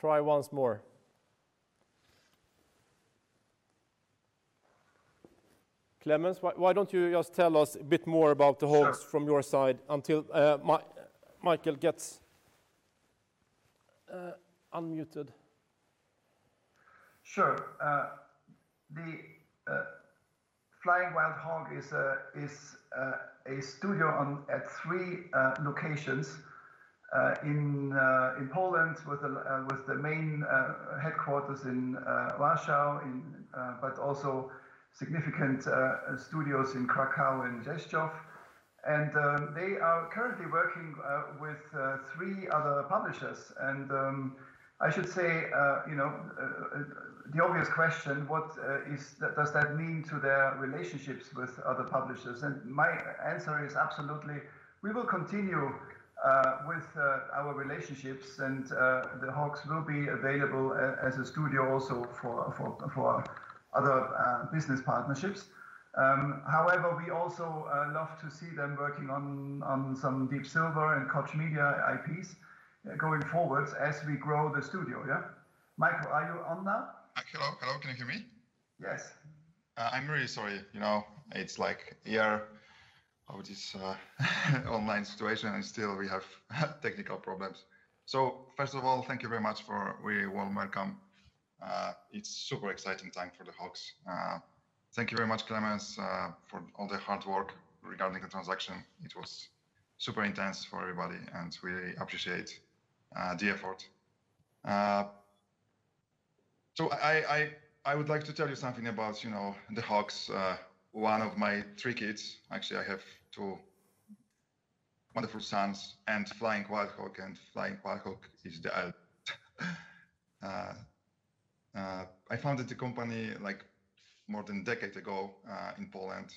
Try once more. Klemens, why don't you just tell us a bit more about The Hogs from your side until Michal gets unmuted? Sure. Flying Wild Hog is a studio at three locations, in Poland with the main headquarters in Warsaw, but also significant studios in Kraków and Rzeszów. They are currently working with three other publishers. I should say, the obvious question, what does that mean to their relationships with other publishers? My answer is absolutely, we will continue with our relationships, and The Hogs will be available as a studio also for other business partnerships. However, we also love to see them working on some Deep Silver and Koch Media IPs going forwards as we grow the studio, yeah. Michal, are you on now? Hello. Can you hear me? Yes. I'm really sorry. It's like the era of this online situation, still we have technical problems. First of all, thank you very much for the warm welcome. It's super exciting time for The Hogs. Thank you very much, Klemens, for all the hard work regarding the transaction. It was super intense for everybody, we appreciate the effort. I would like to tell you something about The Hogs. One of my three kids, actually, I have two wonderful sons and Flying Wild Hog, Flying Wild Hog is the eldest. I founded the company more than a decade ago in Poland.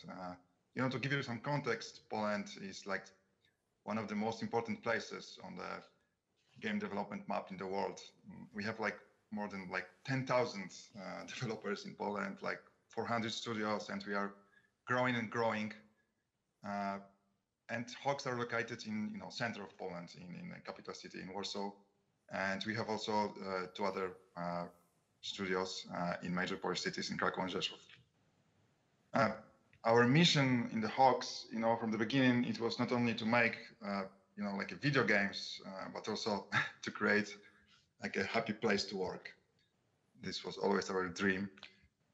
To give you some context, Poland is one of the most important places on the game development map in the world. We have more than 10,000 developers in Poland, 400 studios, we are growing and growing. HOGS are located in the center of Poland, in the capital city, in Warsaw. We have also two other studios in major cities, in Kraków and Rzeszów. Our mission in the HOGS from the beginning, it was not only to make video games, but also to create a happy place to work. This was always our dream.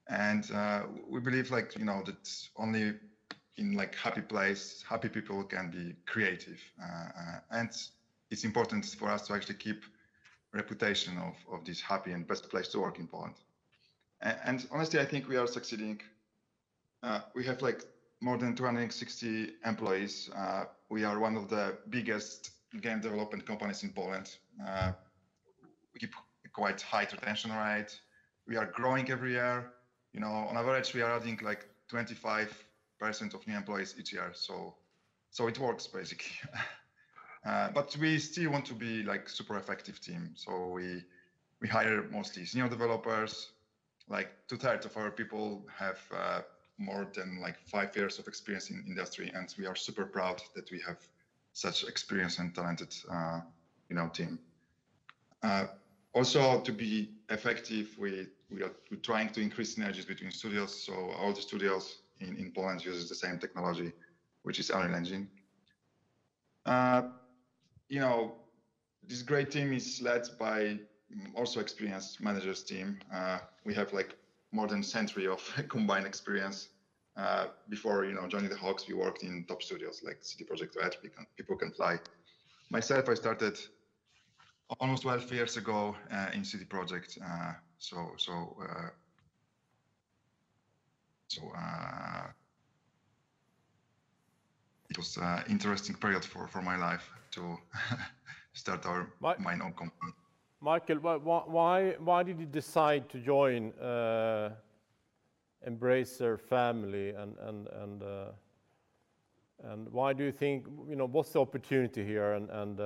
We believe that only in happy place, happy people can be creative. It's important for us to actually keep reputation of this happy and best place to work in Poland. Honestly, I think we are succeeding. We have more than 260 employees. We are one of the biggest game development companies in Poland. We keep quite high retention rate. We are growing every year. On average, we are adding 25% of new employees each year. It works, basically. We still want to be super effective team, so we hire mostly senior developers. Two-thirds of our people have more than five years of experience in industry, and we are super proud that we have such experienced and talented team. Also to be effective, we are trying to increase synergies between studios, so all the studios in Poland uses the same technology, which is Unreal Engine. This great team is led by also experienced managers team. We have more than a century of combined experience. Before joining the HOGS, we worked in top studios like CD Projekt RED, People Can Fly. Myself, I started almost 12 years ago in CD Projekt. It was a interesting period for my life to start my own company. Michal, why did you decide to join Embracer family, and what's the opportunity here, and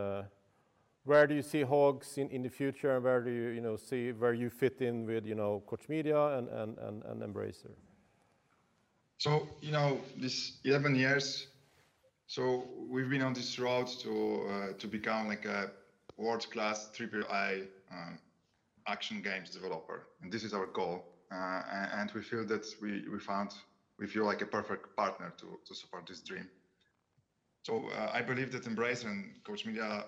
where do you see HOGS in the future, and where do you see where you fit in with Koch Media and Embracer? These 11 years, we've been on this route to become a world-class triple-A action games developer, and this is our goal. We feel like a perfect partner to support this dream. I believe that Embracer and Koch Media,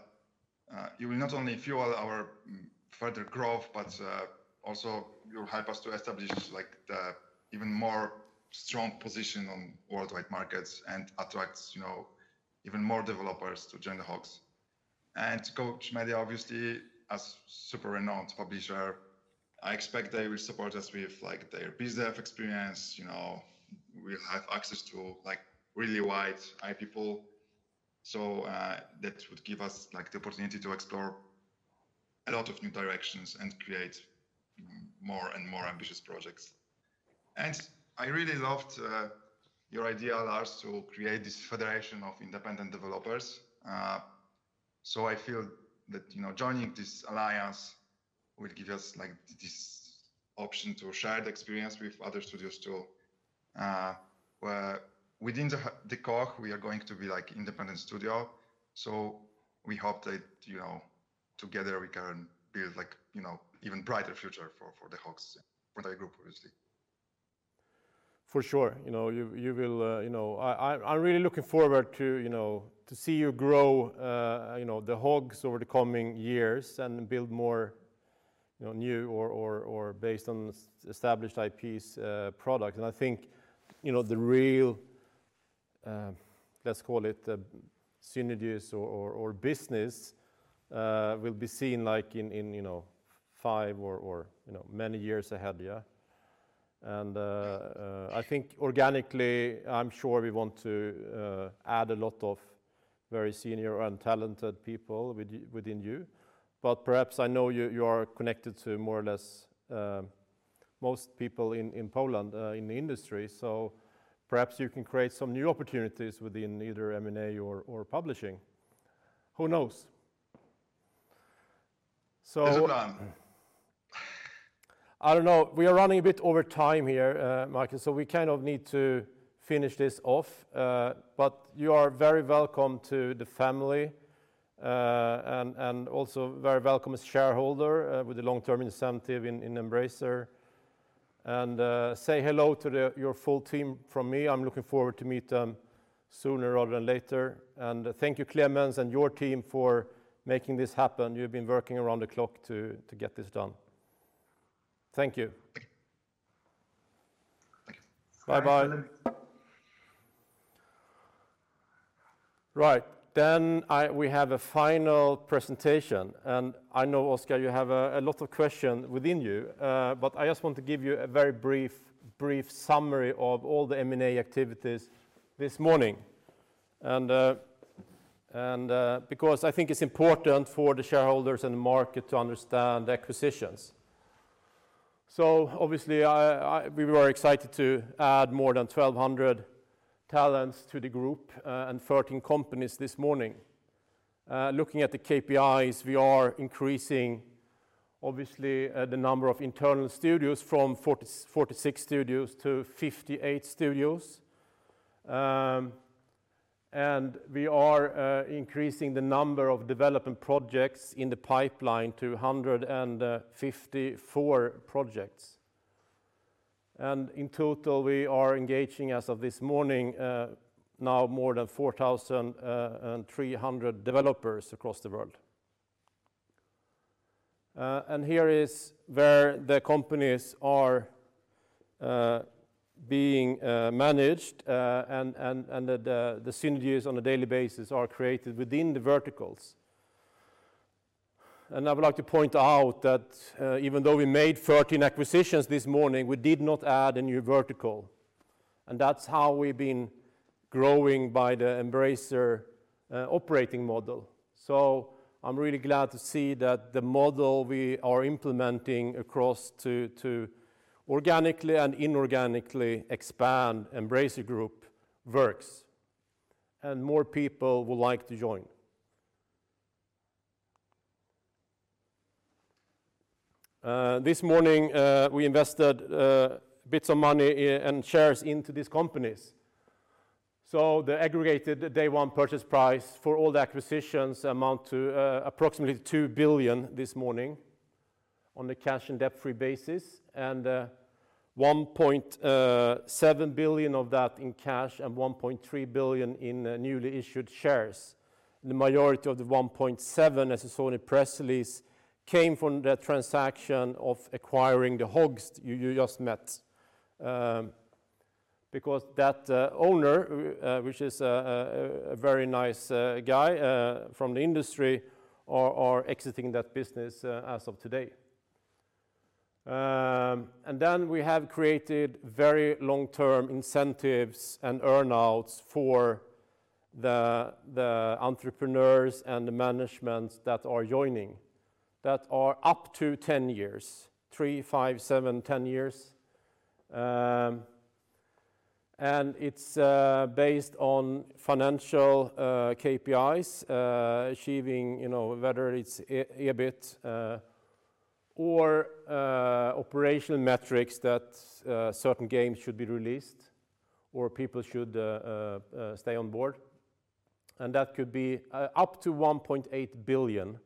you will not only fuel our further growth, but also you'll help us to establish the even more strong position on worldwide markets and attracts even more developers to join the HOGS. Koch Media, obviously, as super renowned publisher, I expect they will support us with their biz dev experience. We'll have access to really wide IP pool, so that would give us the opportunity to explore a lot of new directions and create more and more ambitious projects. I really loved your idea, Lars, to create this federation of independent developers. I feel that joining this alliance will give us this option to share the experience with other studios too. Within the Koch, we are going to be independent studio, we hope that together we can build even brighter future for the HOGS and for the group, obviously. For sure. I'm really looking forward to see you grow the Hogs over the coming years and build more new or based on established IPs product. I think the real, let's call it synergies or business, will be seen in five or many years ahead, yeah? I think organically, I'm sure we want to add a lot of very senior and talented people within you, but perhaps I know you are connected to more or less most people in Poland in the industry, so perhaps you can create some new opportunities within either M&A or publishing. Who knows? Yes, we can. I don't know. We are running a bit over time here, Michal, we kind of need to finish this off. You are very welcome to the family, and also very welcome as shareholder with the long-term incentive in Embracer. Say hello to your full team from me. I'm looking forward to meet them sooner rather than later. Thank you, Klemens, and your team for making this happen. You've been working around the clock to get this done. Thank you. Thank you. Bye-bye. Bye. We have a final presentation, and I know Oscar, you have a lot of question within you. I just want to give you a very brief summary of all the M&A activities this morning. Because I think it's important for the shareholders and the market to understand acquisitions. Obviously, we were excited to add more than 1,200 talents to the group and 13 companies this morning. Looking at the KPIs, we are increasing, obviously, the number of internal studios from 46 studios to 58 studios. We are increasing the number of development projects in the pipeline to 154 projects. In total, we are engaging, as of this morning, now more than 4,300 developers across the world. Here is where the companies are being managed, and the synergies on a daily basis are created within the verticals. I would like to point out that even though we made 13 acquisitions this morning, we did not add a new vertical. That's how we've been growing by the Embracer operating model. I'm really glad to see that the model we are implementing across to organically and inorganically expand Embracer Group works, and more people would like to join. This morning, we invested bits of money and shares into these companies. The aggregated day one purchase price for all the acquisitions amount to approximately 2 billion this morning on the cash and debt-free basis, and 1.7 billion of that in cash and 1.3 billion in newly issued shares. The majority of the 1.7, as you saw in the press release, came from the transaction of acquiring the Flying Wild Hog you just met, because that owner, which is a very nice guy from the industry, are exiting that business as of today. Then we have created very long-term incentives and earn-outs for the entrepreneurs and the management that are joining that are up to 10 years, three, five, seven, 10 years. It's based on financial KPIs, achieving whether it's EBIT or operational metrics that certain games should be released or people should stay on board. That could be up to 1.8 billion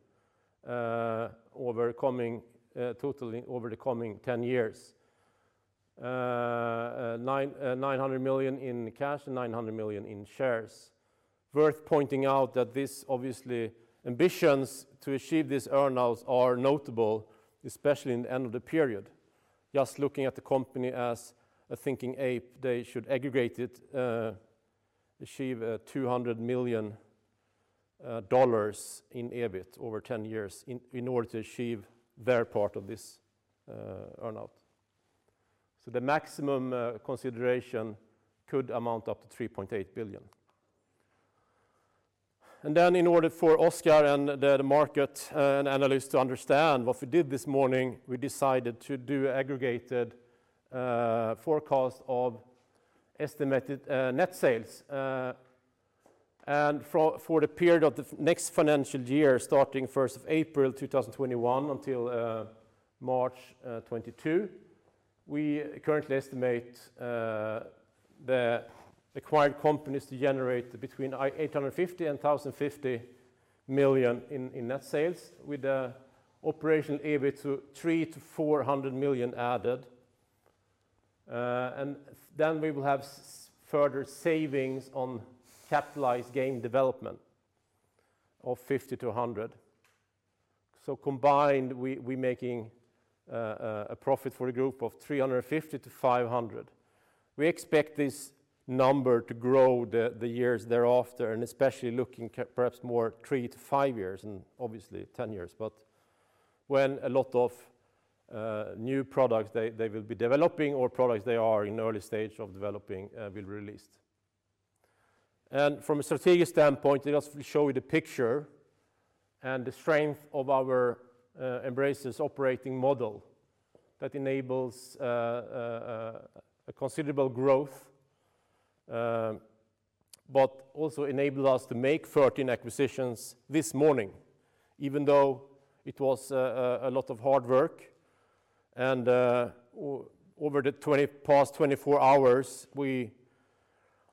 totally over the coming 10 years, 900 million in cash and 900 million in shares. Worth pointing out that this, obviously, ambitions to achieve these earn-outs are notable, especially in the end of the period. Just looking at the company as A Thinking Ape, they should aggregate it, achieve SEK 200 million in EBIT over 10 years in order to achieve their part of this earn-out. The maximum consideration could amount up to 3.8 billion. In order for Oscar and the market and analysts to understand what we did this morning, we decided to do aggregated forecast of estimated net sales. For the period of the next financial year, starting 1st of April 2021 until March 2022, we currently estimate the acquired companies to generate between 850 million and 1,050 million in net sales, with the operation EBIT to 300 million to 400 million added. We will have further savings on capitalized game development of 50 to 100. Combined, we're making a profit for the group of 350 to 500. We expect this number to grow the years thereafter, especially looking perhaps more three to five years, obviously 10 years. When a lot of new products they will be developing or products they are in early stage of developing will be released. From a strategic standpoint, let us show you the picture and the strength of our Embracer's operating model that enables a considerable growth, but also enabled us to make 13 acquisitions this morning, even though it was a lot of hard work. Over the past 24 hours,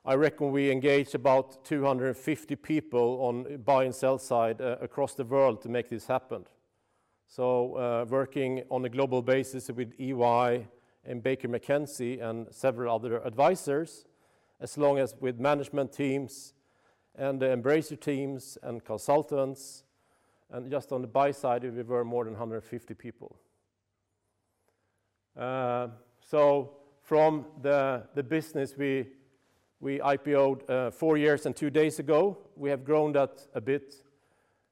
I reckon we engaged about 250 people on buy and sell side across the world to make this happen. Working on a global basis with EY and Baker McKenzie and several other advisors, as long as with management teams and the Embracer teams and consultants, and just on the buy side, we were more than 150 people. From the business we IPO'd four years and two days ago, we have grown that a bit.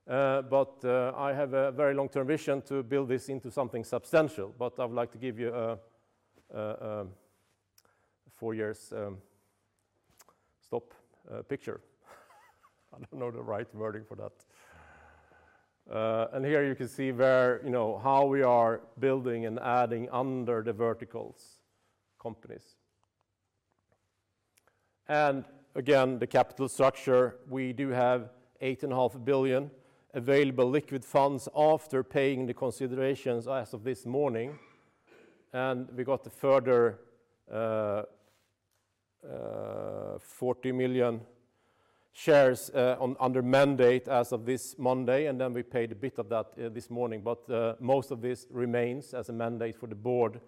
I have a very long-term vision to build this into something substantial. I would like to give you a four years stop picture. I don't know the right wording for that. Here you can see how we are building and adding under the verticals companies. Again, the capital structure, we do have 8.5 billion available liquid funds after paying the considerations as of this morning. We got a further 40 million shares under mandate as of this Monday, and then we paid a bit of that this morning. Most of this remains as a mandate for the board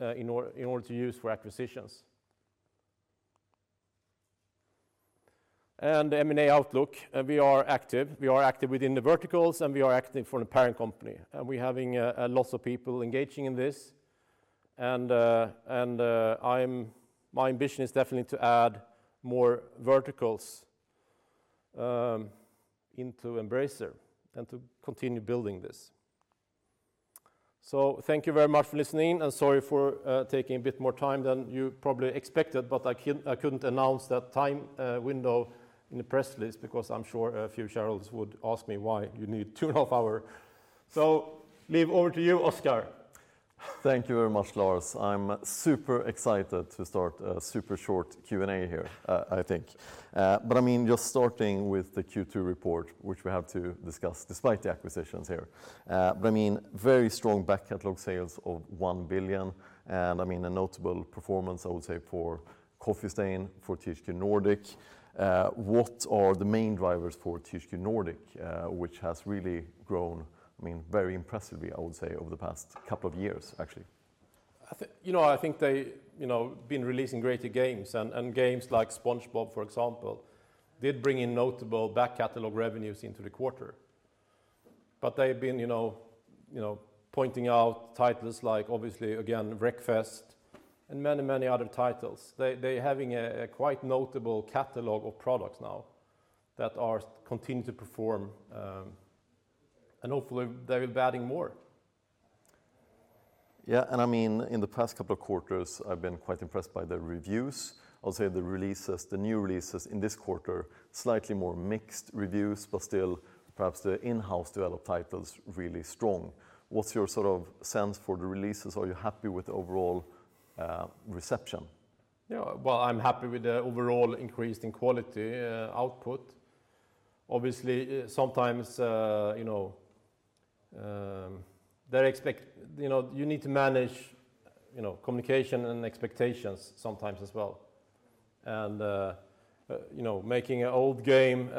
in order to use for acquisitions. The M&A outlook, we are active. We are active within the verticals, and we are active for the parent company. We're having lots of people engaging in this, and my ambition is definitely to add more verticals into Embracer and to continue building this. Thank you very much for listening and sorry for taking a bit more time than you probably expected, but I couldn't announce that time window in the press release because I'm sure a few shareholders would ask me, "Why you need two and a half hours?" Leave over to you, Oscar. Thank you very much, Lars. I'm super excited to start a super short Q&A here, I think. Just starting with the Q2 report, which we have to discuss despite the acquisitions here. Very strong back catalog sales of 1 billion, and a notable performance, I would say, for Coffee Stain, for THQ Nordic. What are the main drivers for THQ Nordic? Which has really grown very impressively, I would say, over the past couple of years, actually. I think they been releasing greater games. Games like "SpongeBob," for example, did bring in notable back catalog revenues into the quarter. They've been pointing out titles like, obviously, again, "Wreckfest" and many other titles. They having a quite notable catalog of products now that are continuing to perform. Hopefully they'll be adding more. Yeah, and in the past couple of quarters, I've been quite impressed by the reviews. I'll say the new releases in this quarter, slightly more mixed reviews, but still perhaps the in-house developed titles really strong. What's your sort of sense for the releases? Are you happy with the overall reception? Well, I'm happy with the overall increase in quality output. Obviously, sometimes you need to manage communication and expectations sometimes as well. Making an old game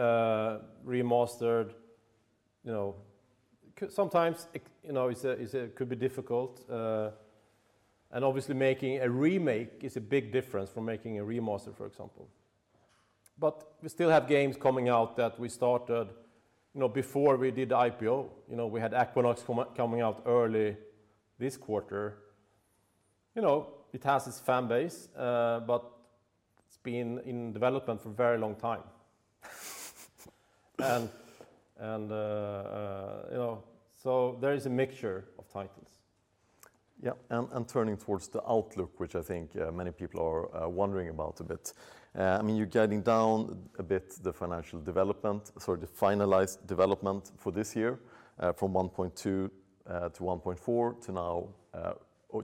remastered, sometimes it could be difficult. Obviously making a remake is a big difference from making a remaster, for example. We still have games coming out that we started before we did the IPO. We had AquaNox coming out early this quarter. It has its fan base, but it's been in development for a very long time. There is a mixture of titles. Turning towards the outlook, which I think many people are wondering about a bit. You're guiding down a bit the financial development, sort of the finalized development for this year, from 1.2 billion-1.4 billion to now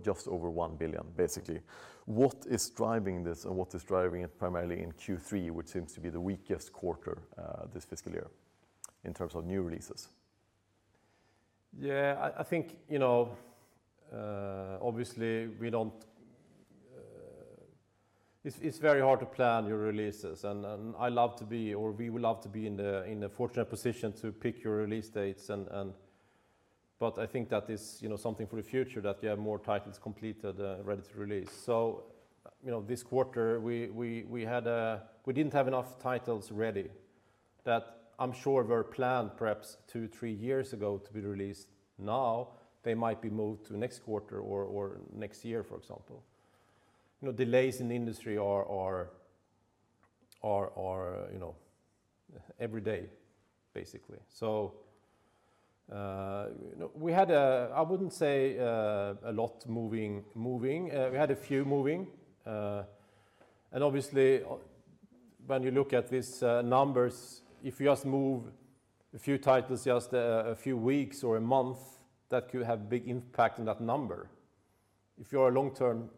just over 1 billion, basically. What is driving this, and what is driving it primarily in Q3, which seems to be the weakest quarter this fiscal year in terms of new releases? Yeah, I think, obviously it's very hard to plan your releases and I love to be, or we would love to be in the fortunate position to pick your release dates, but I think that is something for the future that you have more titles completed, ready to release. This quarter, we didn't have enough titles ready that I'm sure were planned perhaps two, three years ago to be released now. They might be moved to next quarter or next year, for example. Delays in the industry are every day, basically. We had, I wouldn't say a lot moving. We had a few moving. Obviously when you look at these numbers, if you just move a few titles just a few weeks or a month, that could have a big impact on that number. If you're a long-term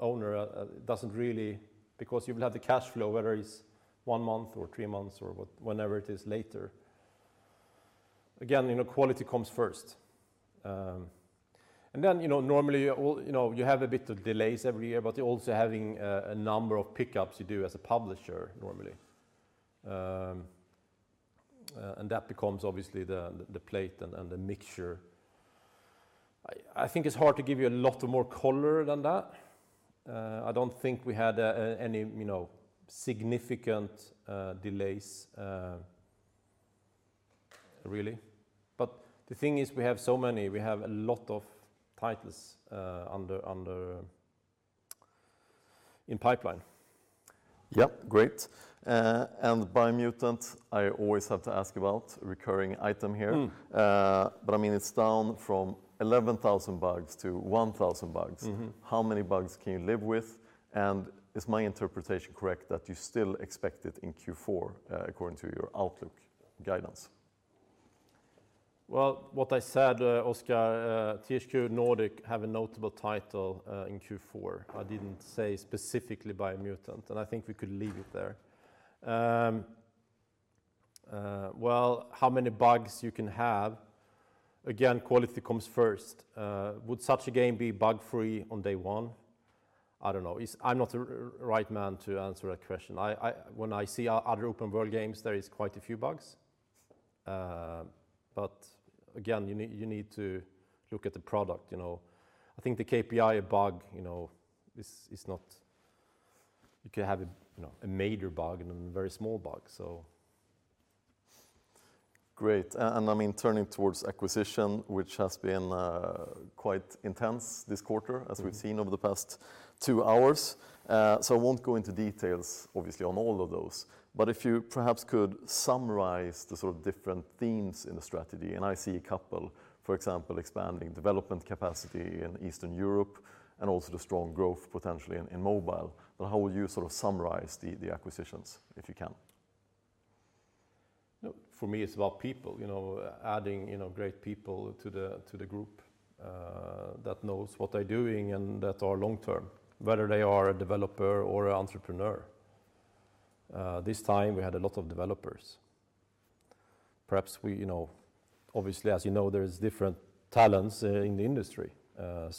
owner, it doesn't really, because you will have the cash flow whether it's one month or three months or whenever it is later. Again, quality comes first. Normally you have a bit of delays every year, but you're also having a number of pickups you do as a publisher normally. That becomes obviously the plate and the mixture. I think it's hard to give you a lot more color than that. I don't think we had any significant delays really. The thing is we have so many, we have a lot of titles in pipeline. Yeah, great. Biomutant, I always have to ask about, a recurring item here. It's down from 11,000 bugs to 1,000 bugs. How many bugs can you live with? Is my interpretation correct that you still expect it in Q4, according to your outlook guidance? Well, what I said, Oscar, THQ Nordic have a notable title in Q4. I didn't say specifically Biomutant, and I think we could leave it there. Well, how many bugs you can have, again, quality comes first. Would such a game be bug-free on day one? I don't know. I'm not the right man to answer that question. When I see our other open world games, there is quite a few bugs. Again, you need to look at the product. I think the KPI bug, you could have a major bug and then very small bug. Great, turning towards acquisition, which has been quite intense this quarter as we've seen over the past 2 hours. I won't go into details, obviously, on all of those, but if you perhaps could summarize the different themes in the strategy, and I see a couple. For example, expanding development capacity in Eastern Europe, and also the strong growth potentially in mobile. How would you summarize the acquisitions, if you can? For me, it's about people. Adding great people to the group that knows what they're doing and that are long-term, whether they are a developer or an entrepreneur. This time we had a lot of developers. Obviously, as you know, there's different talents in the industry.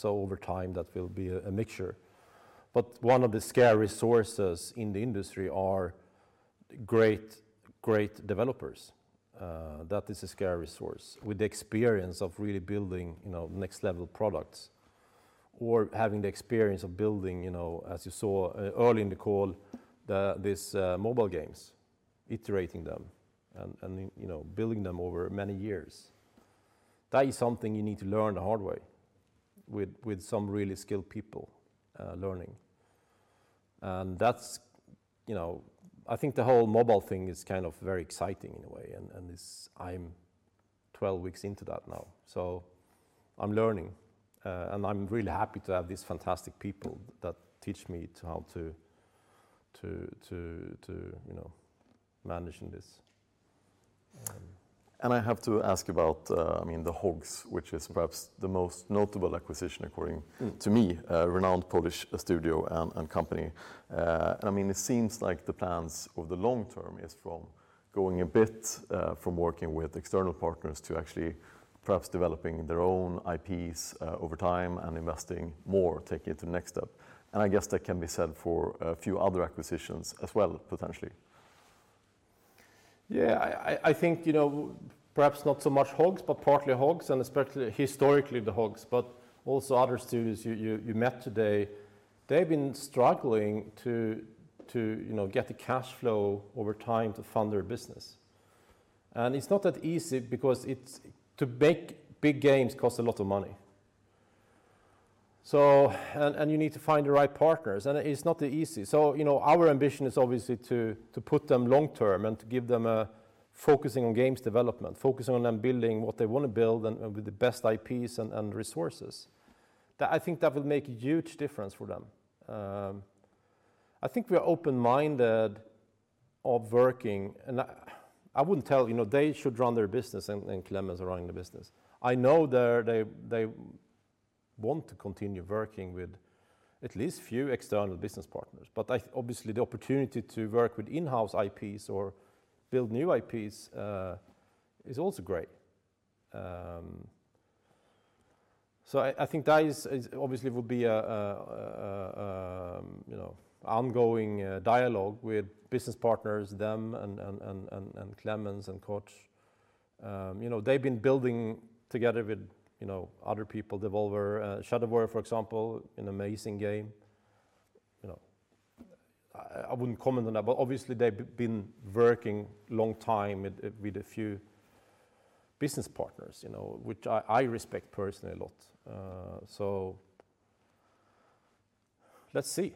Over time, that will be a mixture. One of the scarce resources in the industry are great developers. That is a scarce resource with the experience of really building next-level products or having the experience of building, as you saw early in the call, these mobile games, iterating them, and building them over many years. That is something you need to learn the hard way with some really skilled people learning. I think the whole mobile thing is very exciting in a way, and I'm 12 weeks into that now. I'm learning, and I'm really happy to have these fantastic people that teach me how to manage in this. I have to ask about The Hogs, which is perhaps the most notable acquisition according to me, a renowned Polish studio and company. It seems like the plans over the long term is from going a bit from working with external partners to actually perhaps developing their own IPs over time and investing more, taking it to the next step. I guess that can be said for a few other acquisitions as well, potentially. Yeah. I think perhaps not so much Hogs, but partly Hogs, and especially historically The Hogs, but also other studios you met today, they've been struggling to get the cash flow over time to fund their business. It's not that easy because to make big games costs a lot of money, and you need to find the right partners, and it's not that easy. Our ambition is obviously to put them long-term and to give them a focusing on games development, focusing on them building what they want to build and with the best IPs and resources. I think that will make a huge difference for them. I think we are open-minded of working, and they should run their business, and Klemens is running the business. I know they want to continue working with at least few external business partners, obviously the opportunity to work with in-house IPs or build new IPs is also great. I think that obviously will be a ongoing dialogue with business partners, them and Klemens and Koch. They've been building together with other people, Devolver, "Shadow Warrior," for example, an amazing game. I wouldn't comment on that, obviously they've been working long time with a few business partners which I respect personally a lot. Let's see.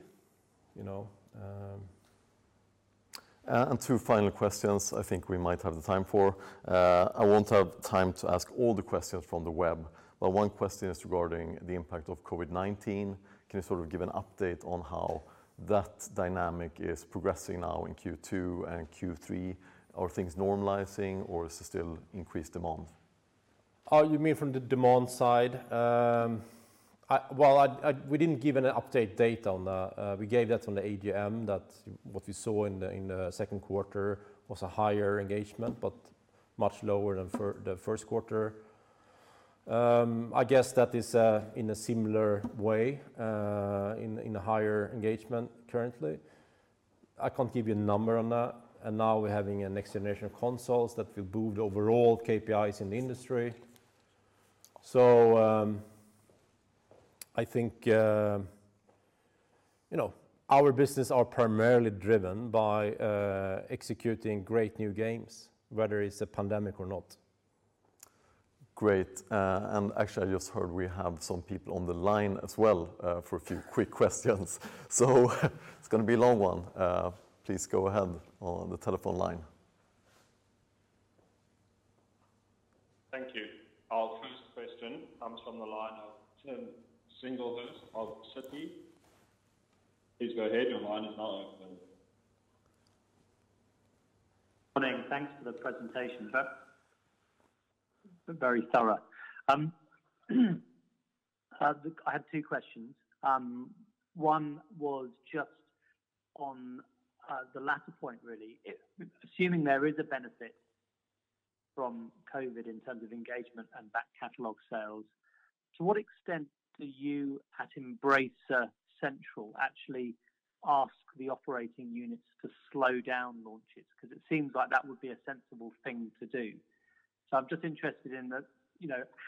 Two final questions I think we might have the time for. I won't have time to ask all the questions from the web, but one question is regarding the impact of COVID-19. Can you give an update on how that dynamic is progressing now in Q2 and Q3? Are things normalizing or is there still increased demand? You mean from the demand side? Well, we didn't give an update date on that. We gave that on the AGM, that what we saw in the second quarter was a higher engagement, but much lower than for the first quarter. I guess that is in a similar way, in a higher engagement currently. I can't give you a number on that. Now we're having a next-generation consoles that will boost overall KPIs in the industry. I think our business are primarily driven by executing great new games, whether it's a pandemic or not. Great. Actually, I just heard we have some people on the line as well for a few quick questions. It's going to be a long one. Please go ahead on the telephone line. Thank you. Our first question comes from the line of Thomas Singlehurst of Citi. Please go ahead, your line is now open. Morning. Thanks for the presentation. Very thorough. I have two questions. One was just on the latter point, really. Assuming there is a benefit from COVID in terms of engagement and back catalog sales, to what extent do you at Embracer Central actually ask the operating units to slow down launches? It seems like that would be a sensible thing to do. I'm just interested in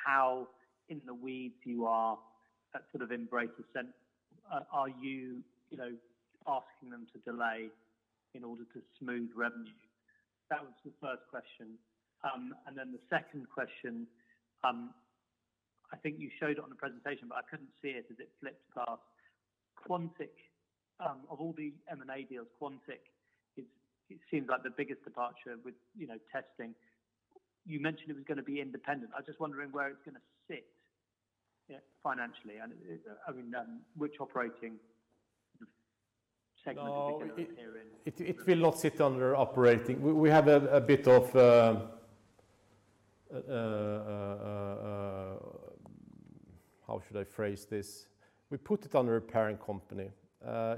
how in the weeds you are at Embracer Central. Are you asking them to delay in order to smooth revenue? That was the first question. The second question, I think you showed it on the presentation, but I couldn't see it as it flipped past. Of all the M&A deals, Quantic seems like the biggest departure with testing. You mentioned it was going to be independent. I'm just wondering where it's going to sit financially, and which operating segment it is going to appear in. It will not sit under operating. How should I phrase this? We put it under a parent company.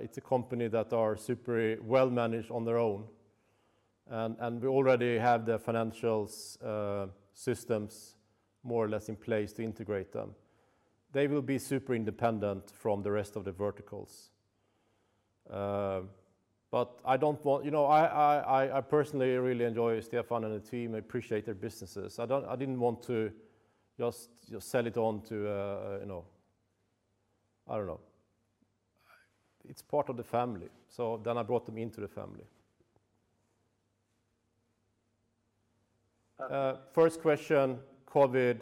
It's a company that are super well-managed on their own, and we already have the financial systems more or less in place to integrate them. They will be super independent from the rest of the verticals. I personally really enjoy Stefan and the team. I appreciate their businesses. I didn't want to just sell it on to I don't know. It's part of the family, I brought them into the family. First question, COVID.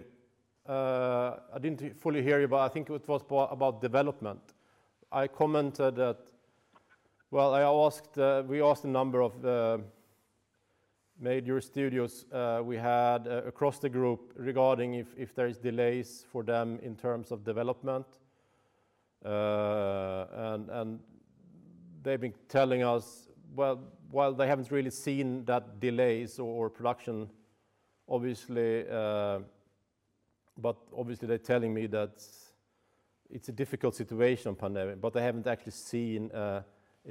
I didn't fully hear you, I think it was about development. We asked a number of major studios we had across the group regarding if there is delays for them in terms of development. They've been telling us, while they haven't really seen that delays or production, but obviously they're telling me that it's a difficult situation, pandemic, but they haven't actually seen a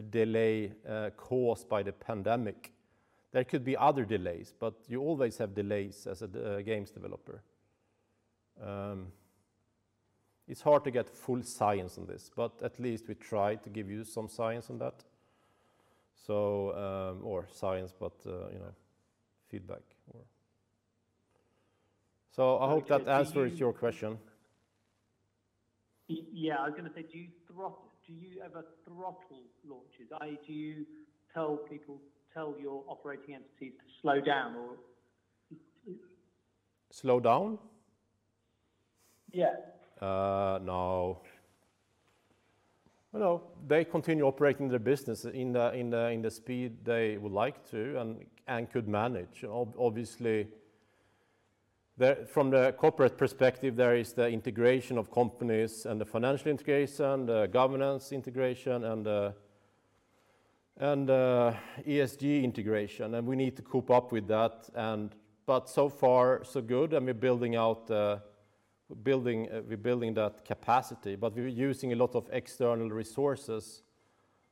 delay caused by the pandemic. There could be other delays, but you always have delays as a games developer. It's hard to get full science on this, but at least we try to give you some science on that. Science, but feedback. I hope that answers your question. Yeah. I was going to say, do you ever throttle launches? Do you tell your operating entities to slow down? Slow down? Yeah. No. They continue operating their business in the speed they would like to and could manage. Obviously, from the corporate perspective, there is the integration of companies and the financial integration, the governance integration, and ESG integration, and we need to keep up with that. So far so good, and we're building that capacity. We're using a lot of external resources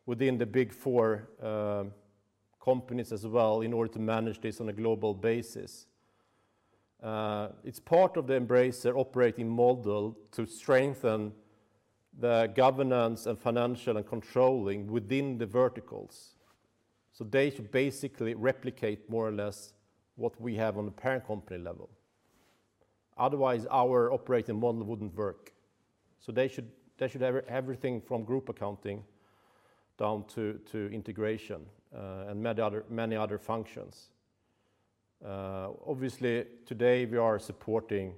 within the Big Four companies as well in order to manage this on a global basis. It's part of the Embracer operating model to strengthen the governance and financial and controlling within the verticals. They should basically replicate more or less what we have on the parent company level. Otherwise, our operating model wouldn't work. They should have everything from group accounting down to integration, and many other functions. Obviously, today we are supporting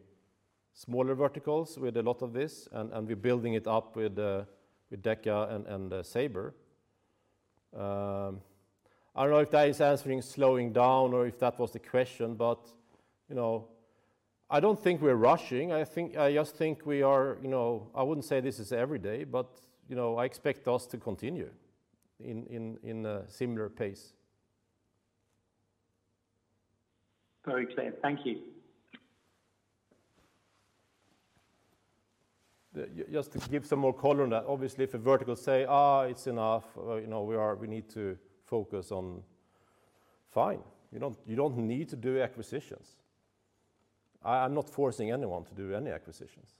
smaller verticals with a lot of this, and we're building it up with DECA and Saber. I don't know if that is answering slowing down or if that was the question, but I don't think we're rushing. I wouldn't say this is every day, but I expect us to continue in a similar pace. Very clear. Thank you. Just to give some more color on that. Obviously, if a vertical say, "It's enough. We need to focus on" Fine. You don't need to do acquisitions. I am not forcing anyone to do any acquisitions.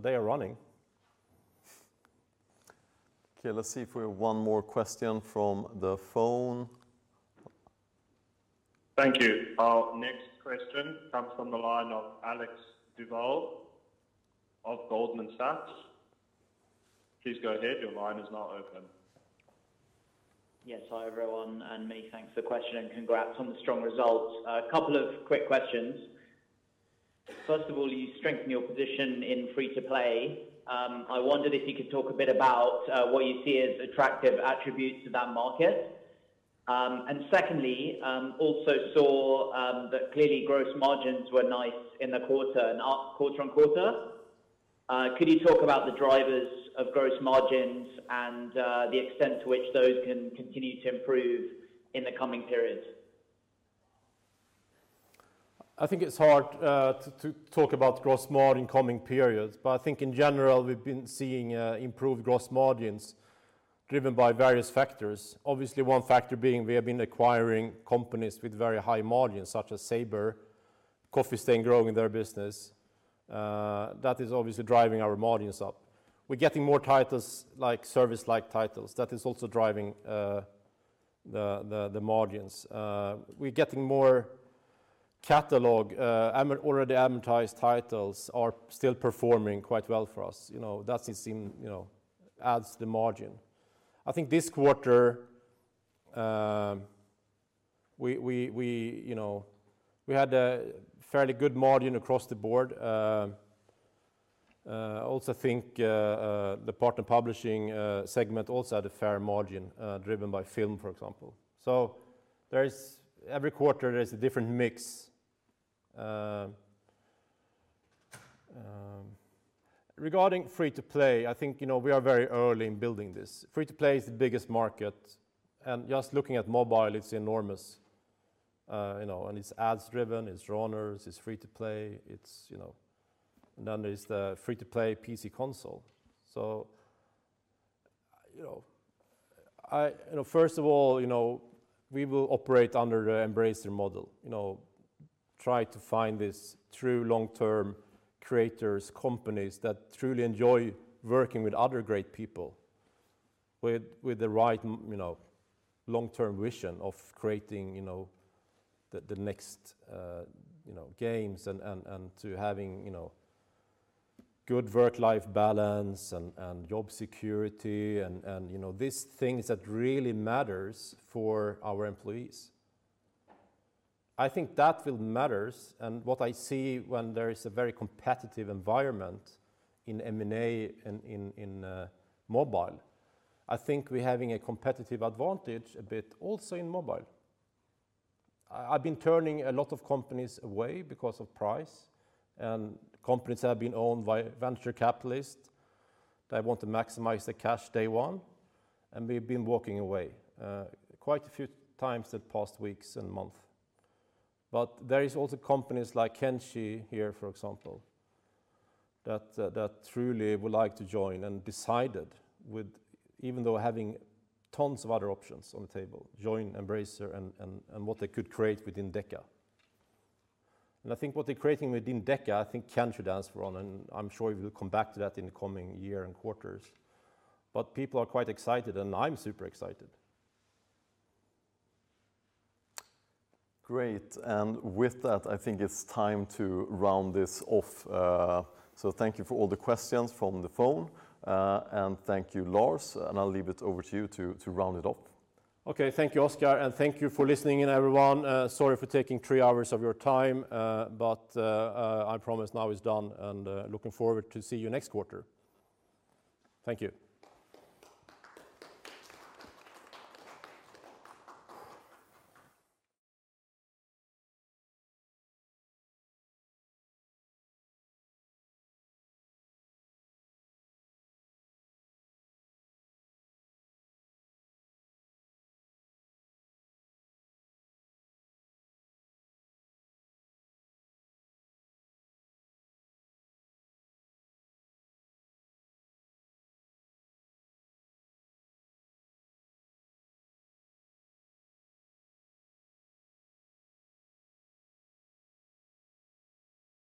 They are running. Okay, let's see if we have one more question from the phone. Thank you. Our next question comes from the line of Alexander Duval of Goldman Sachs. Please go ahead, your line is now open Yes. Hi, everyone. Many thanks for the question. Congrats on the strong results. A couple of quick questions. First of all, you strengthen your position in free-to-play. I wondered if you could talk a bit about what you see as attractive attributes to that market. Secondly, also saw that clearly gross margins were nice in the quarter and up quarter on quarter. Could you talk about the drivers of gross margins and the extent to which those can continue to improve in the coming periods? I think it's hard to talk about gross margin coming periods. I think in general, we've been seeing improved gross margins driven by various factors. Obviously, one factor being we have been acquiring companies with very high margins, such as Saber, Coffee Stain growing their business. That is obviously driving our margins up. We're getting more service-like titles, that is also driving the margins. We're getting more catalog. Already amortized titles are still performing quite well for us. That adds the margin. I think this quarter, we had a fairly good margin across the board. I also think the partner publishing segment also had a fair margin, driven by film, for example. Every quarter, there's a different mix. Regarding free-to-play, I think, we are very early in building this. Free-to-play is the biggest market, and just looking at mobile, it's enormous. It's ads driven, it's runners, it's free-to-play. There's the free-to-play PC console. First of all, we will operate under the Embracer model. Try to find these true long-term creators, companies that truly enjoy working with other great people with the right long-term vision of creating the next games and to having good work-life balance and job security, and these things that really matters for our employees. I think that will matters, and what I see when there is a very competitive environment in M&A in mobile, I think we're having a competitive advantage a bit also in mobile. I've been turning a lot of companies away because of price, and companies that have been owned by venture capitalists that want to maximize the cash day one, and we've been walking away quite a few times the past weeks and month. There is also companies like Kenshi here, for example, that truly would like to join and decided, even though having tons of other options on the table, join Embracer and what they could create within DECA. I think what they're creating within DECA, I think can transfer on, and I'm sure we'll come back to that in the coming year and quarters. People are quite excited, and I'm super excited. Great. With that, I think it's time to round this off. Thank you for all the questions from the phone. Thank you, Lars, and I'll leave it over to you to round it up. Okay. Thank you, Oscar, and thank you for listening in, everyone. Sorry for taking three hours of your time, but I promise now it's done, and looking forward to see you next quarter. Thank you.